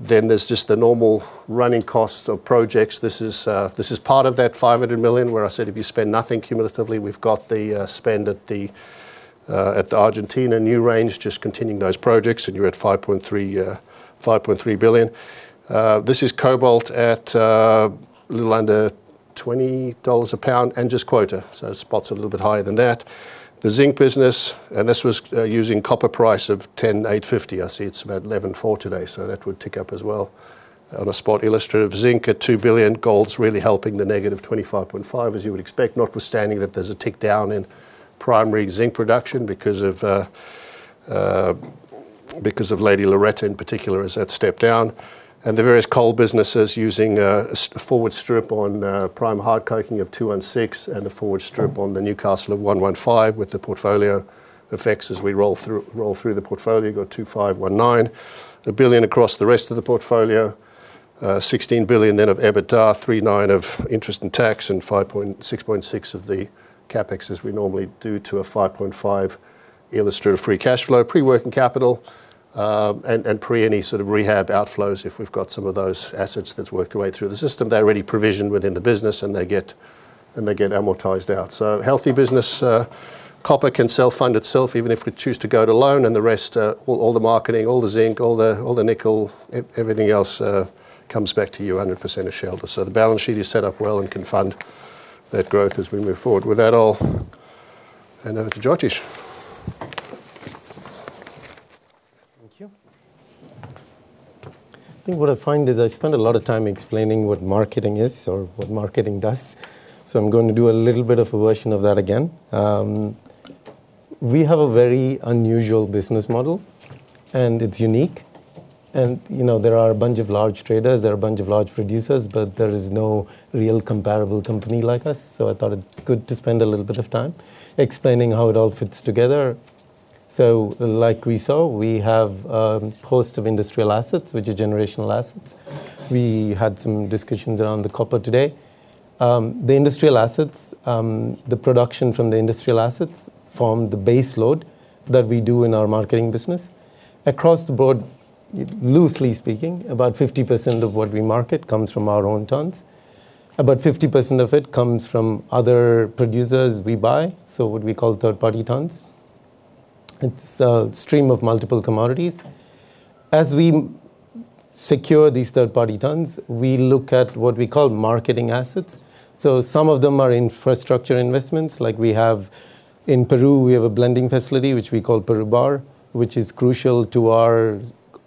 Then there's just the normal running costs of projects. This is part of that $500 million where I said if you spend nothing cumulatively. We've got the spend at the Argentina, NewRange just continuing those projects and you're at $5.3 billion. This is cobalt at a little under $20 a pound and just quota, so spots are a little bit higher than that. The zinc business, and this was using copper price of $10,850. I see it's about $11,400 today. So that would tick up as well on a spot illustrative. Zinc at $2 billion, gold's really helping the negative $25.5 billion, as you would expect, notwithstanding that there's a tick down in primary zinc production because of Lady Loretta in particular as that stepped down, and the various coal businesses using a forward strip on prime hard coking of $216 and a forward strip on the Newcastle of $115 with the portfolio effects as we roll through the portfolio, got $2,519. $1 billion across the rest of the portfolio, $16 billion then of EBITDA, $3.9 billion of interest and tax, and $6.6 billion of the CapEx as we normally do to a $5.5 billion illustrative free cash flow, pre-working capital and pre any sort of rehab outflows if we've got some of those assets that's worked their way through the system. They're already provisioned within the business and they get amortized out. Healthy business, copper can self-fund itself even if we choose to go to loan and the rest, all the marketing, all the zinc, all the nickel, everything else comes back to you 100% as shelter. The balance sheet is set up well and can fund that growth as we move forward. With that all, I hand over to Jyothish. Thank you. I think what I find is I spend a lot of time explaining what marketing is or what marketing does. So I'm going to do a little bit of a version of that again. We have a very unusual business model and it's unique. And there are a bunch of large traders, there are a bunch of large producers, but there is no real comparable company like us. So I thought it's good to spend a little bit of time explaining how it all fits together. So like we saw, we have a host of industrial assets, which are generational assets. We had some discussions around the copper today. The industrial assets, the production from the industrial assets form the baseload that we do in our marketing business. Across the board, loosely speaking, about 50% of what we market comes from our own tons. About 50% of it comes from other producers we buy, so what we call third-party tons. It's a stream of multiple commodities. As we secure these third-party tons, we look at what we call marketing assets. Some of them are infrastructure investments. Like we have in Peru, we have a blending facility, which we call Perubar, which is crucial to our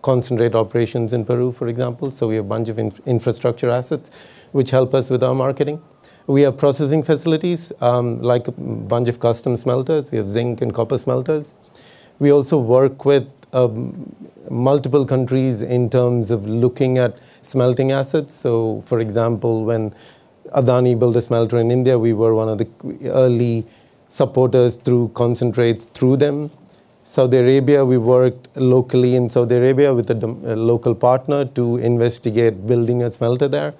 concentrate operations in Peru, for example. We have a bunch of infrastructure assets, which help us with our marketing. We have processing facilities, like a bunch of custom smelters. We have zinc and copper smelters. We also work with multiple countries in terms of looking at smelting assets. For example, when Adani built a smelter in India, we were one of the early supporters through concentrates through them. In Saudi Arabia, we worked locally in Saudi Arabia with a local partner to investigate building a smelter there.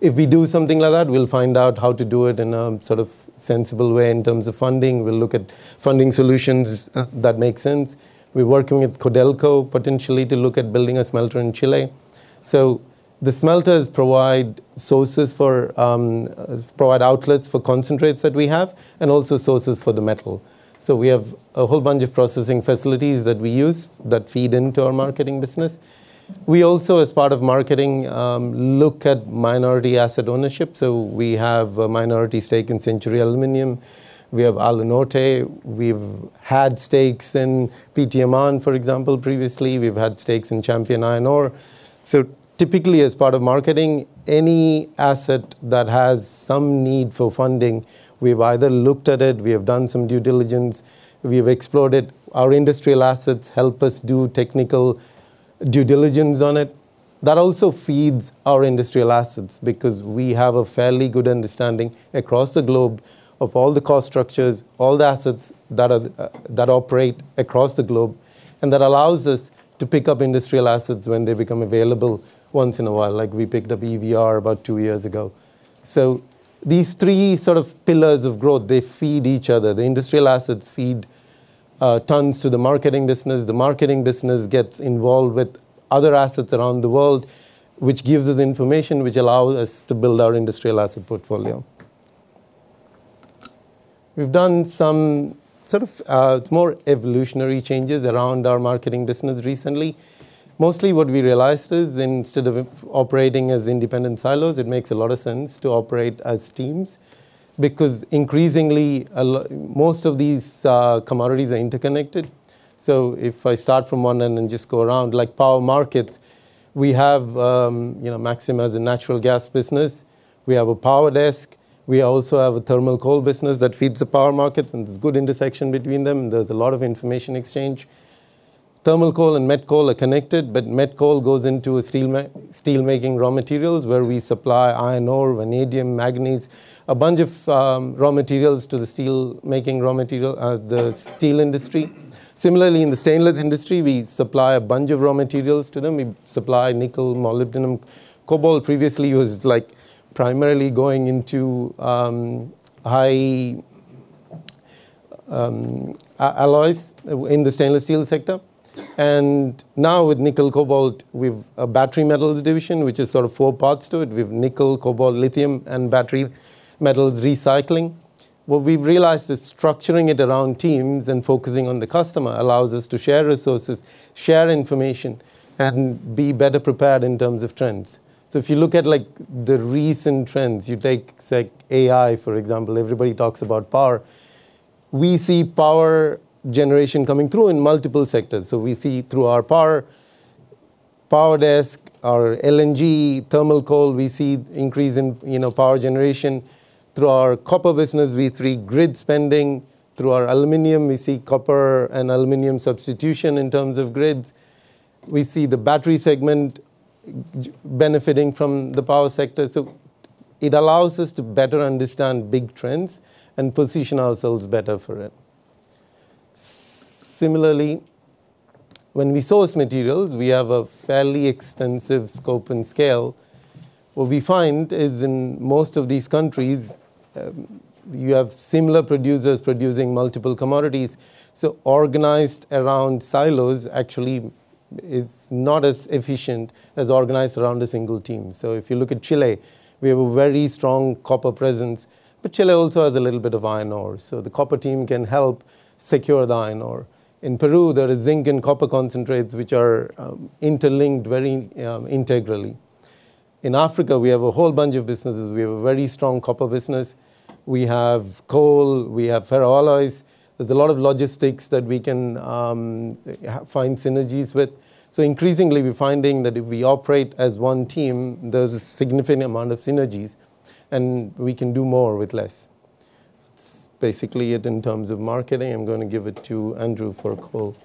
If we do something like that, we'll find out how to do it in a sort of sensible way in terms of funding. We'll look at funding solutions that make sense. We're working with Codelco potentially to look at building a smelter in Chile. So the smelters provide sources for outlets for concentrates that we have and also sources for the metal. So we have a whole bunch of processing facilities that we use that feed into our marketing business. We also, as part of marketing, look at minority asset ownership. So we have a minority stake in Century Aluminum. We have Alunorte. We've had stakes in, for example, previously. We've had stakes in Champion Iron. So typically, as part of marketing, any asset that has some need for funding, we've either looked at it, we have done some due diligence, we've explored it. Our industrial assets help us do technical due diligence on it. That also feeds our industrial assets because we have a fairly good understanding across the globe of all the cost structures, all the assets that operate across the globe, and that allows us to pick up industrial assets when they become available once in a while, like we picked up EVR about two years ago. So these three sort of pillars of growth, they feed each other. The industrial assets feed tons to the marketing business. The marketing business gets involved with other assets around the world, which gives us information, which allows us to build our industrial asset portfolio. We've done some sort of more evolutionary changes around our marketing business recently. Mostly what we realized is instead of operating as independent silos, it makes a lot of sense to operate as teams because increasingly most of these commodities are interconnected. So if I start from one end and just go around, like power markets, we have Maxim as a natural gas business. We have a power desk. We also have a thermal coal business that feeds the power markets, and there's good intersection between them. There's a lot of information exchange. Thermal coal and met coal are connected, but met coal goes into steelmaking raw materials where we supply iron ore, vanadium, manganese, a bunch of raw materials to the steelmaking raw material, the steel industry. Similarly, in the stainless industry, we supply a bunch of raw materials to them. We supply nickel, molybdenum, cobalt. Previously, it was like primarily going into high alloys in the stainless steel sector. Now with nickel, cobalt, we have a battery metals division, which is sort of four parts to it. We have nickel, cobalt, lithium, and battery metals recycling. What we've realized is structuring it around teams and focusing on the customer allows us to share resources, share information, and be better prepared in terms of trends. So if you look at the recent trends, you take AI, for example, everybody talks about power. We see power generation coming through in multiple sectors. So we see through our power desk, our LNG, thermal coal, we see increase in power generation. Through our copper business, we see grid spending. Through our aluminum, we see copper and aluminum substitution in terms of grids. We see the battery segment benefiting from the power sector. So it allows us to better understand big trends and position ourselves better for it. Similarly, when we source materials, we have a fairly extensive scope and scale. What we find is in most of these countries, you have similar producers producing multiple commodities. So organized around silos actually is not as efficient as organized around a single team. So if you look at Chile, we have a very strong copper presence, but Chile also has a little bit of iron ore. So the copper team can help secure the iron ore. In Peru, there are zinc and copper concentrates, which are interlinked very integrally. In Africa, we have a whole bunch of businesses. We have a very strong copper business. We have coal. We have ferro alloys. There's a lot of logistics that we can find synergies with. So increasingly, we're finding that if we operate as one team, there's a significant amount of synergies and we can do more with less. That's basically it in terms of marketing. I'm going to give it to Andrew for coal.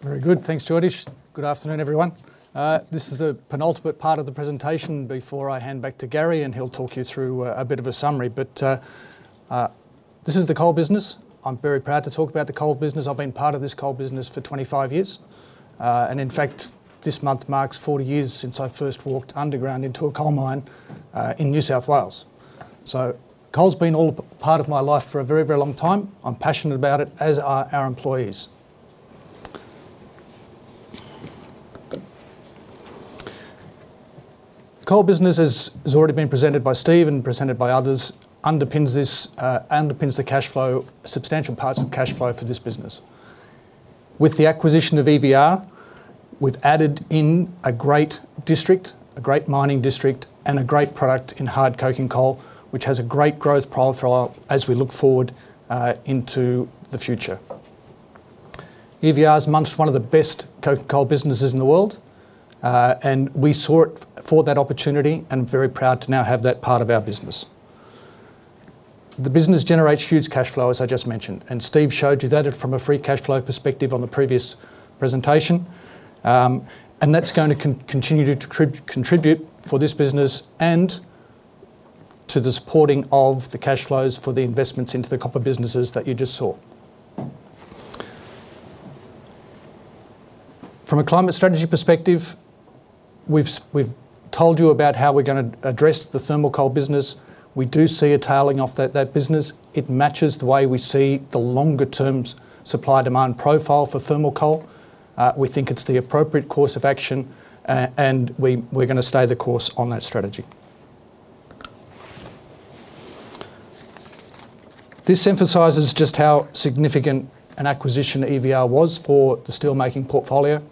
Very good. Thanks, Jyothish. Good afternoon, everyone. This is the penultimate part of the presentation before I hand back to Gary, and he'll talk you through a bit of a summary. But this is the coal business. I'm very proud to talk about the coal business. I've been part of this coal business for 25 years. And in fact, this month marks 40 years since I first walked underground into a coal mine in New South Wales. So coal has been all part of my life for a very, very long time. I'm passionate about it, as are our employees. Coal business, as has already been presented by Steve and presented by others, underpins the cash flow, substantial parts of cash flow for this business. With the acquisition of EVR, we've added in a great district, a great mining district, and a great product in hard coking coal, which has a great growth profile as we look forward into the future. EVR is among one of the best coking coal businesses in the world, and we saw it for that opportunity and are very proud to now have that part of our business. The business generates huge cash flow, as I just mentioned, and Steve showed you that from a free cash flow perspective on the previous presentation. That's going to continue to contribute for this business and to the supporting of the cash flows for the investments into the copper businesses that you just saw. From a climate strategy perspective, we've told you about how we're going to address the thermal coal business. We do see a tailing off of that business. It matches the way we see the longer-term supply-demand profile for thermal coal. We think it's the appropriate course of action, and we're going to stay the course on that strategy. This emphasizes just how significant an acquisition EVR was for the steelmaking portfolio.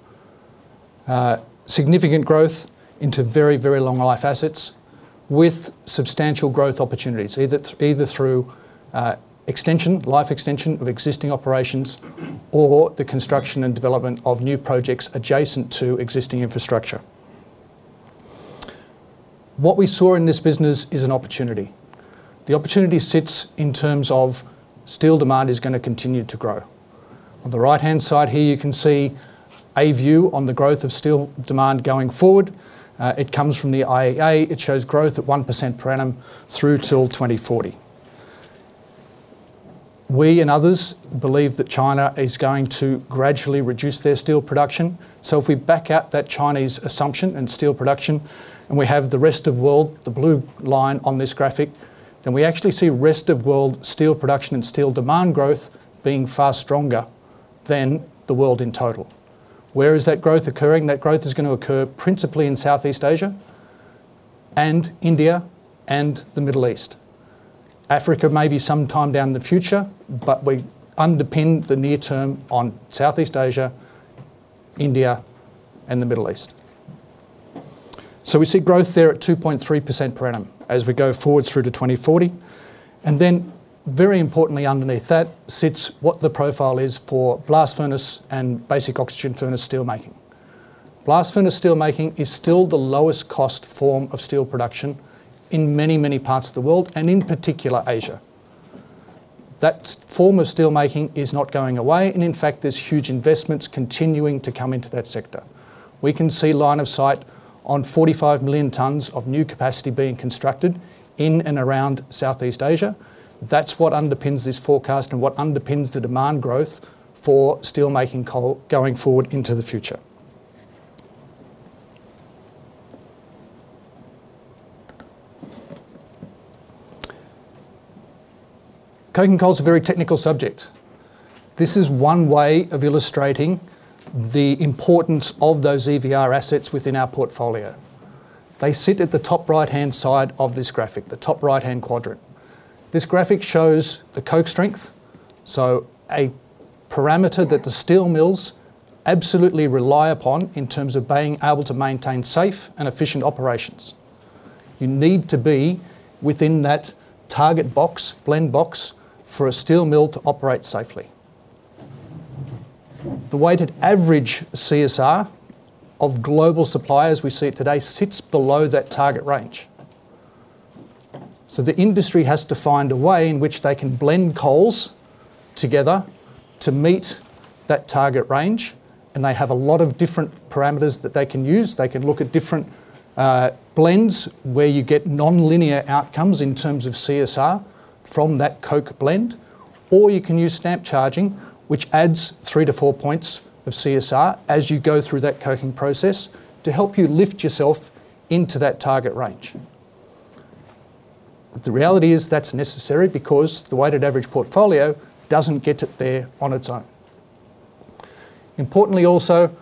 Significant growth into very, very long-life assets with substantial growth opportunities, either through life extension of existing operations or the construction and development of new projects adjacent to existing infrastructure. What we saw in this business is an opportunity. The opportunity sits in terms of steel demand is going to continue to grow. On the right-hand side here, you can see a view on the growth of steel demand going forward. It comes from the IEA. It shows growth at 1% per annum through till 2040. We and others believe that China is going to gradually reduce their steel production. If we back out that Chinese assumption and steel production, and we have the rest of world, the blue line on this graphic, then we actually see rest of world steel production and steel demand growth being far stronger than the world in total. Where is that growth occurring? That growth is going to occur principally in Southeast Asia and India and the Middle East. Africa may be sometime down in the future, but we underpin the near-term on Southeast Asia, India, and the Middle East. We see growth there at 2.3% per annum as we go forward through to 2040. Very importantly, underneath that sits what the profile is for blast furnace and basic oxygen furnace steelmaking. Blast furnace steelmaking is still the lowest cost form of steel production in many, many parts of the world, and in particular, Asia. That form of steelmaking is not going away, and in fact, there's huge investments continuing to come into that sector. We can see line of sight on 45 million tons of new capacity being constructed in and around Southeast Asia. That's what underpins this forecast and what underpins the demand growth for steelmaking coal going forward into the future. Coking coal is a very technical subject. This is one way of illustrating the importance of those EVR assets within our portfolio. They sit at the top right-hand side of this graphic, the top right-hand quadrant. This graphic shows the coke strength, so a parameterseter that the steel mills absolutely rely upon in terms of being able to maintain safe and efficient operations. You need to be within that target box, blend box, for a steel mill to operate safely. The weighted average CSR of global suppliers we see today sits below that target range. So the industry has to find a way in which they can blend coals together to meet that target range, and they have a lot of different parameters that they can use. They can look at different blends where you get non-linear outcomes in terms of CSR from that coke blend, or you can use stamp charging, which adds three to four points of CSR as you go through that coking process to help you lift yourself into that target range. The reality is that's necessary because the weighted average portfolio doesn't get it there on its own. Importantly also,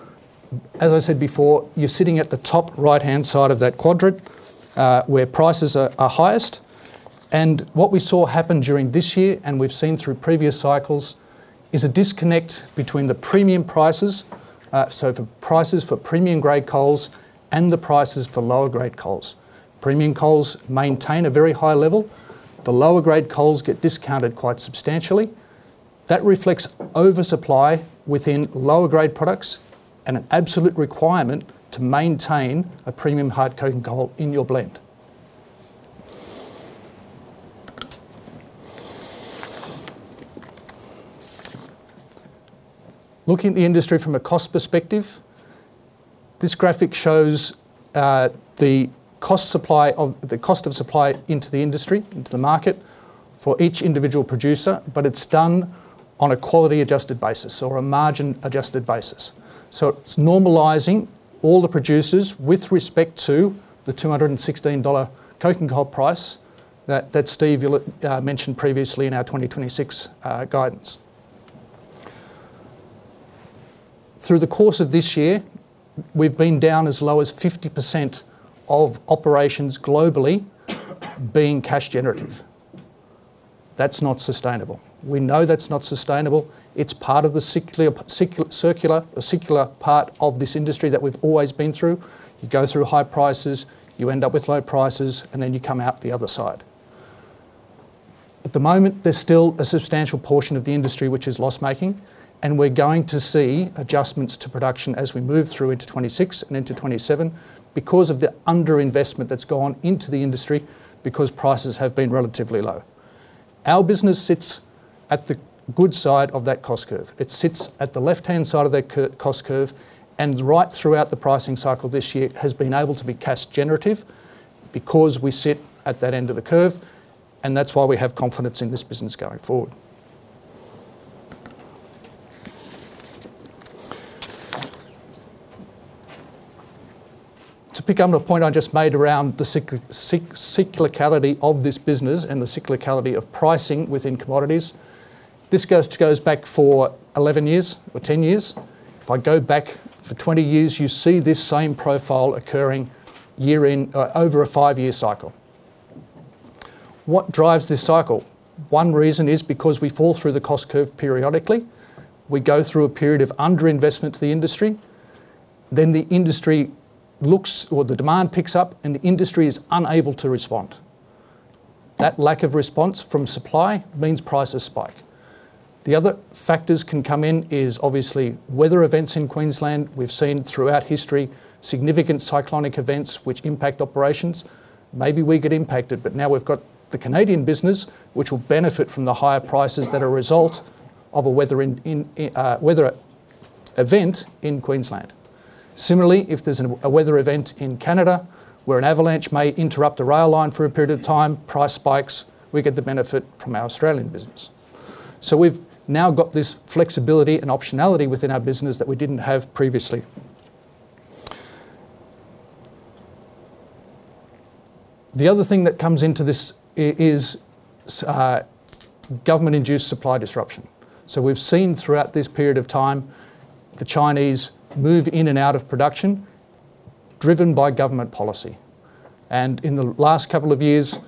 as I said before, you're sitting at the top right-hand side of that quadrant where prices are highest. What we saw happen during this year and we've seen through previous cycles is a disconnect between the premium prices, so the prices for premium-grade coals, and the prices for lower-grade coals. Premium coals maintain a very high level. The lower-grade coals get discounted quite substantially. That reflects oversupply within lower-grade products and an absolute requirement to maintain a premium hard coking coal in your blend. Looking at the industry from a cost perspective, this graphic shows the cost of supply into the industry, into the market for each individual producer, but it's done on a quality-adjusted basis or a margin-adjusted basis. So it's normalizing all the producers with respect to the $216 coking coal price that Steve mentioned previously in our 2026 guidance. Through the course of this year, we've been down as low as 50% of operations globally being cash generative. That's not sustainable. We know that's not sustainable. It's part of the circular part of this industry that we've always been through. You go through high prices, you end up with low prices, and then you come out the other side. At the moment, there's still a substantial portion of the industry which is loss-making, and we're going to see adjustments to production as we move through into 2026 and into 2027 because of the underinvestment that's gone into the industry because prices have been relatively low. Our business sits at the good side of that cost curve. It sits at the left-hand side of that cost curve, and right throughout the pricing cycle this year has been able to be cash generative because we sit at that end of the curve, and that's why we have confidence in this business going forward. To pick up on a point I just made around the cyclicality of this business and the cyclicality of pricing within commodities, this goes back for 11 years or 10 years. If I go back for 20 years, you see this same profile occurring over a five-year cycle. What drives this cycle? One reason is because we fall through the cost curve periodically. We go through a period of underinvestment to the industry. Then the industry looks or the demand picks up, and the industry is unable to respond. That lack of response from supply means prices spike. The other factors can come in is obviously weather events in Queensland. We've seen throughout history significant cyclonic events which impact operations. Maybe we get impacted, but now we've got the Canadian business which will benefit from the higher prices that are a result of a weather event in Queensland. Similarly, if there's a weather event in Canada where an avalanche may interrupt a rail line for a period of time, price spikes. We get the benefit from our Australian business. So we've now got this flexibility and optionality within our business that we didn't have previously. The other thing that comes into this is government-induced supply disruption. So we've seen throughout this period of time the Chinese move in and out of production driven by government policy. And in the last couple of years,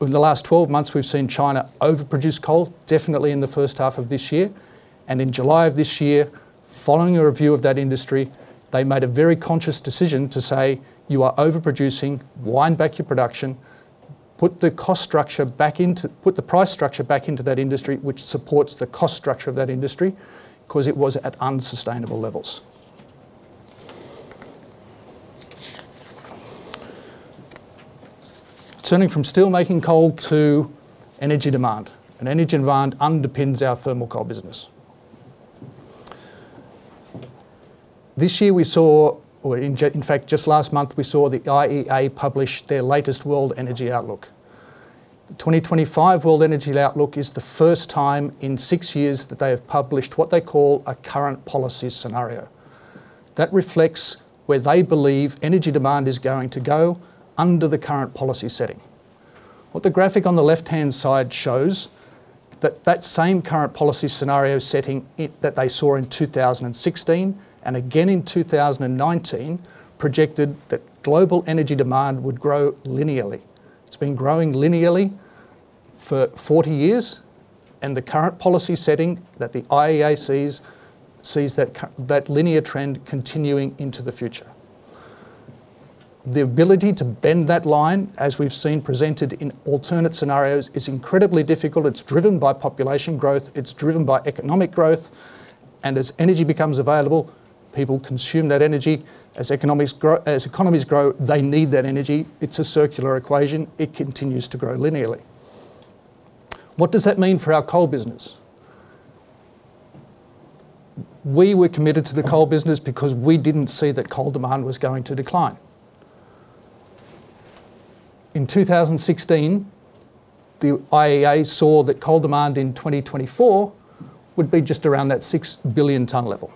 in the last 12 months, we've seen China overproduce coal, definitely in the first half of this year. And in July of this year, following a review of that industry, they made a very conscious decision to say, "You are overproducing. Wind back your production. Put the cost structure back into that industry, which supports the cost structure of that industry because it was at unsustainable levels." Turning from steelmaking coal to energy demand, and energy demand underpins our thermal coal business. This year, we saw, or in fact, just last month, we saw the IEA publish their latest world energy outlook. The 2025 world energy outlook is the first time in six years that they have published what they call a current policy scenario. That reflects where they believe energy demand is going to go under the current policy setting. What the graphic on the left-hand side shows, that that same current policy scenario setting that they saw in 2016 and again in 2019 projected that global energy demand would grow linearly. It's been growing linearly for 40 years, and the current policy setting that the IEA sees that linear trend continuing into the future. The ability to bend that line, as we've seen presented in alternate scenarios, is incredibly difficult. It's driven by population growth. It's driven by economic growth. And as energy becomes available, people consume that energy. As economies grow, they need that energy. It's a circular equation. It continues to grow linearly. What does that mean for our coal business? We were committed to the coal business because we didn't see that coal demand was going to decline. In 2016, the IEA saw that coal demand in 2024 would be just around that 6 billion ton level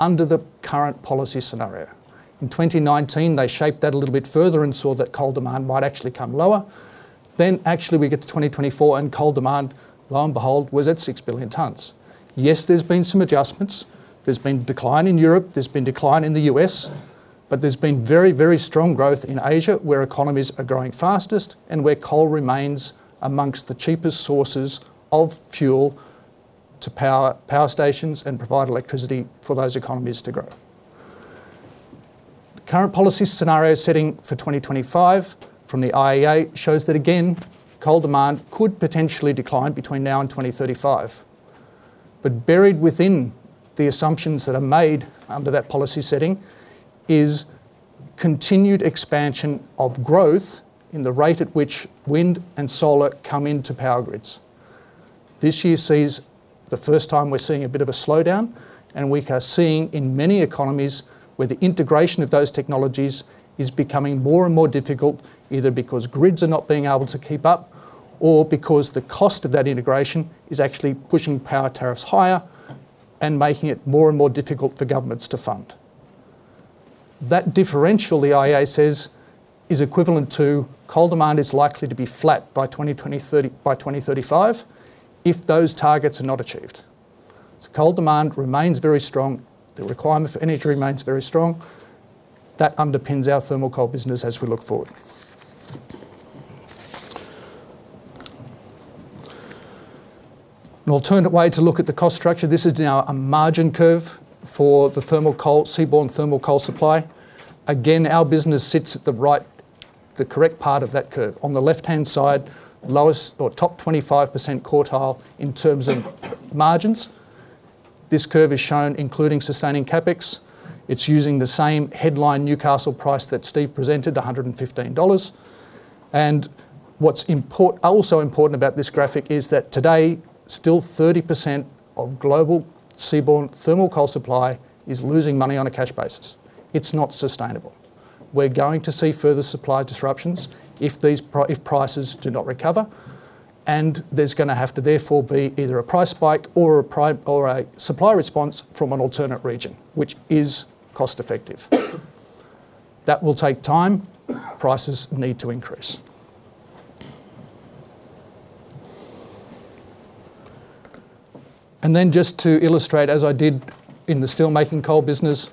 under the current policy scenario. In 2019, they shaped that a little bit further and saw that coal demand might actually come lower. Then, actually, we get to 2024, and coal demand, lo and behold, was at 6 billion tons. Yes, there's been some adjustments. There's been decline in Europe. There's been decline in the U.S., but there's been very, very strong growth in Asia where economies are growing fastest and where coal remains among the cheapest sources of fuel to power stations and provide electricity for those economies to grow. The current policy scenario setting for 2025 from the IEA shows that, again, coal demand could potentially decline between now and 2035. But buried within the assumptions that are made under that policy setting is continued expansion of growth in the rate at which wind and solar come into power grids. This year sees the first time we're seeing a bit of a slowdown, and we are seeing in many economies where the integration of those technologies is becoming more and more difficult, either because grids are not being able to keep up or because the cost of that integration is actually pushing power tariffs higher and making it more and more difficult for governments to fund. That differential, the IEA says, is equivalent to coal demand is likely to be flat by 2035 if those targets are not achieved. So coal demand remains very strong. The requirement for energy remains very strong. That underpins our thermal coal business as we look forward. An alternate way to look at the cost structure. This is now a margin curve for the thermal coal, seaborne thermal coal supply. Again, our business sits at the correct part of that curve. On the left-hand side, lowest or top 25% quartile in terms of margins. This curve is shown including sustaining CapEx. It's using the same headline Newcastle price that Steve presented, $115. What's also important about this graphic is that today, still 30% of global seaborne thermal coal supply is losing money on a cash basis. It's not sustainable. We're going to see further supply disruptions if prices do not recover, and there's going to have to therefore be either a price spike or a supply response from an alternate region, which is cost-effective. That will take time. Prices need to increase. Then just to illustrate, as I did in the steelmaking coal business,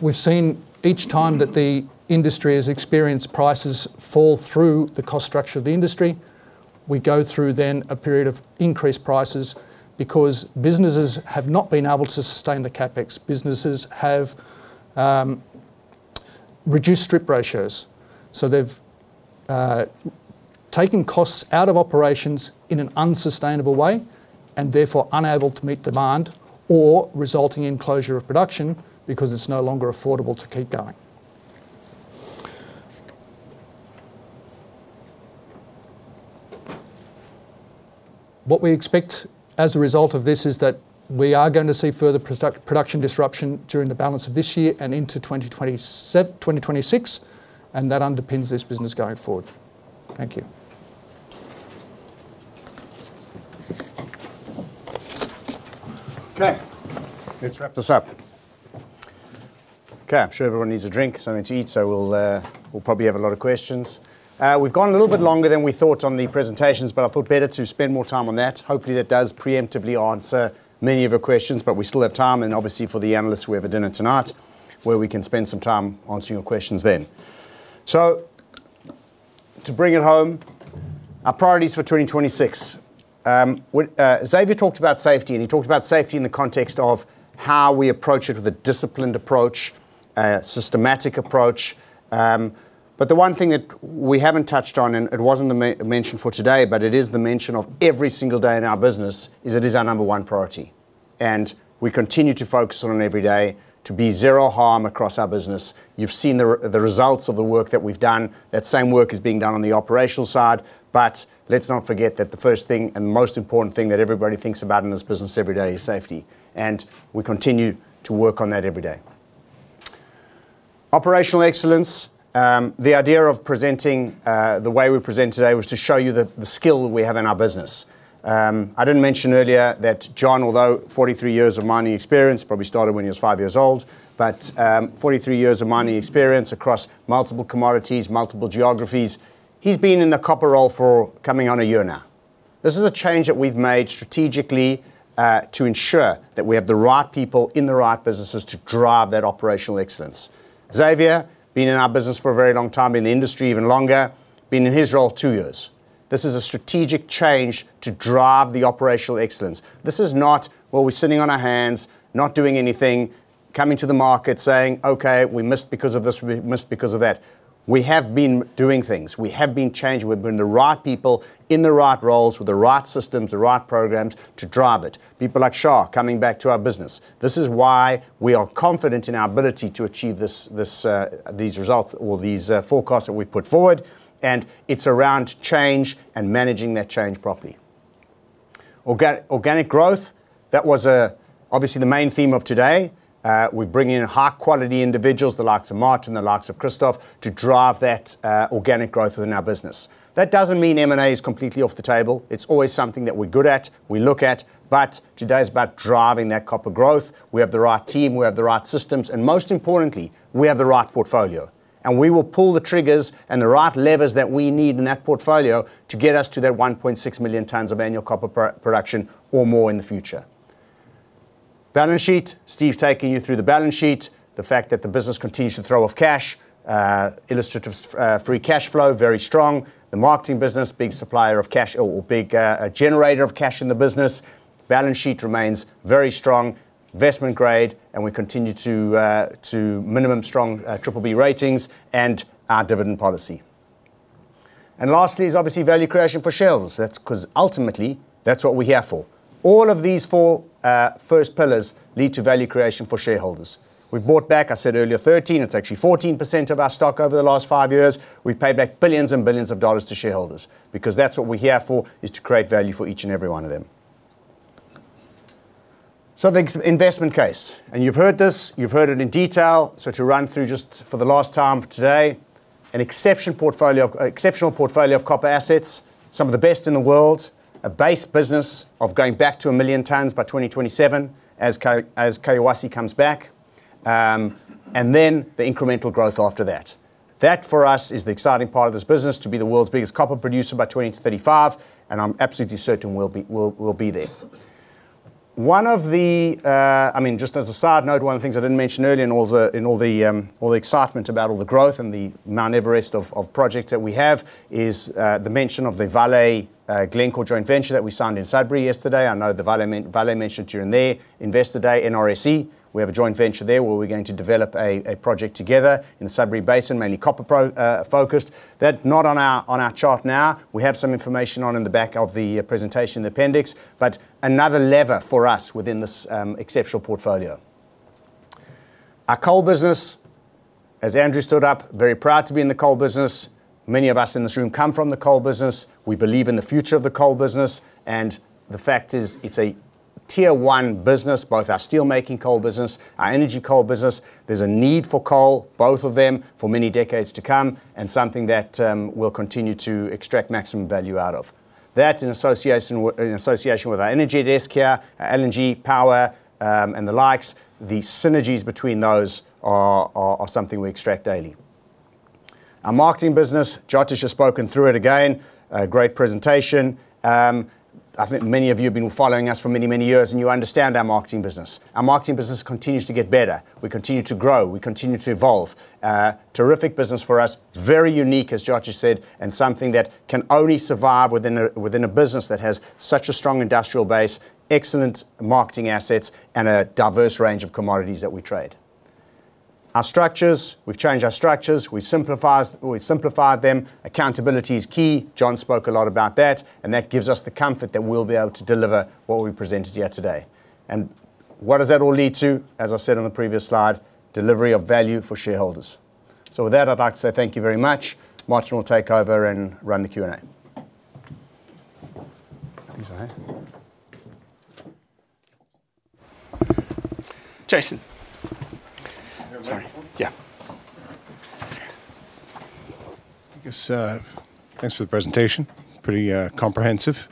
we've seen each time that the industry has experienced prices fall through the cost structure of the industry, we go through then a period of increased prices because businesses have not been able to sustain the CapEx. Businesses have reduced strip ratios. So they've taken costs out of operations in an unsustainable way and therefore unable to meet demand or resulting in closure of production because it's no longer affordable to keep going. What we expect as a result of this is that we are going to see further production disruption during the balance of this year and into 2026, and that underpins this business going forward. Thank you. Okay. Let's wrap this up. Okay. I'm sure everyone needs a drink, something to eat, so we'll probably have a lot of questions. We've gone a little bit longer than we thought on the presentations, but I thought better to spend more time on that. Hopefully, that does preemptively answer many of your questions, but we still have time, and obviously, for the analysts, we have a dinner tonight where we can spend some time answering your questions then, so to bring it home, our priorities for 2026. Xavier talked about safety, and he talked about safety in the context of how we approach it with a disciplined approach, a systematic approach, but the one thing that we haven't touched on, and it wasn't mentioned for today, but it is the mention of every single day in our business, is it is our number one priority, and we continue to focus on it every day to be zero harm across our business. You've seen the results of the work that we've done. That same work is being done on the operational side, but let's not forget that the first thing and the most important thing that everybody thinks about in this business every day is safety, and we continue to work on that every day. Operational excellence. The idea of presenting the way we present today was to show you the skill that we have in our business. I didn't mention earlier that Jon, although 43 years of mining experience, probably started when he was five years old, but 43 years of mining experience across multiple commodities, multiple geographies. He's been in the copper role for coming on a year now. This is a change that we've made strategically to ensure that we have the right people in the right businesses to drive that operational excellence. Xavier, being in our business for a very long time, been in the industry even longer, been in his role two years. This is a strategic change to drive the operational excellence. This is not, "Well, we're sitting on our hands, not doing anything," coming to the market saying, "Okay, we missed because of this, we missed because of that." We have been doing things. We have been changing. We've been the right people in the right roles with the right systems, the right programs to drive it. People like Shah coming back to our business. This is why we are confident in our ability to achieve these results or these forecasts that we've put forward, and it's around change and managing that change properly. Organic growth, that was obviously the main theme of today. We bring in high-quality individuals, the likes of Martin and the likes of Christoff, to drive that organic growth within our business. That doesn't mean M&A is completely off the table. It's always something that we're good at. We look at, but today's about driving that copper growth. We have the right team. We have the right systems. And most importantly, we have the right portfolio. We will pull the triggers and the right levers that we need in that portfolio to get us to that 1.6 million tons of annual copper production or more in the future. Balance sheet, Steve taking you through the balance sheet, the fact that the business continues to throw off cash, illustrative free cash flow, very strong. The marketing business, big supplier of cash or big generator of cash in the business. Balance sheet remains very strong, investment grade, and we continue to maintain strong triple B ratings and our dividend policy. Lastly is obviously value creation for shareholders. That's because ultimately that's what we're here for. All of these four first pillars lead to value creation for shareholders. We bought back, I said earlier, 13; it's actually 14% of our stock over the last five years. We've paid back billions and billions of dollars to shareholders because that's what we're here for, is to create value for each and every one of them. So the investment case. And you've heard this. You've heard it in detail. So to run through just for the last time today, an exceptional portfolio of copper assets, some of the best in the world, a base business of going back to a million tons by 2027 as Collahuasi comes back, and then the incremental growth after that. That for us is the exciting part of this business, to be the world's biggest copper producer by 2035, and I'm absolutely certain we'll be there. I mean, just as a side note, one of the things I didn't mention earlier in all the excitement about all the growth and the Mount Everest of projects that we have is the mention of the Vale-Glencore joint venture that we signed in Sudbury yesterday. I know the Vale mentioned you in there, Investor Day, NRSE. We have a joint venture there where we're going to develop a project together in the Sudbury Basin, mainly copper-focused. That's not on our chart now. We have some information on in the back of the presentation, the appendix, but another lever for us within this exceptional portfolio. Our coal business, as Andrew stood up, very proud to be in the coal business. Many of us in this room come from the coal business. We believe in the future of the coal business. The fact is it's a tier-one business, both our steelmaking coal business, our energy coal business. There's a need for coal, both of them, for many decades to come, and something that we'll continue to extract maximum value out of. That's in association with our energy assets, our LNG, power, and the likes. The synergies between those are something we extract daily. Our marketing business, Jyothish has spoken through it again. Great presentation. I think many of you have been following us for many, many years, and you understand our marketing business. Our marketing business continues to get better. We continue to grow. We continue to evolve. Terrific business for us, very unique, as Jyothish said, and something that can only survive within a business that has such a strong industrial base, excellent marketing assets, and a diverse range of commodities that we trade. Our structures, we've changed our structures. We've simplified them. Accountability is key. Jon spoke a lot about that, and that gives us the comfort that we'll be able to deliver what we presented yesterday, and what does that all lead to? As I said on the previous slide, delivery of value for shareholders, so with that, I'd like to say thank you very much. Martin will take over and run the Q&A. Thanks, Gary. Jason. Sorry. Yeah. I guess thanks for the presentation. Pretty comprehensive.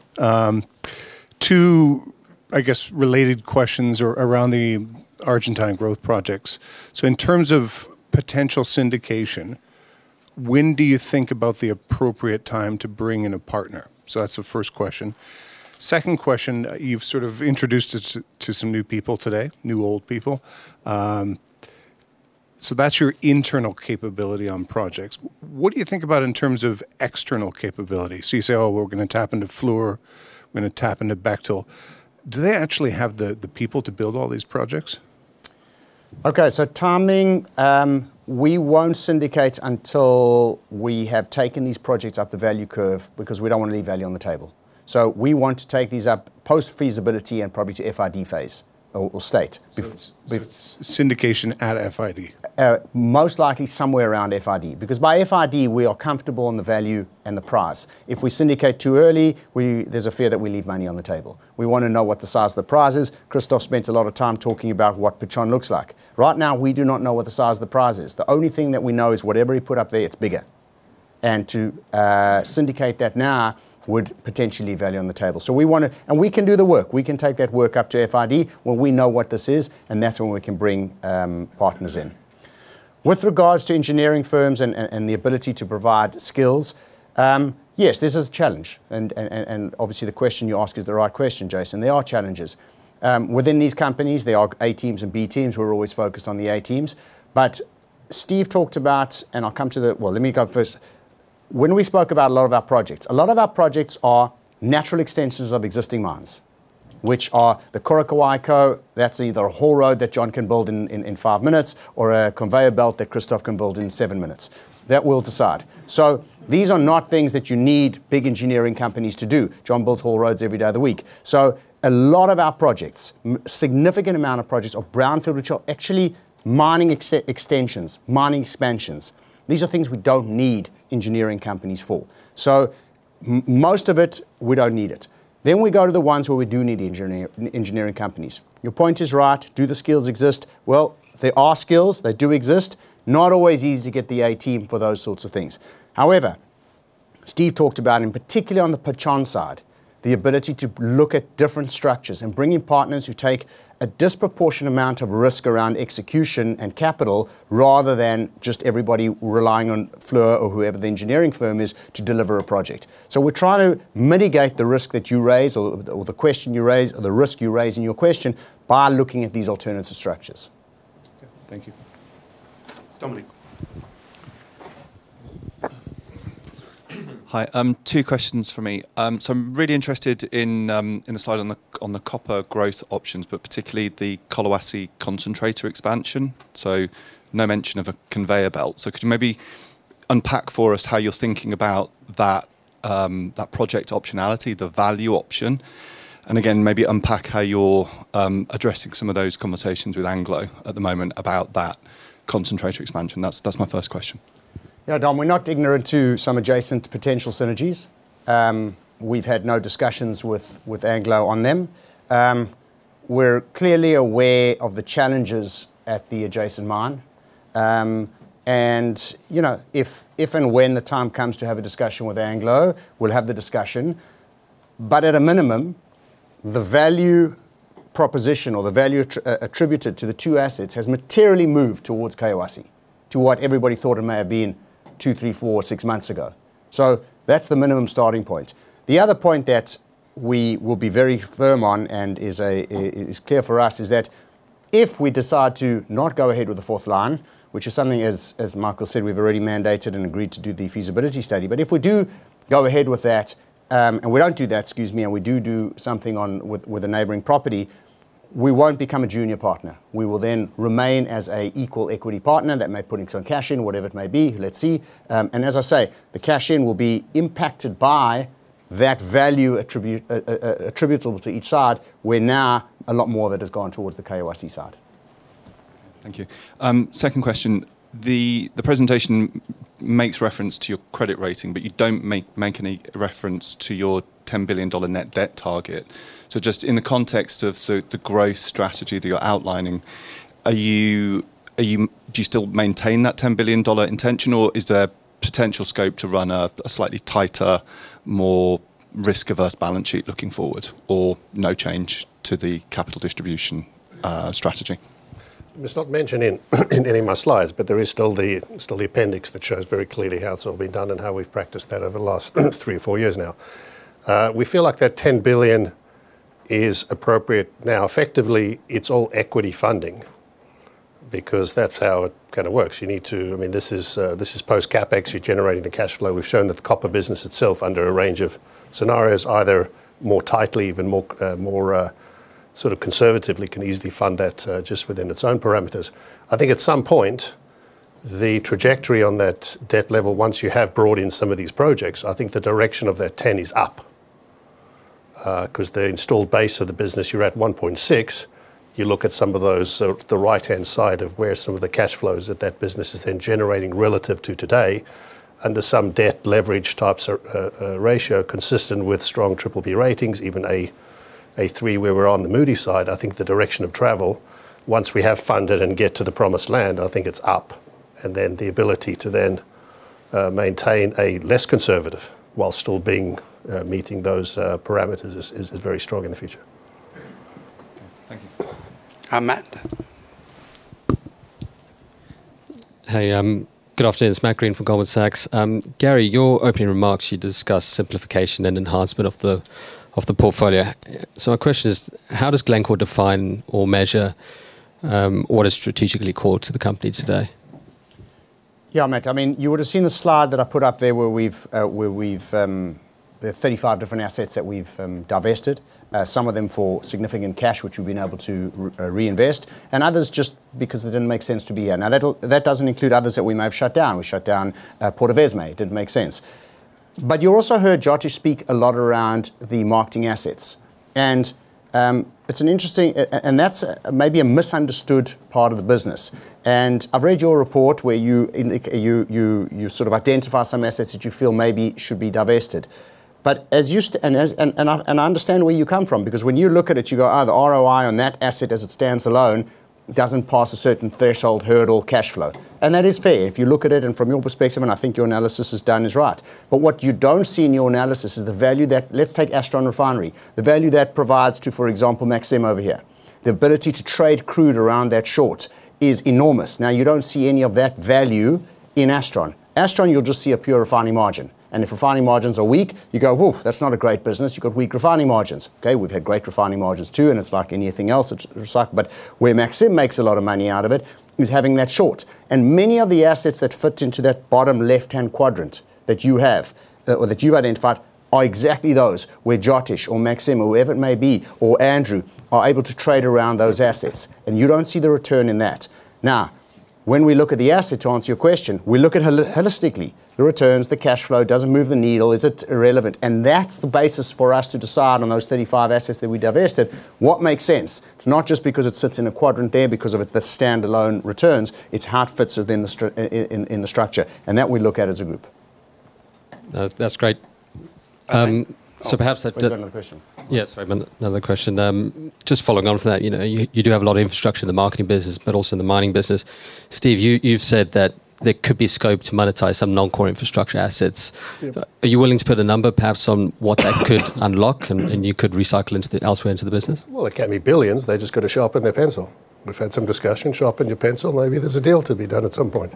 Two, I guess, related questions around the Argentine growth projects. So in terms of potential syndication, when do you think about the appropriate time to bring in a partner? So that's the first question. Second question, you've sort of introduced us to some new people today, new old people. So that's your internal capability on projects. What do you think about in terms of external capability? So you say, "Oh, we're going to tap into Fluor. We're going to tap into Bechtel." Do they actually have the people to build all these projects? Okay. So timing, we won't syndicate until we have taken these projects up the value curve because we don't want to leave value on the table. So we want to take these up post-feasibility and probably to FID phase or state. Syndication at FID? Most likely somewhere around FID because by FID, we are comfortable on the value and the price. If we syndicate too early, there's a fear that we leave money on the table. We want to know what the size of the price is. Christoff spent a lot of time talking about what Pachón looks like. Right now, we do not know what the size of the price is. The only thing that we know is whatever he put up there, it's bigger, and to syndicate that now would potentially leave value on the table, and we can do the work. We can take that work up to FID when we know what this is, and that's when we can bring partners in. With regards to engineering firms and the ability to provide skills, yes, this is a challenge. And obviously, the question you ask is the right question, Jason. There are challenges. Within these companies, there are A teams and B teams. We're always focused on the A teams. But Steve talked about and I'll come to the, well, let me go first. When we spoke about a lot of our projects, a lot of our projects are natural extensions of existing mines, which are the Coroccohuayco. That's either a haul road that Jon can build in five minutes or a conveyor belt that Christoff can build in seven minutes. That we'll decide. So these are not things that you need big engineering companies to do. Jon builds haul roads every day of the week. So a lot of our projects, significant amount of projects of brownfield, which are actually mining extensions, mining expansions, these are things we don't need engineering companies for. So most of it, we don't need it. Then we go to the ones where we do need engineering companies. Your point is right. Do the skills exist? Well, there are skills. They do exist. Not always easy to get the A team for those sorts of things. However, Steve talked about, and particularly on the Pachón side, the ability to look at different structures and bring in partners who take a disproportionate amount of risk around execution and capital rather than just everybody relying on Fluor or whoever the engineering firm is to deliver a project. So we're trying to mitigate the risk that you raise or the question you raise or the risk you raise in your question by looking at these alternative structures. Okay. Thank you. Dominic. Hi. Two questions for me. So I'm really interested in the slide on the copper growth options, but particularly the Collahuasi concentrator expansion. So no mention of a conveyor belt. So could you maybe unpack for us how you're thinking about that project optionality, the value option? And again, maybe unpack how you're addressing some of those conversations with Anglo at the moment about that concentrator expansion. That's my first question. Yeah, Dom, we're not ignorant to some adjacent potential synergies. We've had no discussions with Anglo on them. We're clearly aware of the challenges at the adjacent mine. And if and when the time comes to have a discussion with Anglo, we'll have the discussion. But at a minimum, the value proposition or the value attributed to the two assets has materially moved towards Collahuasi, to what everybody thought it may have been two, three, four, six months ago. So that's the minimum starting point. The other point that we will be very firm on and is clear for us is that if we decide to not go ahead with the fourth line, which is something, as Michael said, we've already mandated and agreed to do the feasibility study. But if we do go ahead with that, and we don't do that, excuse me, and we do do something with a neighboring property, we won't become a junior partner. We will then remain as an equal equity partner that may put in some cash in, whatever it may be. Let's see. And as I say, the cash in will be impacted by that value attributable to each side where now a lot more of it has gone towards the Collahuasi side. Thank you. Second question. The presentation makes reference to your credit rating, but you don't make any reference to your $10 billion net debt target. So just in the context of the growth strategy that you're outlining, do you still maintain that $10 billion intention, or is there potential scope to run a slightly tighter, more risk-averse balance sheet looking forward, or no change to the capital distribution strategy? I'm just not mentioning it in any of my slides, but there is still the appendix that shows very clearly how it's all been done and how we've practiced that over the last three or four years now. We feel like that $10 billion is appropriate now. Effectively, it's all equity funding because that's how it kind of works. I mean, this is post-CapEx. You're generating the cash flow. We've shown that the copper business itself, under a range of scenarios, either more tightly, even more sort of conservatively, can easily fund that just within its own parameters. I think at some point, the trajectory on that debt level, once you have brought in some of these projects, I think the direction of that 10 is up because the installed base of the business, you're at 1.6. You look at some of those, the right-hand side of where some of the cash flows that that business is then generating relative to today under some debt leverage types of ratio consistent with strong triple-B ratings, even a three where we're on the Moody's side. I think the direction of travel, once we have funded and get to the promised land, I think it's up. And then the ability to then maintain a less conservative while still meeting those parameters is very strong in the future. Thank you. Matt? Hey, good afternoon. It's Matt Greene from Goldman Sachs. Gary, your opening remarks, you discussed simplification and enhancement of the portfolio. So my question is, how does Glencore define or measure what is strategically core to the company today? Yeah, Matt. I mean, you would have seen the slide that I put up there where we've, there are 35 different assets that we've divested, some of them for significant cash, which we've been able to reinvest, and others just because it didn't make sense to be here. Now, that doesn't include others that we may have shut down. We shut down. It didn't make sense. But you also heard Jyothish speak a lot around the marketing assets. And it's an interesting, and that's maybe a misunderstood part of the business. And I've read your report where you sort of identify some assets that you feel maybe should be divested. And I understand where you come from because when you look at it, you go, "Oh, the ROI on that asset as it stands alone doesn't pass a certain threshold hurdle cash flow." And that is fair if you look at it. And from your perspective, and I think your analysis is done, is right. But what you don't see in your analysis is the value that, let's take Astron Refinery. The value that provides to, for example, Maxim over here, the ability to trade crude around that short is enormous. Now, you don't see any of that value in Astron. Astron, you'll just see a pure refining margin. And if refining margins are weak, you go, "Whoo, that's not a great business. You've got weak refining margins." Okay, we've had great refining margins too, and it's like anything else. But where Maxim makes a lot of money out of it is having that short. And many of the assets that fit into that bottom left-hand quadrant that you have or that you've identified are exactly those where Jyothish or Maxim, or whoever it may be, or Andrew, are able to trade around those assets. And you don't see the return in that. Now, when we look at the asset to answer your question, we look at it holistically. The returns, the cash flow, doesn't move the needle. Is it irrelevant? And that's the basis for us to decide on those 35 assets that we divested, what makes sense. It's not just because it sits in a quadrant there because of the standalone returns. It's how it fits within the structure, and that we look at as a group. That's great. So perhaps that was another question. Yeah, sorry, another question. Just following on from that, you do have a lot of infrastructure in the marketing business, but also in the mining business. Steve, you've said that there could be scope to monetize some non-core infrastructure assets. Are you willing to put a number, perhaps, on what that could unlock and you could recycle elsewhere into the business? Well, it can be billions. They've just got to sharpen their pencil. We've had some discussion. Sharpen your pencil. Maybe there's a deal to be done at some point.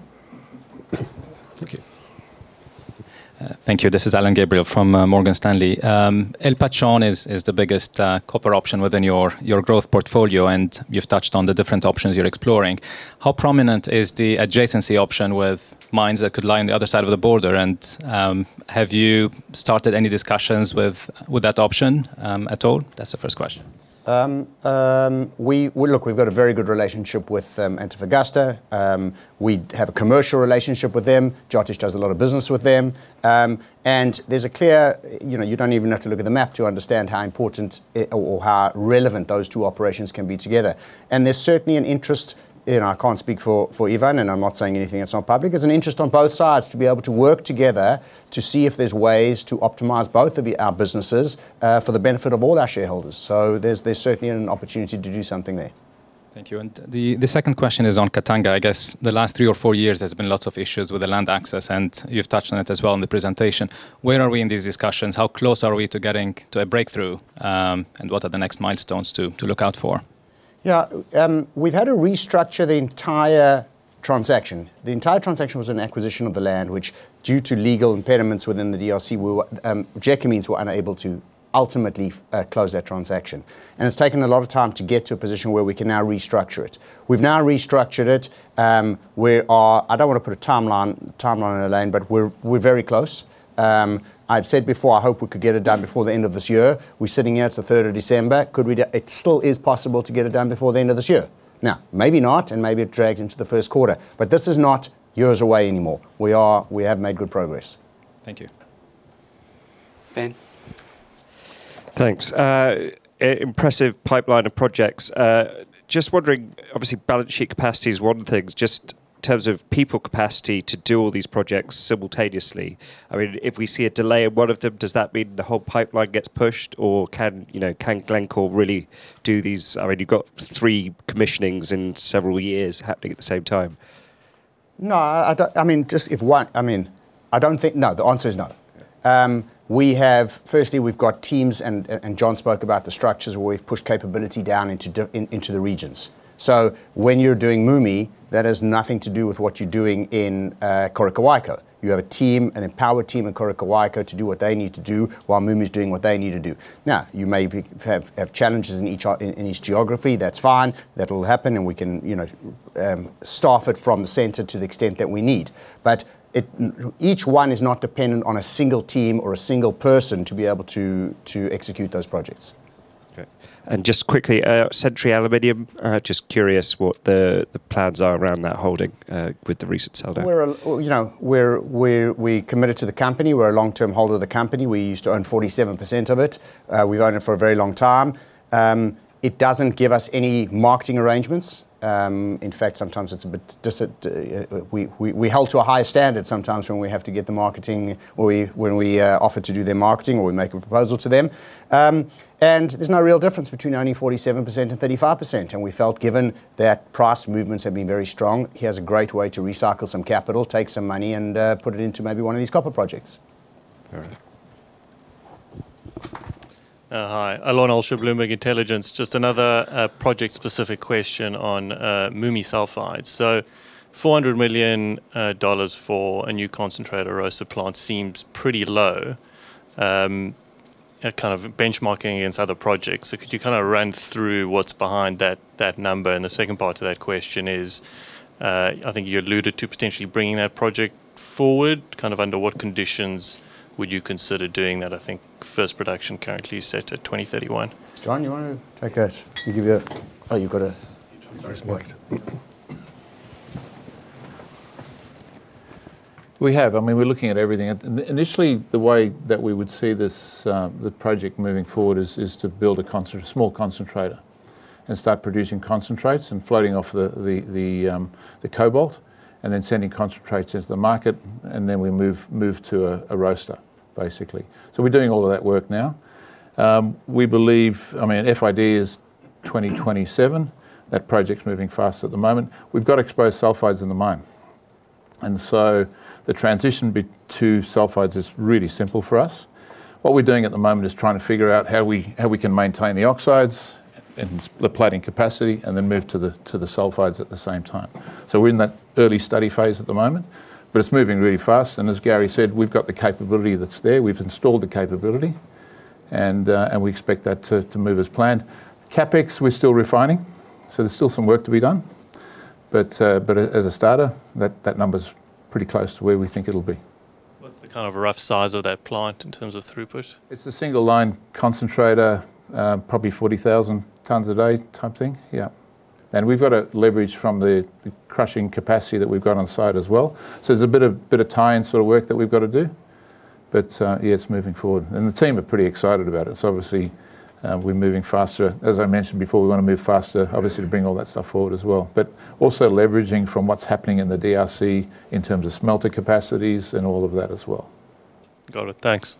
Thank you. Thank you. This is Alain Gabriel from Morgan Stanley. El Pachón is the biggest copper option within your growth portfolio, and you've touched on the different options you're exploring. How prominent is the adjacency option with mines that could lie on the other side of the border? And have you started any discussions with that option at all? That's the first question. Look, we've got a very good relationship with Antofagasta. We have a commercial relationship with them. Jyothish does a lot of business with them. And there's a clear you don't even have to look at the map to understand how important or how relevant those two operations can be together. And there's certainly an interest and I can't speak for Ivan, and I'm not saying anything that's not public there's an interest on both sides to be able to work together to see if there's ways to optimize both of our businesses for the benefit of all our shareholders. There's certainly an opportunity to do something there. Thank you. The second question is on Katanga. I guess the last three or four years, there's been lots of issues with the land access, and you've touched on it as well in the presentation. Where are we in these discussions? How close are we to getting to a breakthrough, and what are the next milestones to look out for? Yeah, we've had to restructure the entire transaction. The entire transaction was an acquisition of the land, which, due to legal impediments within the DRC, Gécamines were unable to ultimately close that transaction. It's taken a lot of time to get to a position where we can now restructure it. We've now restructured it. I don't want to put a timeline on the land, but we're very close. I've said before, I hope we could get it done before the end of this year. We're sitting here. It's the 3rd of December. It still is possible to get it done before the end of this year. Now, maybe not, and maybe it drags into the first quarter. But this is not years away anymore. We have made good progress. Thank you. Ben. Thanks. Impressive pipeline of projects. Just wondering, obviously, balance sheet capacity is one of the things. Just in terms of people capacity to do all these projects simultaneously, I mean, if we see a delay in one of them, does that mean the whole pipeline gets pushed, or can Glencore really do these? I mean, you've got three commissionings in several years happening at the same time. No, I mean, just if one. I mean, I don't think. No, the answer is no. Firstly, we've got teams, and Jon spoke about the structures where we've pushed capability down into the regions. So when you're doing MUMI, that has nothing to do with what you're doing in Coroccohuayco. You have a team, an empowered team in Coroccohuayco, to do what they need to do while MUMI is doing what they need to do. Now, you may have challenges in each geography. That's fine. That will happen, and we can staff it from the center to the extent that we need. But each one is not dependent on a single team or a single person to be able to execute those projects. Okay. And just quickly, Century Aluminum, just curious what the plans are around that holding with the recent sell-down. We're committed to the company. We're a long-term holder of the company. We used to own 47% of it. We've owned it for a very long time. It doesn't give us any marketing arrangements. In fact, sometimes it's a bit, we hold to a higher standard sometimes when we have to get the marketing or when we offer to do their marketing or we make a proposal to them. And there's no real difference between owning 47% and 35%. And we felt, given that price movements have been very strong, here's a great way to recycle some capital, take some money, and put it into maybe one of these copper projects. All right. Hi. Alon Olsha, Bloomberg Intelligence. Just another project-specific question on MUMI sulfide. So $400 million for a new concentrator roaster plant seems pretty low, kind of benchmarking against other projects. So could you kind of run through what's behind that number? And the second part to that question is, I think you alluded to potentially bringing that project forward. Kind of under what conditions would you consider doing that? I think first production currently is set at 2031. Jon, you want to take that? You give your. Oh, you've got a. That's marked. We have. I mean, we're looking at everything. Initially, the way that we would see the project moving forward is to build a small concentrator and start producing concentrates and floating off the cobalt and then sending concentrates into the market. And then we move to a roaster, basically. So we're doing all of that work now. We believe, I mean, FID is 2027. That project's moving fast at the moment. We've got exposed sulfides in the mine. And so the transition to sulfides is really simple for us. What we're doing at the moment is trying to figure out how we can maintain the oxides and the plating capacity and then move to the sulfides at the same time. So we're in that early study phase at the moment, but it's moving really fast. And as Gary said, we've got the capability that's there. We've installed the capability, and we expect that to move as planned. CapEx, we're still refining. So there's still some work to be done. But as a starter, that number's pretty close to where we think it'll be. What's the kind of rough size of that plant in terms of throughput? It's a single-line concentrator, probably 40,000 tons a day type thing. Yeah. And we've got to leverage from the crushing capacity that we've got on site as well. So there's a bit of tying sort of work that we've got to do. But yeah, it's moving forward. And the team are pretty excited about it. So obviously, we're moving faster. As I mentioned before, we want to move faster, obviously, to bring all that stuff forward as well. But also leveraging from what's happening in the DRC in terms of smelter capacities and all of that as well. Got it. Thanks.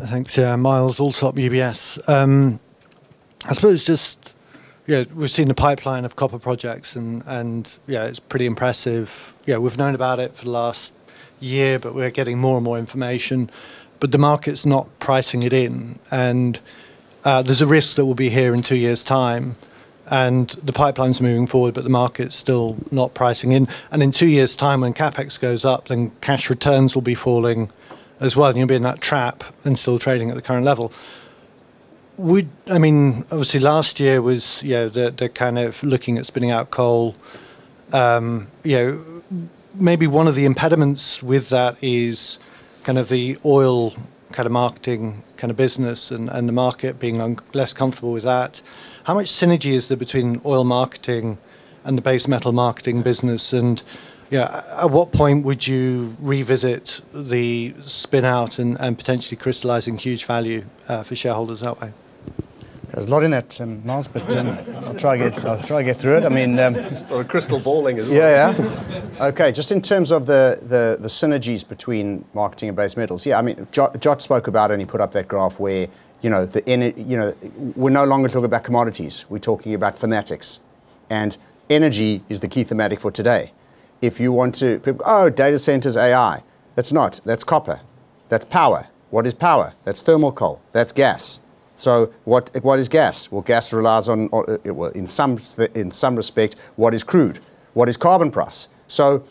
Thanks. Myles Allsop, UBS. I suppose just, yeah, we've seen the pipeline of copper projects, and yeah, it's pretty impressive. Yeah, we've known about it for the last year, but we're getting more and more information. But the market's not pricing it in. And there's a risk that will be here in two years' time. And the pipeline's moving forward, but the market's still not pricing in. And in two years' time, when CapEx goes up, then cash returns will be falling as well. You'll be in that trap and still trading at the current level. I mean, obviously, last year was, yeah, the kind of looking at spinning out coal. Maybe one of the impediments with that is kind of the oil kind of marketing kind of business and the market being less comfortable with that. How much synergy is there between oil marketing and the base metal marketing business? And yeah, at what point would you revisit the spin-out and potentially crystallizing huge value for shareholders that way? There's a lot in that, Myles, but I'll try to get through it. I mean, or. Yeah, yeah. Okay. Just in terms of the synergies between marketing and base metals, yeah, I mean, Jyot spoke about it, and he put up that graph where we're no longer talking about commodities. We're talking about thematics. Energy is the key thematic for today. If you want to, oh, data centers, AI. That's not. That's copper. That's power. What is power? That's thermal coal. That's gas. So what is gas? Well, gas relies on, in some respect, what is crude? What is carbon price? So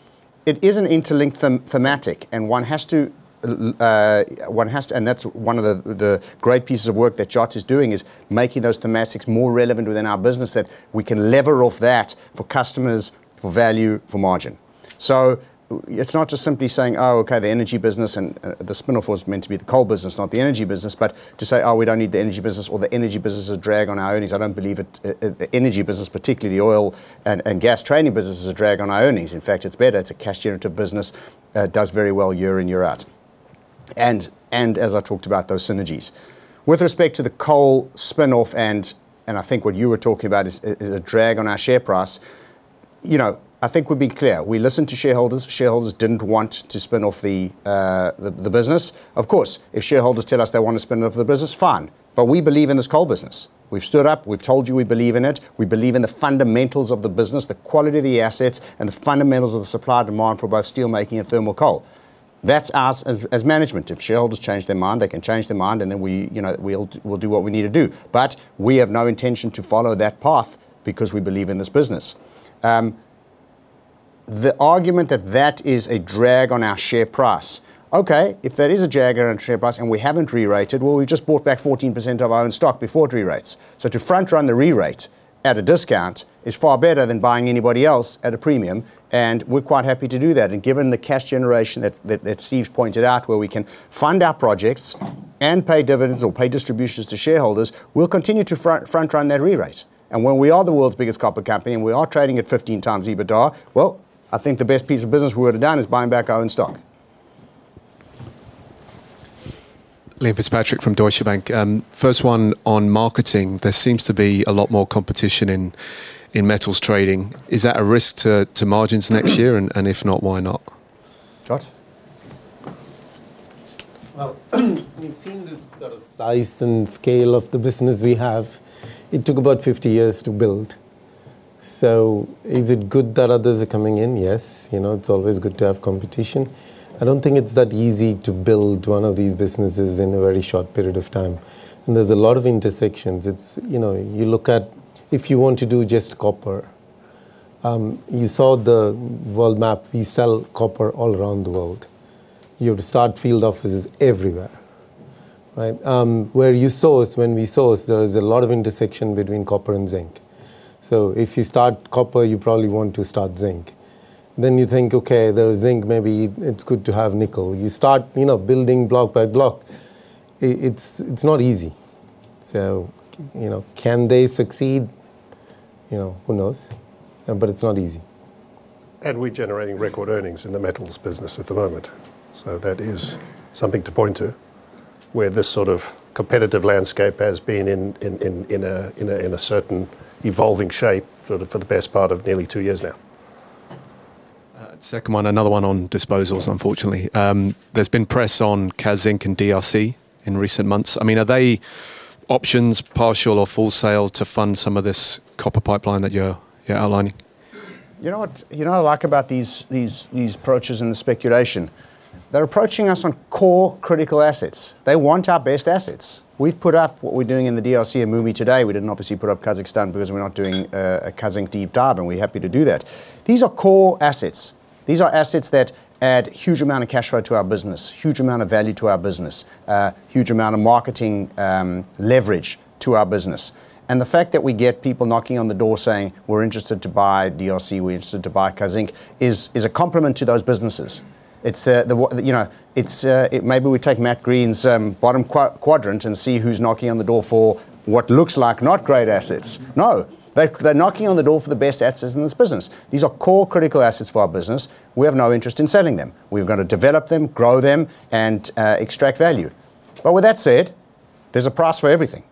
it is an interlinked thematic, and one has to, and that's one of the great pieces of work that Jyot is doing is making those thematics more relevant within our business that we can lever off that for customers, for value, for margin. So it's not just simply saying, "Oh, okay, the energy business and the spin-off was meant to be the coal business, not the energy business," but to say, "Oh, we don't need the energy business," or "The energy business is a drag on our earnings." I don't believe the energy business, particularly the oil and gas trading business, is a drag on our earnings. In fact, it's better. It's a cash-generative business. It does very well year in, year out. And as I talked about, those synergies. With respect to the coal spin-off, and I think what you were talking about is a drag on our share price, I think we've been clear. We listened to shareholders. Shaheholders didn't want to spin off the business. Of course, if shareholders tell us they want to spin off the business, fine. But we believe in this coal business. We've stood up. We've told you we believe in it. We believe in the fundamentals of the business, the quality of the assets, and the fundamentals of the supply demand for both steelmaking and thermal coal. That's us as management. If shareholders change their mind, they can change their mind, and then we'll do what we need to do. But we have no intention to follow that path because we believe in this business. The argument that that is a drag on our share price, okay, if that is a drag on our share price and we haven't re-rated, well, we've just bought back 14% of our own stock before it re-rates. So to front-run the re-rate at a discount is far better than buying anybody else at a premium. And we're quite happy to do that. Given the cash generation that Steve pointed out, where we can fund our projects and pay dividends or pay distributions to shareholders, we'll continue to front-run that re-rate. When we are the world's biggest copper company and we are trading at 15x EBITDA, I think the best piece of business we would have done is buying back our own stock. Liam Fitzpatrick from Deutsche Bank. First one on marketing. There seems to be a lot more competition in metals trading. Is that a risk to margins next year? If not, why not? Jyothish? We've seen the sort of size and scale of the business we have. It took about 50 years to build. Is it good that others are coming in? Yes. It's always good to have competition. I don't think it's that easy to build one of these businesses in a very short period of time, and there's a lot of intersections. You look at if you want to do just copper. You saw the world map. We sell copper all around the world. Your start field office is everywhere. Where you source, when we source, there is a lot of intersection between copper and zinc, so if you start copper, you probably want to start zinc, then you think, "Okay, there is zinc. Maybe it's good to have nickel." You start building block by block. It's not easy, so can they succeed? Who knows, but it's not easy, and we're generating record earnings in the metals business at the moment. So that is something to point to, where this sort of competitive landscape has been in a certain evolving shape for the best part of nearly two years now. Second one, another one on disposals, unfortunately. There's been press on Kazzinc and DRC in recent months. I mean, are they options, partial or full sale, to fund some of this copper pipeline that you're outlining? You know what I like about these approaches and the speculation? They're approaching us on core critical assets. They want our best assets. We've put up what we're doing in the DRC and MUMI today. We didn't obviously put up Kazakhstan because we're not doing a Kazzinc deep dive, and we're happy to do that. These are core assets. These are assets that add a huge amount of cash flow to our business, a huge amount of value to our business, a huge amount of marketing leverage to our business. And the fact that we get people knocking on the door saying, "We're interested to buy DRC. We're interested to buy Kazzinc," is a compliment to those businesses. Maybe we take Matt Green's bottom quadrant and see who's knocking on the door for what looks like not great assets. No. They're knocking on the door for the best assets in this business. These are core critical assets for our business. We have no interest in selling them. We've got to develop them, grow them, and extract value. But with that said, there's a price for everything.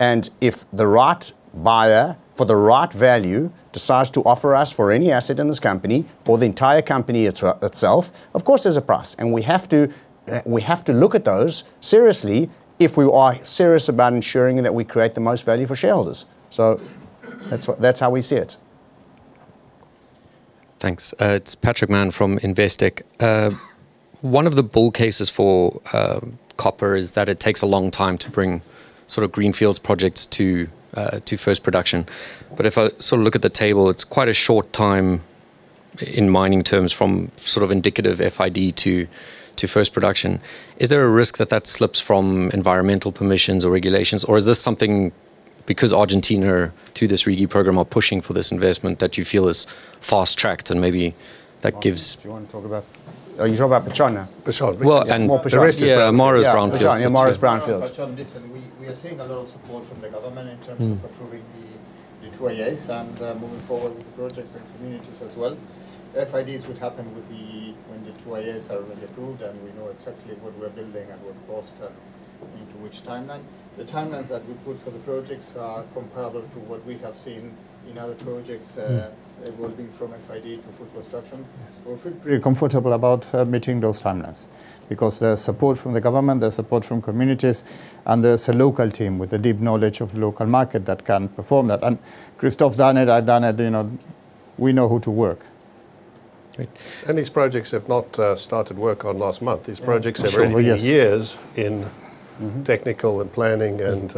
And if the right buyer for the right value decides to offer us for any asset in this company or the entire company itself, of course, there's a price. And we have to look at those seriously if we are serious about ensuring that we create the most value for shareholders. So that's how we see it. Thanks. It's Patrick Mann from Investec. One of the bull cases for copper is that it takes a long time to bring sort of greenfield projects to first production. But if I sort of look at the table, it's quite a short time in mining terms from sort of indicative FID to first production. Is there a risk that that slips from environmental permissions or regulations, or is this something because Argentina through this RIGI program are pushing for this investment that you feel is fast-tracked and maybe that gives? Do you want to talk about? Are you talking about El Pachón? El Pachón. El Pachón, MARA's brownfields. El Pachón, listen, we are seeing a lot of support from the government in terms of approving the IIAs and moving forward with the projects and communities as well. FIDs would happen when the IIAs are already approved, and we know exactly what we're building and what cost and into which timeline. The timelines that we put for the projects are comparable to what we have seen in other projects evolving from FID to full construction. We feel pretty comfortable about meeting those timelines because there's support from the government, there's support from communities, and there's a local team with a deep knowledge of the local market that can perform that. And Christoff and the team, we know how to work. And these projects have not started work on last month. These projects have already been years in technical and planning and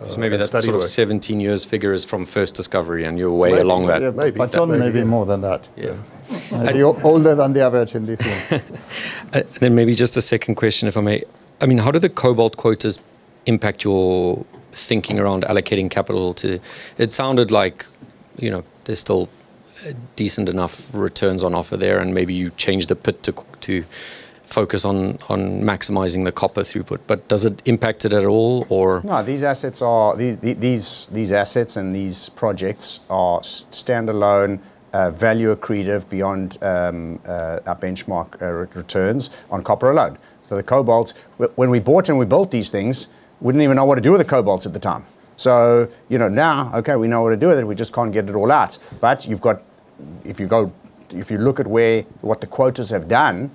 studying. So maybe that sort of 17 years figure is from first discovery, and you're way along that. Yeah, maybe. Pachón, maybe more than that. Yeah. And you're older than the average in this one. And then maybe just a second question, if I may. I mean, how do the cobalt quotas impact your thinking around allocating capital to, it sounded like there's still decent enough returns on offer there, and maybe you changed the pit to focus on maximizing the copper throughput. But does it impact it at all, or? No, these assets and these projects are standalone, value accretive beyond our benchmark returns on copper alone. So the cobalt, when we bought and we built these things, we didn't even know what to do with the cobalts at the time. So now, okay, we know what to do with it. We just can't get it all out. But if you look at what the quotas have done,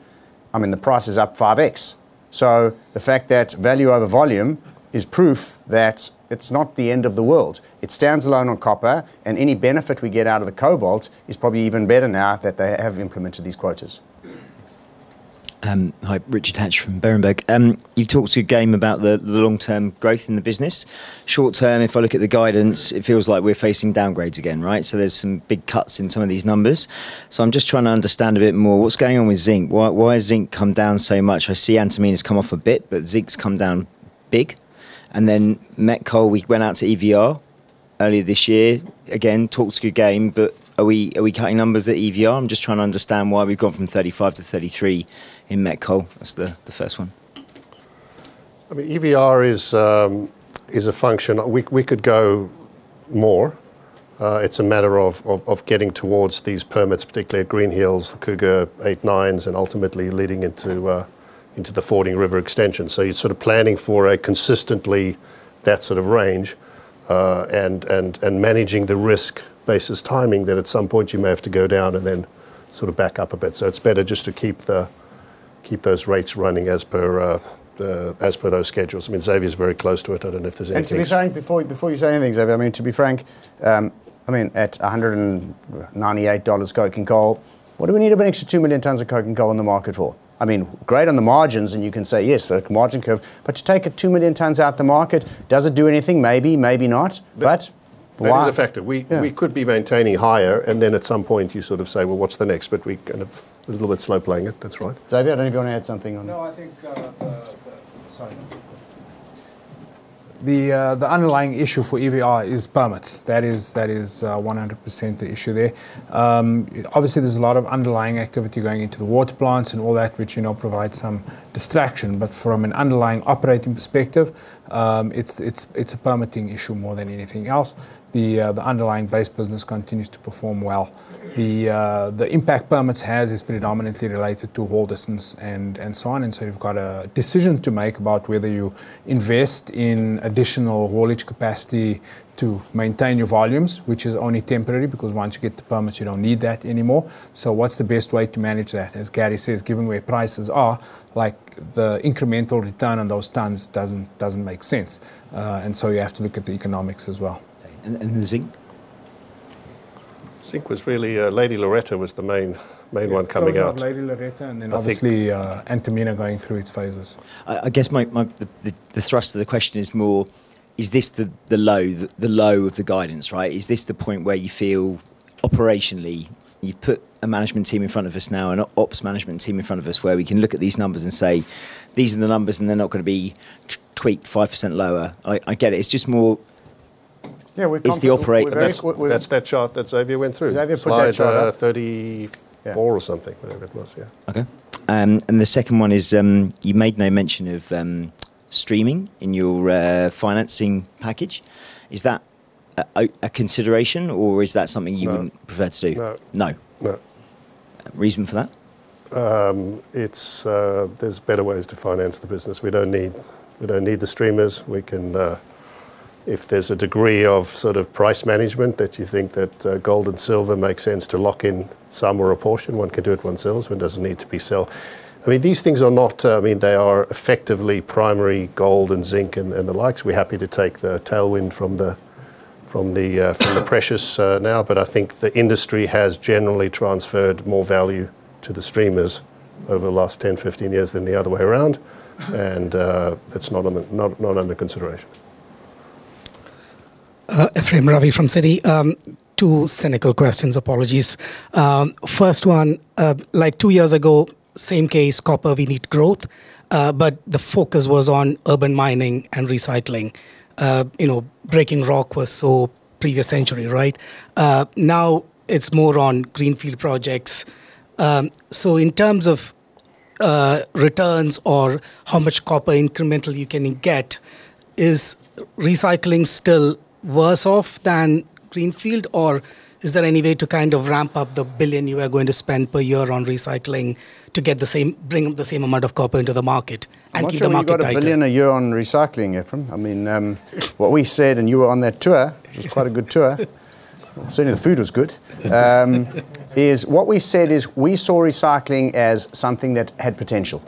I mean, the price is up 5x. So the fact that value over volume is proof that it's not the end of the world. It stands alone on copper, and any benefit we get out of the cobalt is probably even better now that they have implemented these quotas. Hi, Richard Hatch from Berenberg. You talked to Gary about the long-term growth in the business. Short term, if I look at the guidance, it feels like we're facing downgrades again, right? So there's some big cuts in some of these numbers. So I'm just trying to understand a bit more what's going on with zinc. Why has zinc come down so much? I see antimony has come off a bit, but zinc's come down big. And then met coal, we went out to EVR earlier this year. Again, talked to Gary, but are we cutting numbers at EVR? I'm just trying to understand why we've gone from 35 to 33 in met coal. That's the first one. I mean, EVR is a function. We could go more. It's a matter of getting towards these permits, particularly at Greenhills, the [Cobar] 89s, and ultimately leading into the Fording River Extension. You're sort of planning for a consistency in that sort of range and managing the risk-based timing that at some point you may have to go down and then sort of back up a bit. It's better just to keep those rates running as per those schedules. I mean, Xavier's very close to it. I don't know if there's anything. Before you say anything, Xavier, I mean, to be frank, I mean, at $198 coking coal, what do we need to bring extra 2 million tons of coking coal in the market for? I mean, great on the margins, and you can say, yes, the margin curve. But to take a 2 million tons out of the market, does it do anything? Maybe, maybe not, but why? It is effective. We could be maintaining higher, and then at some point you sort of say, well, what's the next? But we kind of a little bit slow playing it. That's right. Xavier, I don't know if you want to add something on. No, I think. Sorry. The underlying issue for EVR is permits. That is 100% the issue there. Obviously, there's a lot of underlying activity going into the water plants and all that, which provides some distraction. But from an underlying operating perspective, it's a permitting issue more than anything else. The underlying base business continues to perform well. The impact permits have is predominantly related to haul distance and so on. And so you've got a decision to make about whether you invest in additional haulage capacity to maintain your volumes, which is only temporary because once you get the permits, you don't need that anymore. So what's the best way to manage that? As Gary says, given where prices are, the incremental return on those tons doesn't make sense. And so you have to look at the economics as well. And the zinc? Zinc was really, Lady Loretta was the main one coming out. Lady Loretta and then obviously Antamina going through its phases. I guess the thrust of the question is more, is this the low of the guidance, right? Is this the point where you feel operationally you put a management team in front of us now, an ops management team in front of us, where we can look at these numbers and say, these are the numbers and they're not going to be tweaked 5% lower. I get it. It's just more. Yeah, we can't do that. That's that chart that Xavier went through. Xavier put that chart out at 34 or something, whatever it was. Yeah. Okay. And the second one is you made no mention of streaming in your financing package. Is that a consideration, or is that something you would prefer to do? No. No? Reason for that? There's better ways to finance the business. We don't need the streamers. If there's a degree of sort of price management that you think that gold and silver makes sense to lock in some or a portion, one can do it oneself. One doesn't need to be sold. I mean, these things are not. I mean, they are effectively primary gold and zinc and the likes. We're happy to take the tailwind from the precious metals now, but I think the industry has generally transferred more value to the streamers over the last 10-15 years than the other way around. And that's not under consideration. Ephrem Ravi from Citi, two cynical questions, apologies. First one, like two years ago, same case, copper, we need growth, but the focus was on urban mining and recycling. Breaking rock was so previous century, right? Now it's gmore on greenfield projects. So in terms of returns or how much copper incremental you can get, is recycling still worse off than greenfield, or is there any way to kind of ramp up the billion you are going to spend per year on recycling to bring the same amount of copper into the market and keep the market tighter? I think you've got a billion a year on recycling, Ephrem. I mean, what we said, and you were on that tour, which was quite a good tour, certainly the food was good, is what we said is we saw recycling as something that had potential.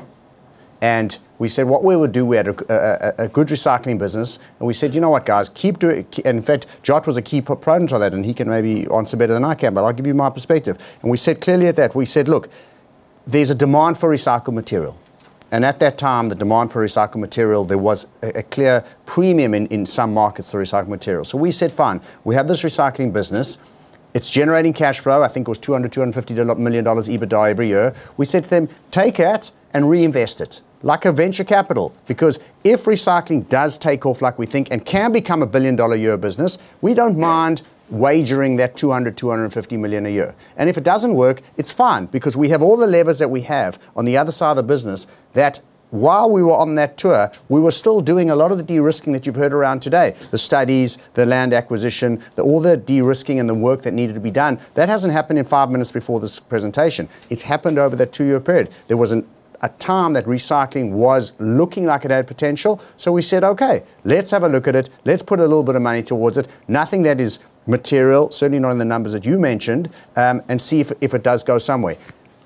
We said what we would do. We had a good recycling business, and we said, you know what, guys, keep doing it. In fact, Jyot was a key proponent of that, and he can maybe answer better than I can, but I'll give you my perspective. We said clearly at that, we said, look, there's a demand for recycled material. And at that time, the demand for recycled material, there was a clear premium in some markets for recycled material. We said, fine, we have this recycling business. It's generating cash flow. I think it was $200 million-$250 million EBITDA every year. We said to them, take it and reinvest it like a venture capital. Because if recycling does take off like we think and can become a billion-dollar-year business, we don't mind wagering that $200 million-$250 million a year. And if it doesn't work, it's fine because we have all the levers that we have on the other side of the business that while we were on that tour, we were still doing a lot of the de-risking that you've heard around today, the studies, the land acquisition, all the de-risking and the work that needed to be done. That hasn't happened in five minutes before this presentation. It's happened over that two-year period. There was a time that recycling was looking like it had potential. So we said, okay, let's have a look at it. Let's put a little bit of money towards it. Nothing that is material, certainly not in the numbers that you mentioned, and see if it does go somewhere.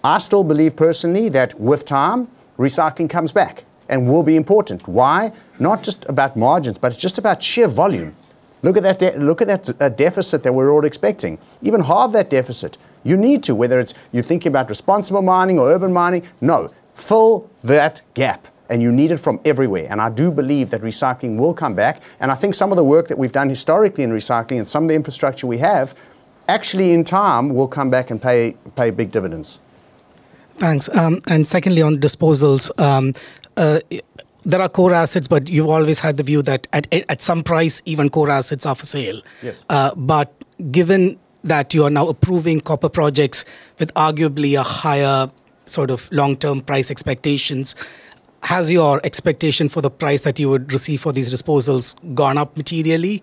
I still believe personally that with time, recycling comes back and will be important. Why? Not just about margins, but it's just about sheer volume. Look at that deficit that we're all expecting. Even halve that deficit. You need to, whether it's you're thinking about responsible mining or urban mining, no, fill that gap. And you need it from everywhere. And I do believe that recycling will come back. And I think some of the work that we've done historically in recycling and some of the infrastructure we have actually in time will come back and pay big dividends. Thanks. And secondly, on disposals, there are core assets, but you've always had the view that at some price, even core assets are for sale. But given that you are now approving copper projects with arguably a higher sort of long-term price expectations, has your expectation for the price that you would receive for these disposals gone up materially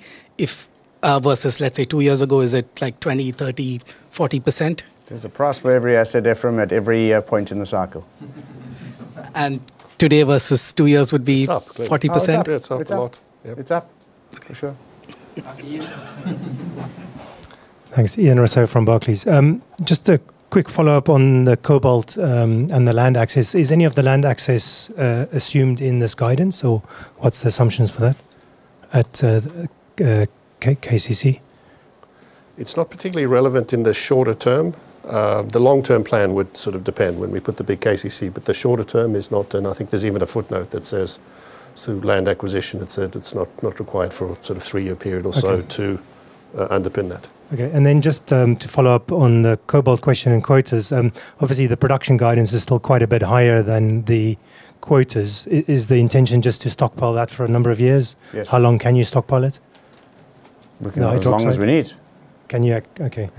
versus, let's say, two years ago? Is it like 20%, 30%, 40%? There's a price for every asset, Ephrem, at every point in the cycle. And today versus two years would be 40%? It's up. It's up. It's up. It's up. For sure. Thanks. Ian Rossouw from Barclays. Just a quick follow-up on the cobalt and the land access. Is any of the land access assumed in this guidance, or what's the assumptions for that at KCC? It's not particularly relevant in the shorter term. The long-term plan would sort of depend when we put the big KCC, but the shorter term is not. And I think there's even a footnote that says through land acquisition, it said it's not required for a sort of three-year period or so to underpin that. Okay. And then just to follow up on the cobalt question and quotas, obviously the production guidance is still quite a bit higher than the quotas. Is the intention just to stockpile that for a number of years? Yes. How long can you stockpile it? We can have as long as we need. Can you? Okay.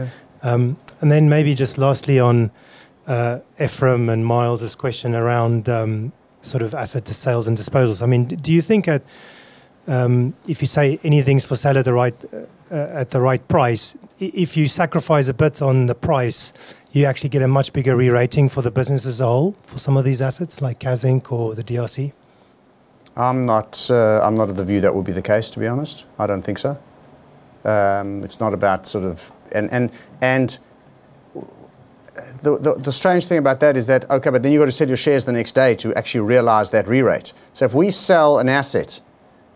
And then maybe just lastly on Ephrem and Myles's question around sort of asset sales and disposals. I mean, do you think if you say anything's for sale at the right price, if you sacrifice a bit on the price, you actually get a much bigger re-rating for the business as a whole for some of these assets like Kazzinc or the DRC? I'm not of the view that would be the case, to be honest. I don't think so. It's not about sort of, and the strange thing about that is that, okay, but then you've got to sell your shares the next day to actually realize that re-rate. So if we sell an asset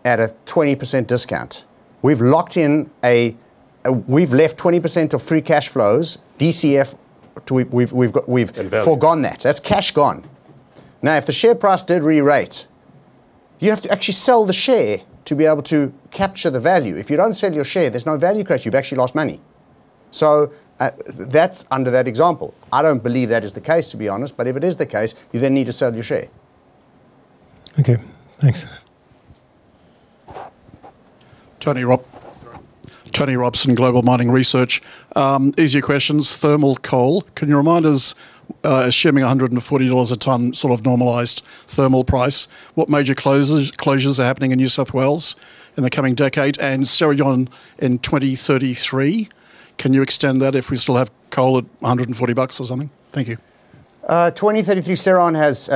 at a 20% discount, we've locked in a—we've left 20% of free cash flows, DCF, we've forgone that. That's cash gone. Now, if the share price did re-rate, you have to actually sell the share to be able to capture the value. If you don't sell your share, there's no value creation. You've actually lost money. So that's under that example. I don't believe that is the case, to be honest, but if it is the case, you then need to sell your share. Okay. Thanks. Tony Robson. Tony Robson, Global Mining Research. Easier questions. Thermal coal. Can you remind us? Assuming $140 a ton sort of normalized thermal price, what major closures are happening in New South Wales in the coming decade? And Cerrejón in 2033, can you extend that if we still have coal at $140 or something? Thank you. 2033, Cerrejón has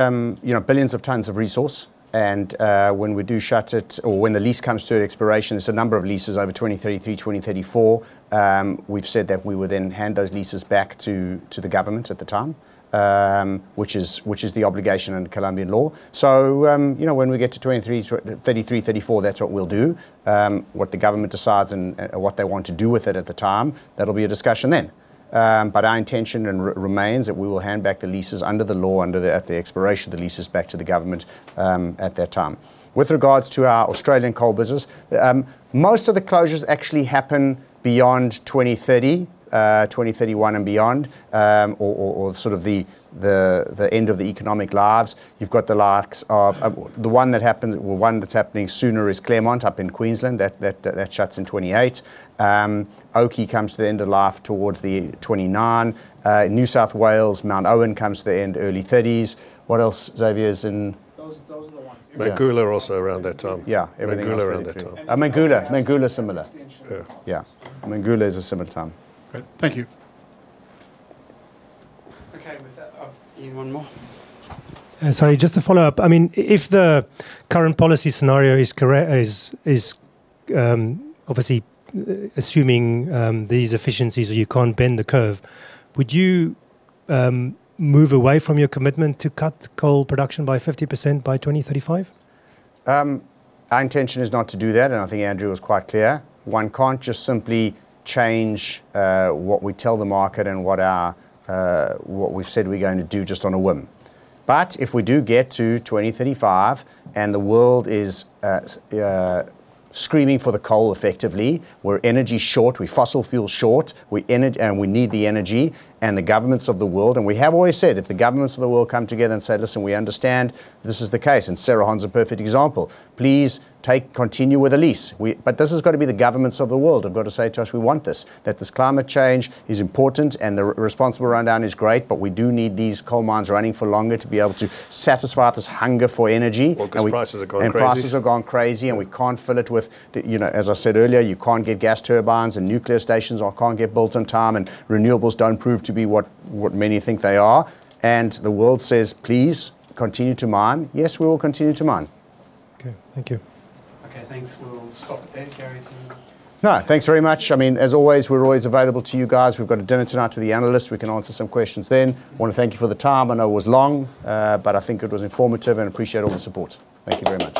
billions of tons of resource. And when we do shut it or when the lease comes to expiration, there's a number of leases over 2033, 2034. We've said that we would then hand those leases back to the government at the time, which is the obligation under Colombian law. So when we get to 2033, 2034, that's what we'll do. What the government decides and what they want to do with it at the time, that'll be a discussion then. But our intention remains that we will hand back the leases under the law at the expiration of the leases back to the government at that time. With regards to our Australian coal business, most of the closures actually happen beyond 2030, 2031 and beyond, or sort of the end of the economic lives. You've got the likes of the one that happened, the one that's happening sooner is Clermont up in Queensland. That shuts in 2028. Oaky comes to the end of life towards the 2029. New South Wales, Mount Owen comes to the end, early 2030s. What else, Xavier's in? Those are the ones. MacGoular also around that time. Yeah, MacGoular around that time. MacGoular, MacGoular similar. Yeah, MacGoular is a similar time. Great.Thank you. Okay, Ian, one more. Sorry, just to follow up. I mean, if the current policy scenario is obviously assuming these efficiencies or you can't bend the curve, would you move away from your commitment to cut coal production by 50% by 2035? Our intention is not to do that, and I think Andrew was quite clear. One can't just simply change what we tell the market and what we've said we're going to do just on a whim. But if we do get to 2035 and the world is screaming for the coal effectively, we're energy short, we're fossil fuel short, and we need the energy and the governments of the world. We have always said, if the governments of the world come together and say, listen, we understand this is the case, and Cerrejón's a perfect example, please continue with a lease. This has got to be the governments of the world have got to say to us, we want this, that this climate change is important and the responsible rundown is great, but we do need these coal mines running for longer to be able to satisfy this hunger for energy. Well, because prices have gone crazy. And prices have gone crazy, and we can't fill it with, as I said earlier, you can't get gas turbines and nuclear stations or can't get built in time, and renewables don't prove to be what many think they are. And the world says, please continue to mine. Yes, we will continue to mine. Okay, thank you. Okay, thanks. We'll stop it there, Gary. No, thanks very much. I mean, as always, we're always available to you guys. We've got a dinner tonight with the analyst. We can answer some questions then. I want to thank you for the time. I know it was long, but I think it was informative and appreciate all the support. Thank you very much.